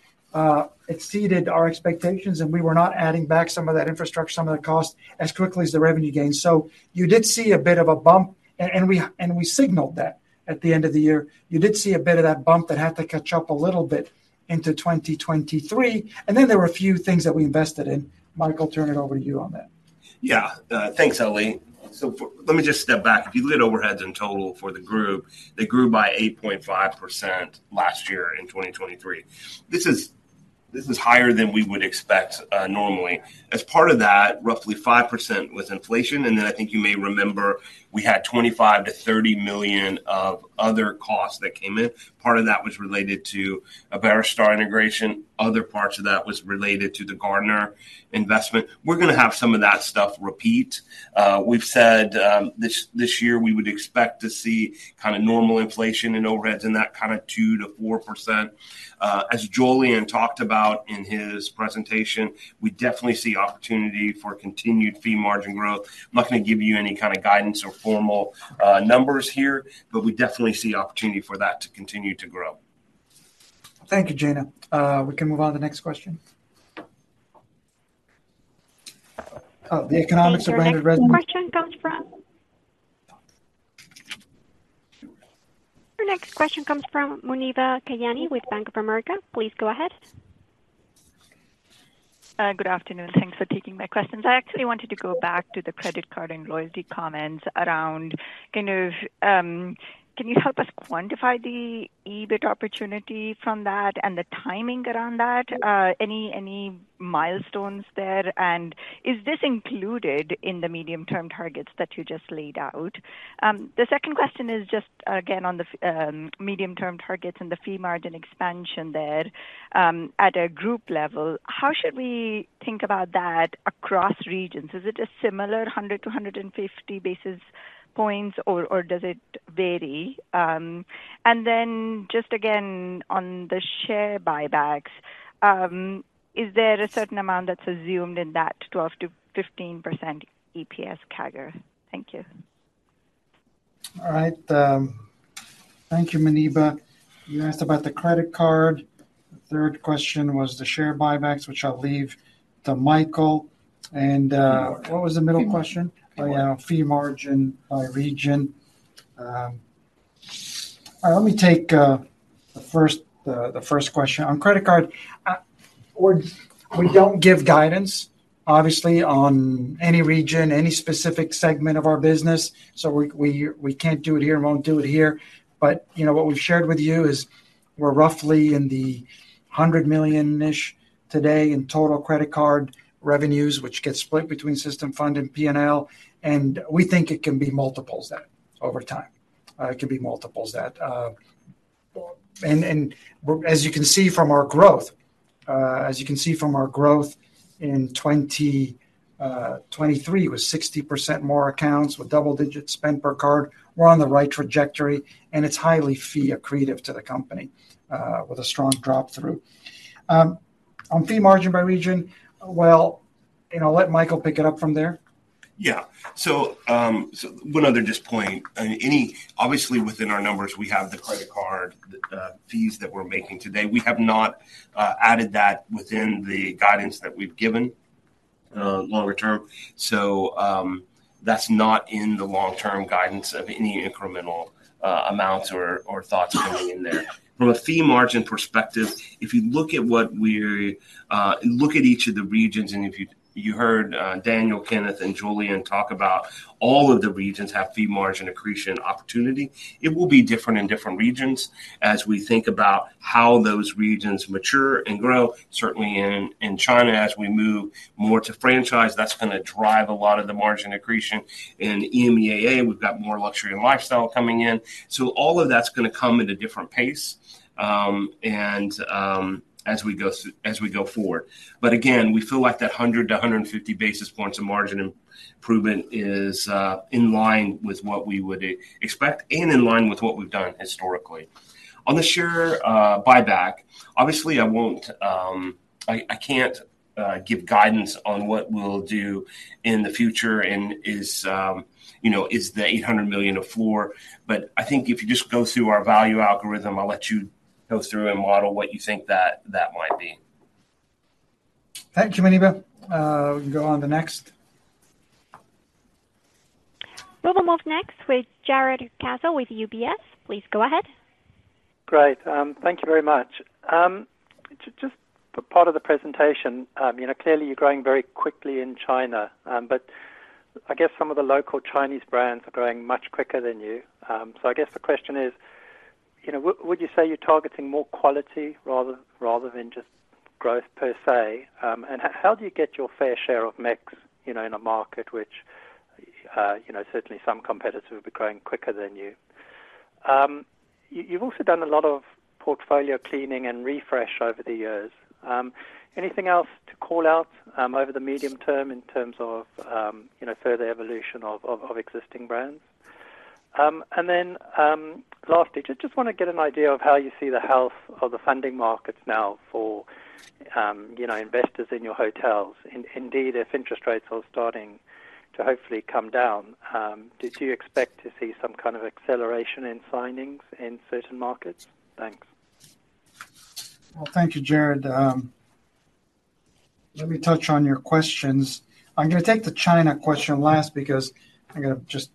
exceeded our expectations, and we were not adding back some of that infrastructure, some of that cost as quickly as the revenue gains. So you did see a bit of a bump, and we signaled that at the end of the year. You did see a bit of that bump that had to catch up a little bit into 2023, and then there were a few things that we invested in. Michael, turn it over to you on that. Yeah. Thanks, Elie. So, let me just step back. If you look at overheads in total for the group, they grew by 8.5% last year, in 2023. This is, this is higher than we would expect, normally. As part of that, roughly 5% was inflation, and then I think you may remember we had $25 million-$30 million of other costs that came in. Part of that was related to an Iberostar integration, other parts of that was related to the Garner investment. We're gonna have some of that stuff repeat. We've said, this, this year, we would expect to see kinda normal inflation in overheads and that kinda 2%-4%. As Jolyon talked about in his presentation, we definitely see opportunity for continued fee margin growth. I'm not gonna give you any kind of guidance or formal numbers here, but we definitely see opportunity for that to continue to grow. Thank you, Jaina. We can move on to the next question. The economics of branded res- Your next question comes from Muneeba Kayani with Bank of America. Please go ahead. Good afternoon. Thanks for taking my questions. I actually wanted to go back to the credit card and loyalty comments around, kind of, can you help us quantify the EBIT opportunity from that and the timing around that? Any milestones there, and is this included in the medium-term targets that you just laid out? The second question is just, again, on the medium-term targets and the fee margin expansion there, at a group level. How should we think about that across regions? Is it a similar 100 to 150 basis points, or does it vary? And then, just again, on the share buybacks, is there a certain amount that's assumed in that 12%-15% EPS CAGR? Thank you. All right, thank you, Muneeba. You asked about the credit card. Third question was the share buybacks, which I'll leave to Michael. And, what was the middle question? Fee margin by region. Let me take the first question. On credit card, we don't give guidance, obviously, on any region, any specific segment of our business. So we can't do it here, and won't do it here. But, you know, what we've shared with you is we're roughly $100 million-ish today in total credit card revenues, which gets split between system fund and P&L, and we think it can be multiples of that over time. It could be multiples of that, and as you can see from our growth in 2023, it was 60% more accounts with double-digit spend per card. We're on the right trajectory, and it's highly fee accretive to the company, with a strong drop-through. On fee margin by region, you know, I'll let Michael pick it up from there. Yeah. So one other point, and obviously, within our numbers, we have the credit card fees that we're making today. We have not added that within the guidance that we've given longer term. So that's not in the long-term guidance of any incremental amounts or thoughts going in there. From a fee margin perspective, if you look at what we're looking at each of the regions, and if you heard Daniel, Kenneth, and Jolyon talk about all of the regions have fee margin accretion opportunity. It will be different in different regions as we think about how those regions mature and grow. Certainly in China, as we move more to franchise, that's gonna drive a lot of the margin accretion. In EMEAA, we've got more luxury and lifestyle coming in. So all of that's gonna come at a different pace, and, as we go forward. But again, we feel like that 100-150 basis points of margin improvement is in line with what we would expect and in line with what we've done historically. On the share buyback, obviously, I won't, I can't give guidance on what we'll do in the future and is, you know, is the $800 million a floor. But I think if you just go through our value algorithm, I'll let you go through and model what you think that might be. Thank you, Muneeba. We can go on to the next. We'll move next with Jarrod Castle with UBS. Please go ahead. Great. Thank you very much. Just for part of the presentation, you know, clearly you're growing very quickly in China, but I guess some of the local Chinese brands are growing much quicker than you. So I guess the question is- ... You know, would you say you're targeting more quality rather than just growth per se? And how do you get your fair share of mix, you know, in a market which, you know, certainly some competitors will be growing quicker than you? You've also done a lot of portfolio cleaning and refresh over the years. Anything else to call out over the medium term in terms of, you know, further evolution of existing brands? And then, lastly, just wanna get an idea of how you see the health of the funding markets now for, you know, investors in your hotels, and indeed, if interest rates are starting to hopefully come down, did you expect to see some kind of acceleration in signings in certain markets? Thanks. Well, thank you, Jarrod. Let me touch on your questions. I'm gonna take the China question last because I'm gonna just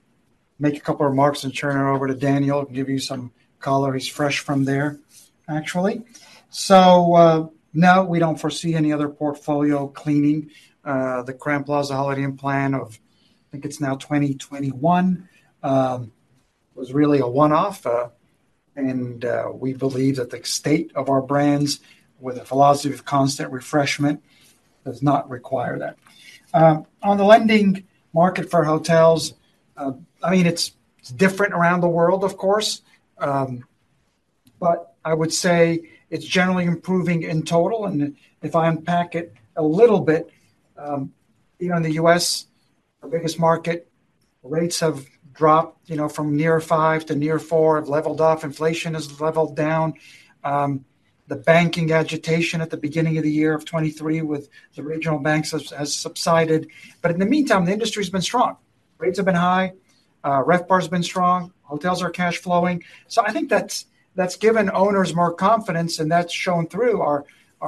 make a couple of remarks and turn it over to Daniel and give you some color. He's fresh from there, actually. So, no, we don't foresee any other portfolio cleaning. The Crowne Plaza Holiday Inn plan of, I think it's now 2021, was really a one-off, and we believe that the state of our brands, with a philosophy of constant refreshment, does not require that. On the lending market for hotels, I mean, it's different around the world, of course. But I would say it's generally improving in total, and if I unpack it a little bit, you know, in the U.S., our biggest market, rates have dropped, you know, from near 5 to near 4, have leveled off. Inflation has leveled down. The banking agitation at the beginning of the year of 2023 with the regional banks has subsided. But in the meantime, the industry has been strong. Rates have been high, RevPAR has been strong, hotels are cash flowing. So I think that's given owners more confidence, and that's shown through our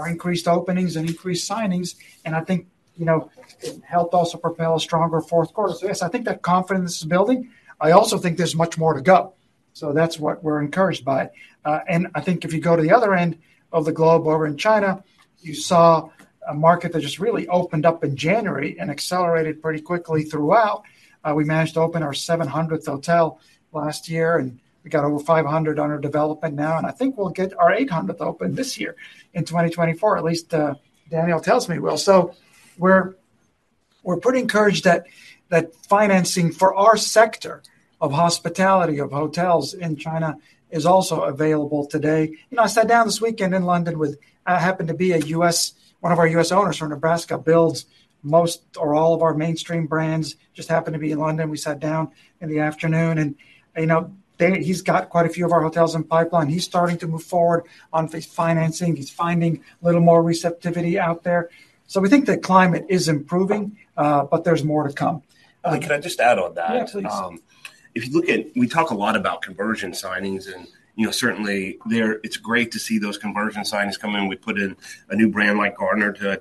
increased openings and increased signings, and I think, you know, it helped also propel a stronger fourth quarter. So yes, I think that confidence is building. I also think there's much more to go. So that's what we're encouraged by. And I think if you go to the other end of the globe, over in China, you saw a market that just really opened up in January and accelerated pretty quickly throughout. We managed to open our 700th hotel last year, and we got over 500 under development now, and I think we'll get our 800th open this year, in 2024. At least, Daniel tells me we will. So we're, we're pretty encouraged that, that financing for our sector of hospitality, of hotels in China is also available today. You know, I sat down this weekend in London with, happened to be a U.S. one of our U.S. owners from Nebraska, builds most or all of our mainstream brands. Just happened to be in London. We sat down in the afternoon, and, you know, he's got quite a few of our hotels in pipeline. He's starting to move forward on his financing. He's finding a little more receptivity out there. So we think the climate is improving, but there's more to come. Can I just add on that? Yeah, please. If you look at—we talk a lot about conversion signings, and, you know, certainly there, it's great to see those conversion signings come in. We put in a new brand like Garner to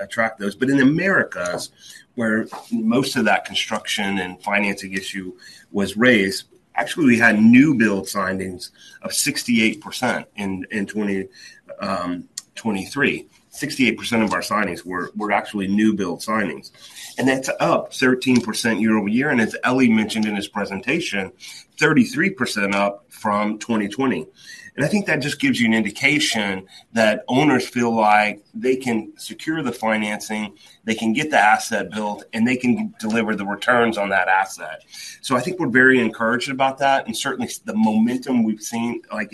attract those. But in Americas, where most of that construction and financing issue was raised, actually, we had new build signings of 68% in 2023. Sixty-eight percent of our signings were actually new build signings, and that's up 13% year-over-year. And as Elie mentioned in his presentation, 33% up from 2020. And I think that just gives you an indication that owners feel like they can secure the financing, they can get the asset built, and they can deliver the returns on that asset. So I think we're very encouraged about that, and certainly the momentum we've seen, like,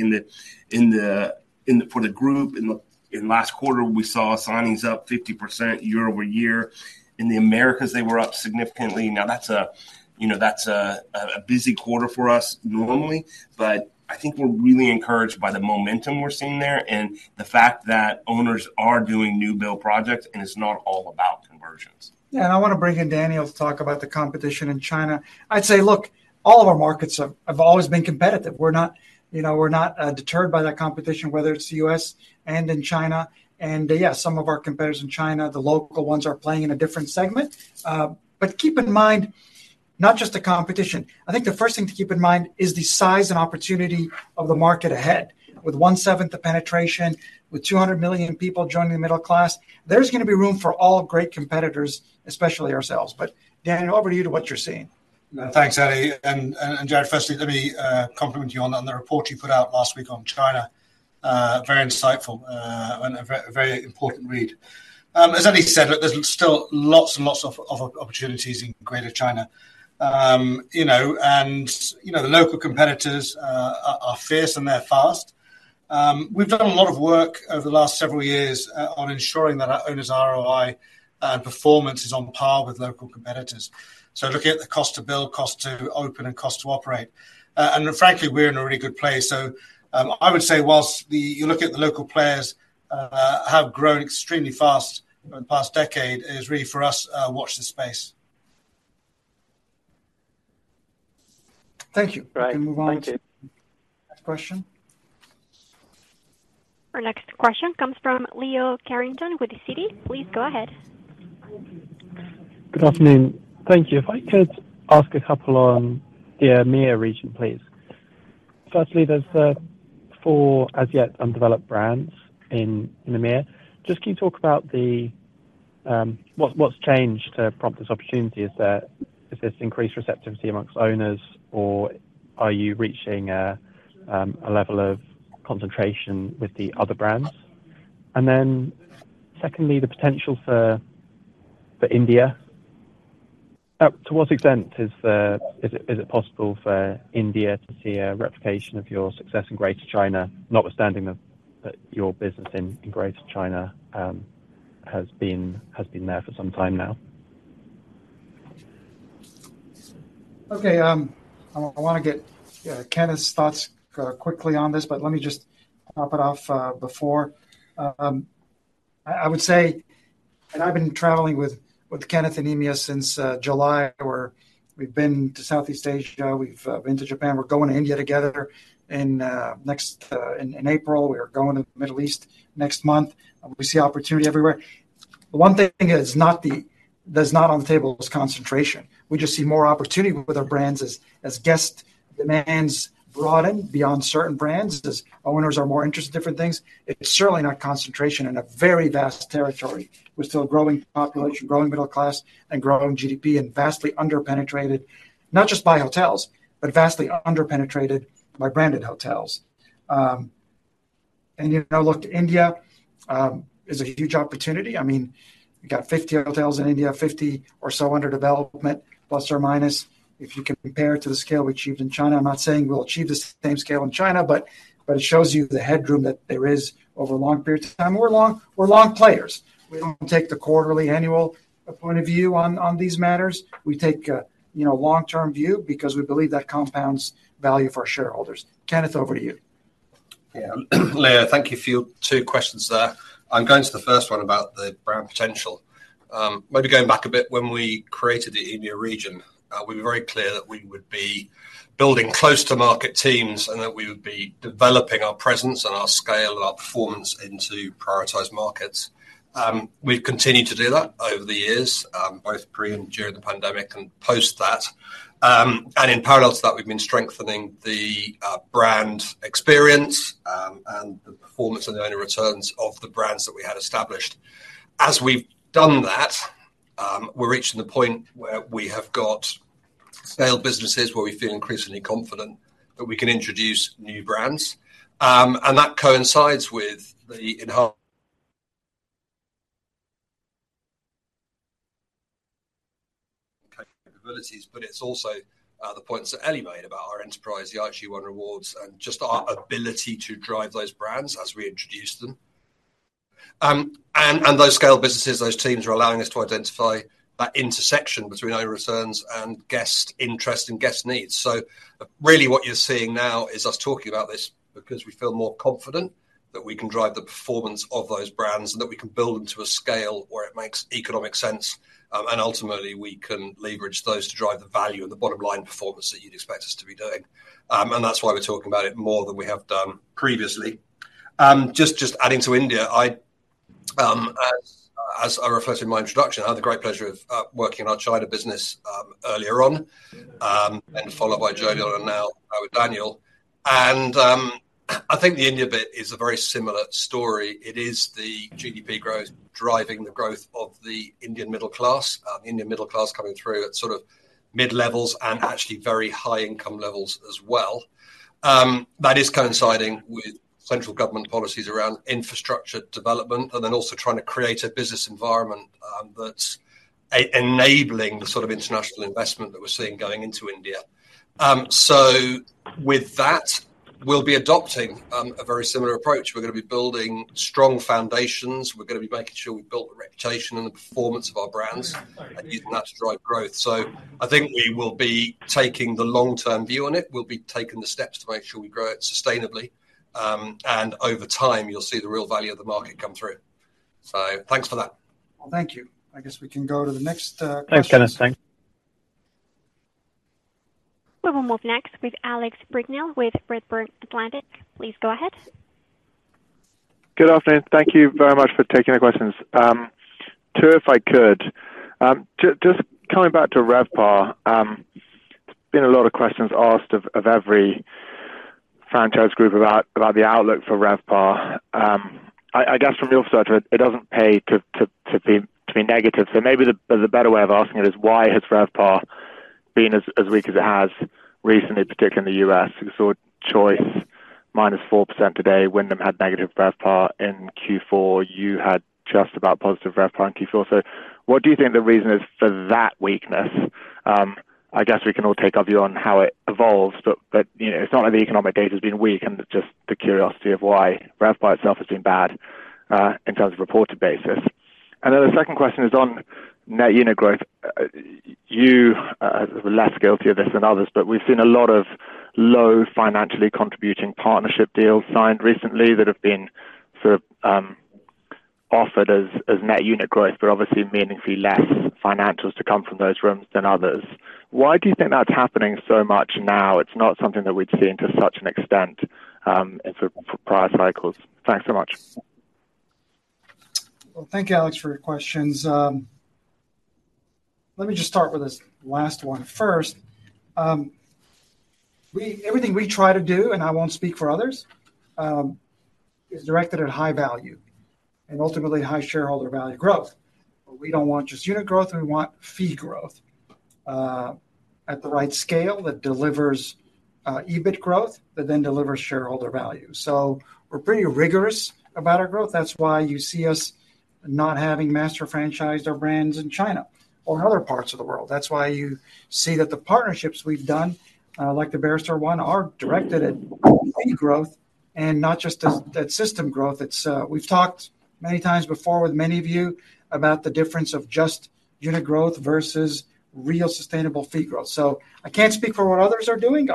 for the group. In last quarter, we saw signings up 50% year-over-year. In the Americas, they were up significantly. Now, that's, you know, a busy quarter for us normally, but I think we're really encouraged by the momentum we're seeing there and the fact that owners are doing new build projects, and it's not all about conversions. Yeah, and I want to bring in Daniel to talk about the competition in China. I'd say, look, all of our markets have, have always been competitive. We're not, you know, we're not deterred by that competition, whether it's the U.S. and in China. And yeah, some of our competitors in China, the local ones, are playing in a different segment. But keep in mind, not just the competition. I think the first thing to keep in mind is the size and opportunity of the market ahead. With one-seventh of penetration, with 200 million people joining the middle class, there's gonna be room for all great competitors, especially ourselves. But Daniel, over to you to what you're seeing. Thanks, Elie. And Jared, firstly, let me compliment you on the report you put out last week on China. Very insightful, and a very, very important read. As Elie said, look, there's still lots and lots of opportunities in Greater China. You know, and you know, the local competitors are fierce and they're fast. We've done a lot of work over the last several years on ensuring that our owners' ROI performance is on par with local competitors. So looking at the cost to build, cost to open, and cost to operate. And frankly, we're in a really good place. So I would say whilst the local players have grown extremely fast in the past decade, it's really for us to watch the space. Thank you. Right. We can move on to the next question. Our next question comes from Leo Carrington with Citi. Please go ahead. Good afternoon. Thank you. If I could ask a couple on the EMEA region, please. Firstly, there's the four as yet undeveloped brands in EMEA. Just can you talk about the-... What, what's changed to prompt this opportunity? Is this increased receptivity among owners, or are you reaching a level of concentration with the other brands? And then, secondly, the potential for India. To what extent is it possible for India to see a replication of your success in Greater China, notwithstanding that your business in Greater China has been there for some time now? Okay, I wanna get Kenneth's thoughts quickly on this, but let me just top it off before. I would say, and I've been traveling with Kenneth and EMEAA since July, where we've been to Southeast Asia, we've been to Japan. We're going to India together in April. We are going to the Middle East next month. We see opportunity everywhere. The one thing that's not on the table is concentration. We just see more opportunity with our brands as guest demands broaden beyond certain brands, as owners are more interested in different things. It's certainly not concentration in a very vast territory, with still a growing population, growing middle class, and growing GDP, and vastly underpenetrated, not just by hotels, but vastly underpenetrated by branded hotels. And, you know, look, India is a huge opportunity. I mean, we got 50 hotels in India, 50 or so under development, plus or minus. If you can compare it to the scale we achieved in China, I'm not saying we'll achieve the same scale in China, but it shows you the headroom that there is over a long period of time. We're long, we're long players. We don't take the quarterly, annual point of view on these matters. We take a, you know, long-term view because we believe that compounds value for our shareholders. Kenneth, over to you. Yeah. Leo, thank you for your two questions there. I'm going to the first one about the brand potential. Maybe going back a bit, when we created the India region, we were very clear that we would be building close to market teams, and that we would be developing our presence and our scale and our performance into prioritized markets. We've continued to do that over the years, both pre and during the pandemic and post that. And in parallel to that, we've been strengthening the brand experience, and the performance and the owner returns of the brands that we had established. As we've done that, we're reaching the point where we have got scaled businesses where we feel increasingly confident that we can introduce new brands. And that coincides with the enhanced capabilities, but it's also the points that Elie made about our enterprise, the IHG One Rewards, and just our ability to drive those brands as we introduce them. And those scale businesses, those teams, are allowing us to identify that intersection between owner returns and guest interest and guest needs. So really what you're seeing now is us talking about this because we feel more confident that we can drive the performance of those brands and that we can build them to a scale where it makes economic sense, and ultimately, we can leverage those to drive the value and the bottom line performance that you'd expect us to be doing. And that's why we're talking about it more than we have done previously. Just adding to India, as I reflected in my introduction, I had the great pleasure of working in our China business earlier on, and followed by Jody and now with Daniel. I think the India bit is a very similar story. It is the GDP growth driving the growth of the Indian middle class, Indian middle class coming through at sort of mid-levels and actually very high-income levels as well. That is coinciding with central government policies around infrastructure development and then also trying to create a business environment that's enabling the sort of international investment that we're seeing going into India. So with that, we'll be adopting a very similar approach. We're gonna be building strong foundations. We're gonna be making sure we've built the reputation and the performance of our brands and using that to drive growth. So I think we will be taking the long-term view on it. We'll be taking the steps to make sure we grow it sustainably, and over time, you'll see the real value of the market come through. So thanks for that. Well, thank you. I guess we can go to the next question. Thanks, Kenneth. Thanks. We will move next with Alex Brignall with Redburn Atlantic. Please go ahead. Good afternoon. Thank you very much for taking our questions. Two, if I could. Just coming back to RevPAR, there's been a lot of questions asked of every franchise group about the outlook for RevPAR. I guess from your perspective, it doesn't pay to be negative. So maybe the better way of asking it is why has RevPAR been as weak as it has recently, particularly in the U.S.? We saw Choice -4% today. Wyndham had negative RevPAR in Q4. You had just about positive RevPAR in Q4. So what do you think the reason is for that weakness? I guess we can all take our view on how it evolves, but, you know, it's not like the economic data has been weak and just the curiosity of why RevPAR itself has been bad, in terms of reported basis. And then the second question is on net unit growth. You are less guilty of this than others, but we've seen a lot of low financially contributing partnership deals signed recently that have been sort of, offered as net unit growth, but obviously meaningfully less financials to come from those rooms than others. Why do you think that's happening so much now? It's not something that we'd seen to such an extent, in sort of prior cycles. Thanks so much. Well, thank you, Alex, for your questions. Let me just start with this last one first. Everything we try to do, and I won't speak for others, is directed at high value and ultimately high shareholder value growth. But we don't want just unit growth, we want fee growth at the right scale that delivers EBIT growth, that then delivers shareholder value. So we're pretty rigorous about our growth. That's why you see us not having master franchised our brands in China or in other parts of the world. That's why you see that the partnerships we've done, like the Iberostar one, are directed at fee growth and not just at system growth. It's, we've talked many times before with many of you about the difference of just unit growth versus real sustainable fee growth. So I can't speak for what others are doing.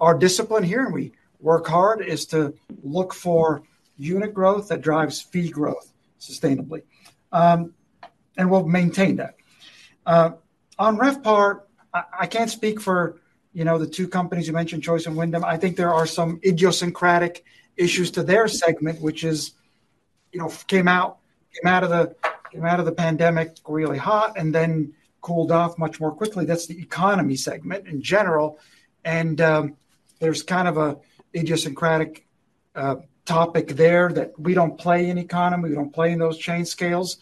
Our discipline here, and we work hard, is to look for unit growth that drives fee growth sustainably. And we'll maintain that. On RevPAR, I can't speak for, you know, the two companies you mentioned, Choice and Wyndham. I think there are some idiosyncratic issues to their segment, which is, you know, came out of the pandemic really hot and then cooled off much more quickly. That's the economy segment in general, and there's kind of an idiosyncratic topic there that we don't play in economy, we don't play in those chain scales.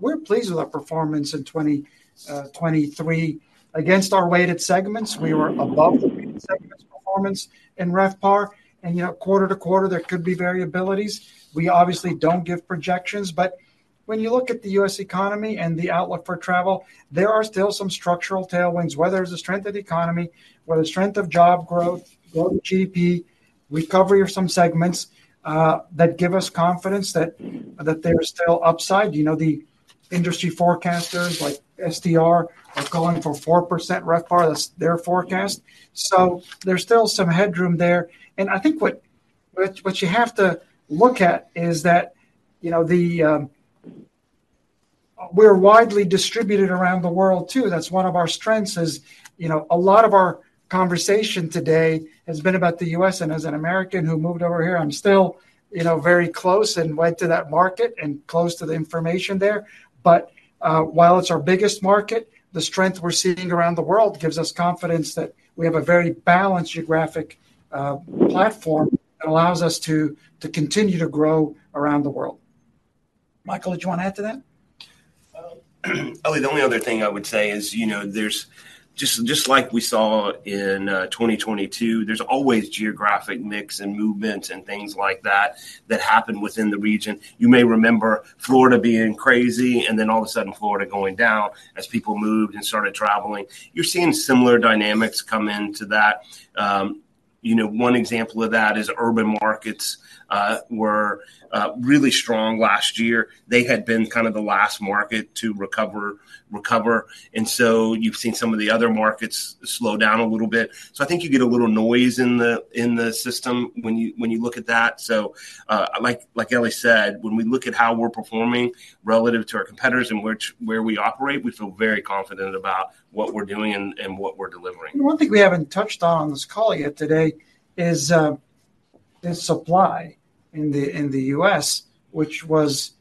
We're pleased with our performance in 2023. Against our weighted segments, we were above the weighted segments performance in RevPAR. And, you know, quarter to quarter, there could be variabilities. We obviously don't give projections, but when you look at the U.S. economy and the outlook for travel, there are still some structural tailwinds, whether it's the strength of the economy, whether it's strength of job growth, GDP growth, recovery of some segments, that give us confidence that there is still upside. You know, the industry forecasters like STR are calling for 4% RevPAR. That's their forecast. So there's still some headroom there. And I think what you have to look at is that, you know, we're widely distributed around the world, too. That's one of our strengths is, you know, a lot of our conversation today has been about the U.S., and as an American who moved over here, I'm still, you know, very close and went to that market and close to the information there. But, while it's our biggest market, the strength we're seeing around the world gives us confidence that we have a very balanced geographic platform that allows us to continue to grow around the world. Michael, did you want to add to that? Elie, the only other thing I would say is, you know, there's just, just like we saw in 2022, there's always geographic mix and movements and things like that, that happen within the region. You may remember Florida being crazy, and then all of a sudden, Florida going down as people moved and started traveling. You're seeing similar dynamics come into that. You know, one example of that is urban markets were really strong last year. They had been kind of the last market to recover, and so you've seen some of the other markets slow down a little bit. So I think you get a little noise in the system when you look at that. Like Elie said, when we look at how we're performing relative to our competitors and where we operate, we feel very confident about what we're doing and what we're delivering. One thing we haven't touched on in this call yet today is the supply in the U.S., which was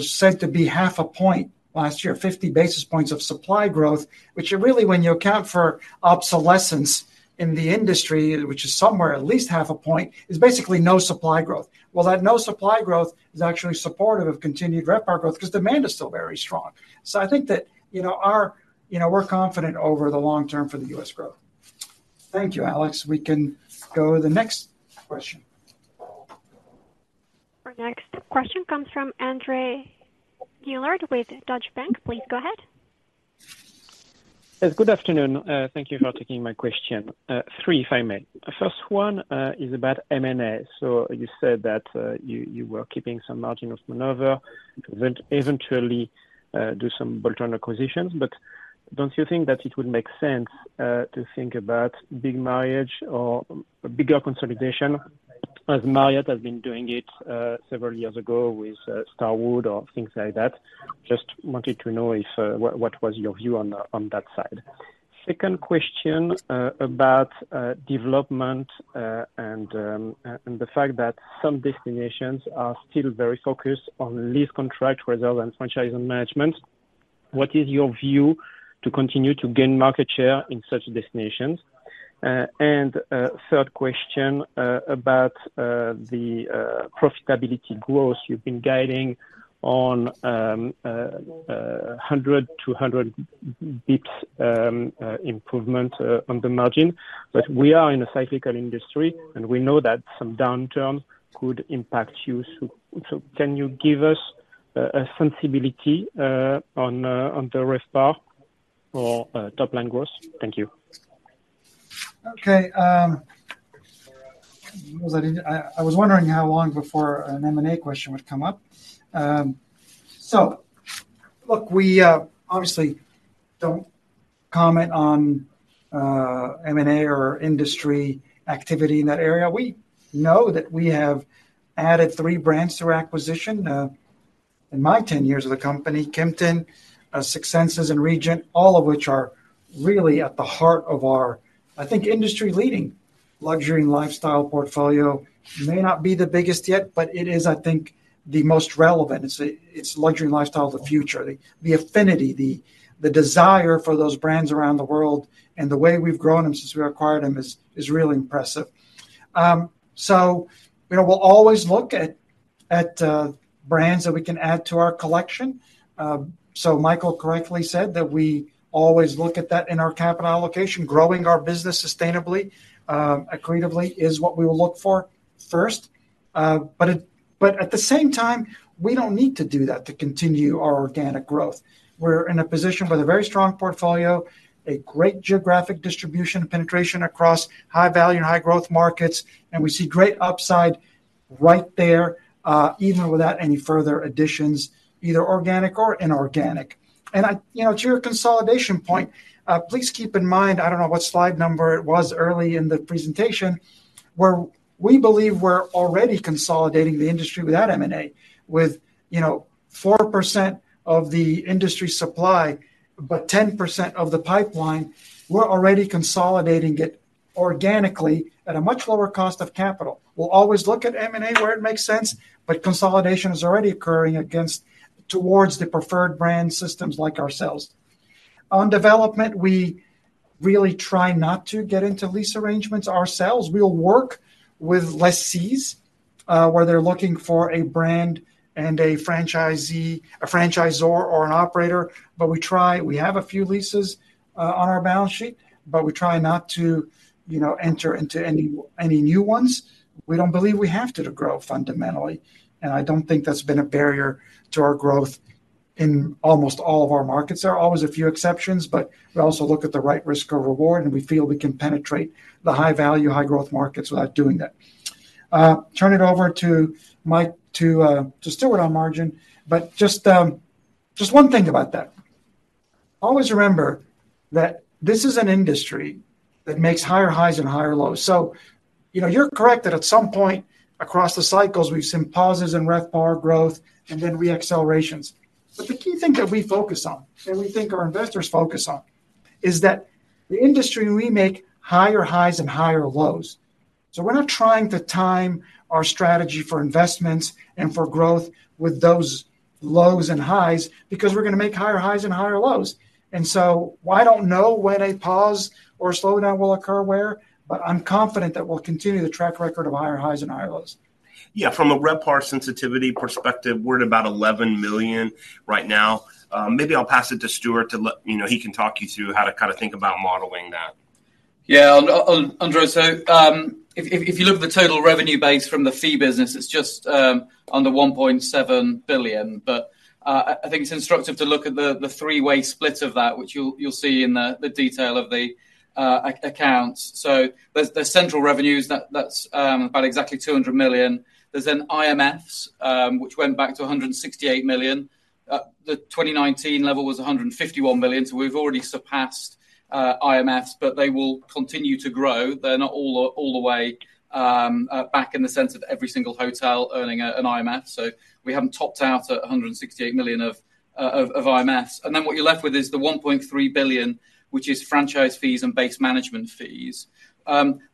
said to be half a point last year, 50 basis points of supply growth, which really, when you account for obsolescence in the industry, which is somewhere at least half a point, is basically no supply growth. Well, that no supply growth is actually supportive of continued RevPAR growth because demand is still very strong. So I think that, you know, our... You know, we're confident over the long term for the U.S. growth. Thank you, Alex. We can go to the next question. Our next question comes from Andre Juillard with Deutsche Bank. Please go ahead. Yes, good afternoon. Thank you for taking my question. Three, if I may. The first one is about M&A. So you said that you were keeping some margin of maneuver to eventually do some bolt-on acquisitions, but don't you think that it would make sense to think about big merger or a bigger consolidation, as Marriott has been doing it several years ago with Starwood or things like that? Just wanted to know if what was your view on that side. Second question about development and the fact that some destinations are still very focused on lease contract rather than franchising management. What is your view to continue to gain market share in such destinations? And third question about the profitability growth. You've been guiding on 100-200 basis points improvement on the margin, but we are in a cyclical industry, and we know that some downturn could impact you. So can you give us a sensibility on the RevPAR for top-line growth? Thank you. Okay, I was wondering how long before an M&A question would come up. So look, we obviously don't comment on M&A or industry activity in that area. We know that we have added three brands through acquisition in my 10 years with the company, Kimpton, Six Senses, and Regent, all of which are really at the heart of our, I think, industry-leading luxury and lifestyle portfolio may not be the biggest yet, but it is, I think, the most relevant. It's a, it's luxury and lifestyle of the future. The affinity, the desire for those brands around the world, and the way we've grown them since we acquired them is really impressive. So, you know, we'll always look at brands that we can add to our collection. Michael correctly said that we always look at that in our capital allocation. Growing our business sustainably, accretively, is what we will look for first. But at the same time, we don't need to do that to continue our organic growth. We're in a position with a very strong portfolio, a great geographic distribution and penetration across high value and high growth markets, and we see great upside right there, even without any further additions, either organic or inorganic. You know, to your consolidation point, please keep in mind, I don't know what slide number it was early in the presentation, where we believe we're already consolidating the industry without M&A. With, you know, 4% of the industry supply, but 10% of the pipeline, we're already consolidating it organically at a much lower cost of capital. We'll always look at M&A where it makes sense, but consolidation is already occurring against, towards the preferred brand systems like ourselves. On development, we really try not to get into lease arrangements ourselves. We'll work with lessees where they're looking for a brand and a franchisee, a franchisor or an operator, but we try. We have a few leases on our balance sheet, but we try not to, you know, enter into any, any new ones. We don't believe we have to, to grow fundamentally, and I don't think that's been a barrier to our growth in almost all of our markets. There are always a few exceptions, but we also look at the right risk or reward, and we feel we can penetrate the high value, high growth markets without doing that. Turn it over to Mike, to, to Stuart on margin, but just, just one thing about that. Always remember that this is an industry that makes higher highs and higher lows. So, you know, you're correct that at some point across the cycles, we've seen pauses in RevPAR growth and then reaccelerations. But the key thing that we focus on, and we think our investors focus on, is that the industry, we make higher highs and higher lows. So we're not trying to time our strategy for investments and for growth with those lows and highs, because we're going to make higher highs and higher lows. And so I don't know when a pause or a slowdown will occur where, but I'm confident that we'll continue the track record of higher highs and higher lows. Yeah, from a RevPAR sensitivity perspective, we're at about $11 million right now. Maybe I'll pass it to Stuart to let you know, he can talk you through how to kind of think about modeling that. Yeah, Andre, if you look at the total revenue base from the fee business, it's just under $1.7 billion. But I think it's instructive to look at the three-way split of that, which you'll see in the detail of the accounts. So there's central revenues, that's about exactly $200 million. There's IMFs, which went back to $168 million. The 2019 level was $151 million, so we've already surpassed IMFs, but they will continue to grow. They're not all the way back in the sense of every single hotel earning an IMF. So we haven't topped out at $168 million of IMFs. Then what you're left with is the $1.3 billion, which is franchise fees and base management fees.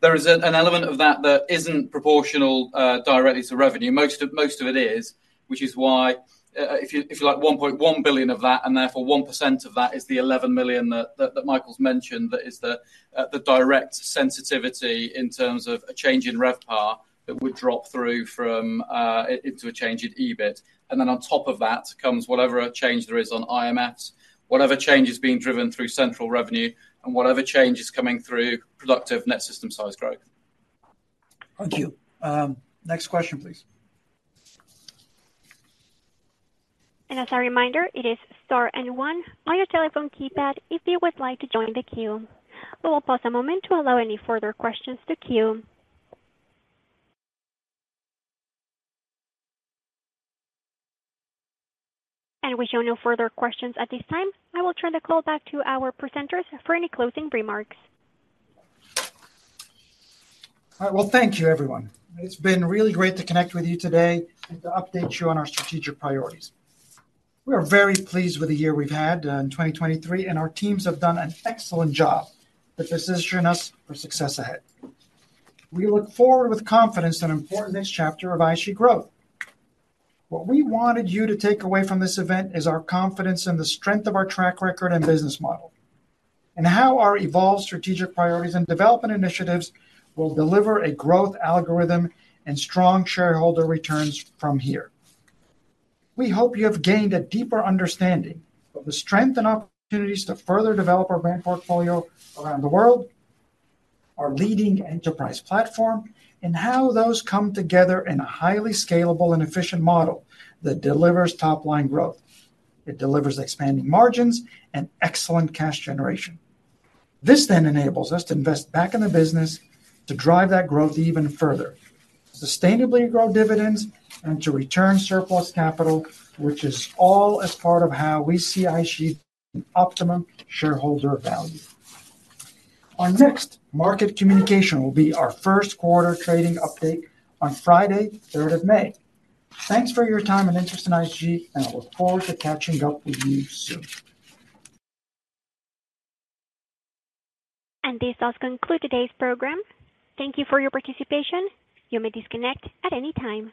There is an element of that that isn't proportional directly to revenue. Most of, most of it is, which is why, if you, if you like, $1.1 billion of that, and therefore 1% of that is the $11 million that Michael's mentioned, that is the direct sensitivity in terms of a change in RevPAR that would drop through from into a change in EBIT. And then on top of that comes whatever change there is on IMFs, whatever change is being driven through central revenue, and whatever change is coming through productive net system size growth. Thank you. Next question, please. As a reminder, it is star and one on your telephone keypad if you would like to join the queue. We will pause a moment to allow any further questions to queue. We show no further questions at this time. I will turn the call back to our presenters for any closing remarks. All right. Well, thank you, everyone. It's been really great to connect with you today and to update you on our strategic priorities. We are very pleased with the year we've had in 2023, and our teams have done an excellent job that positioning us for success ahead. We look forward with confidence in an important next chapter of IHG growth. What we wanted you to take away from this event is our confidence in the strength of our track record and business model, and how our evolved strategic priorities and development initiatives will deliver a growth algorithm and strong shareholder returns from here. We hope you have gained a deeper understanding of the strength and opportunities to further develop our brand portfolio around the world, our leading enterprise platform, and how those come together in a highly scalable and efficient model that delivers top-line growth. It delivers expanding margins and excellent cash generation. This then enables us to invest back in the business to drive that growth even further, sustainably grow dividends, and to return surplus capital, which is all as part of how we see IHG optimum shareholder value. Our next market communication will be our first quarter trading update on Friday, third of May. Thanks for your time and interest in IHG, and I look forward to catching up with you soon. This does conclude today's program. Thank you for your participation. You may disconnect at any time.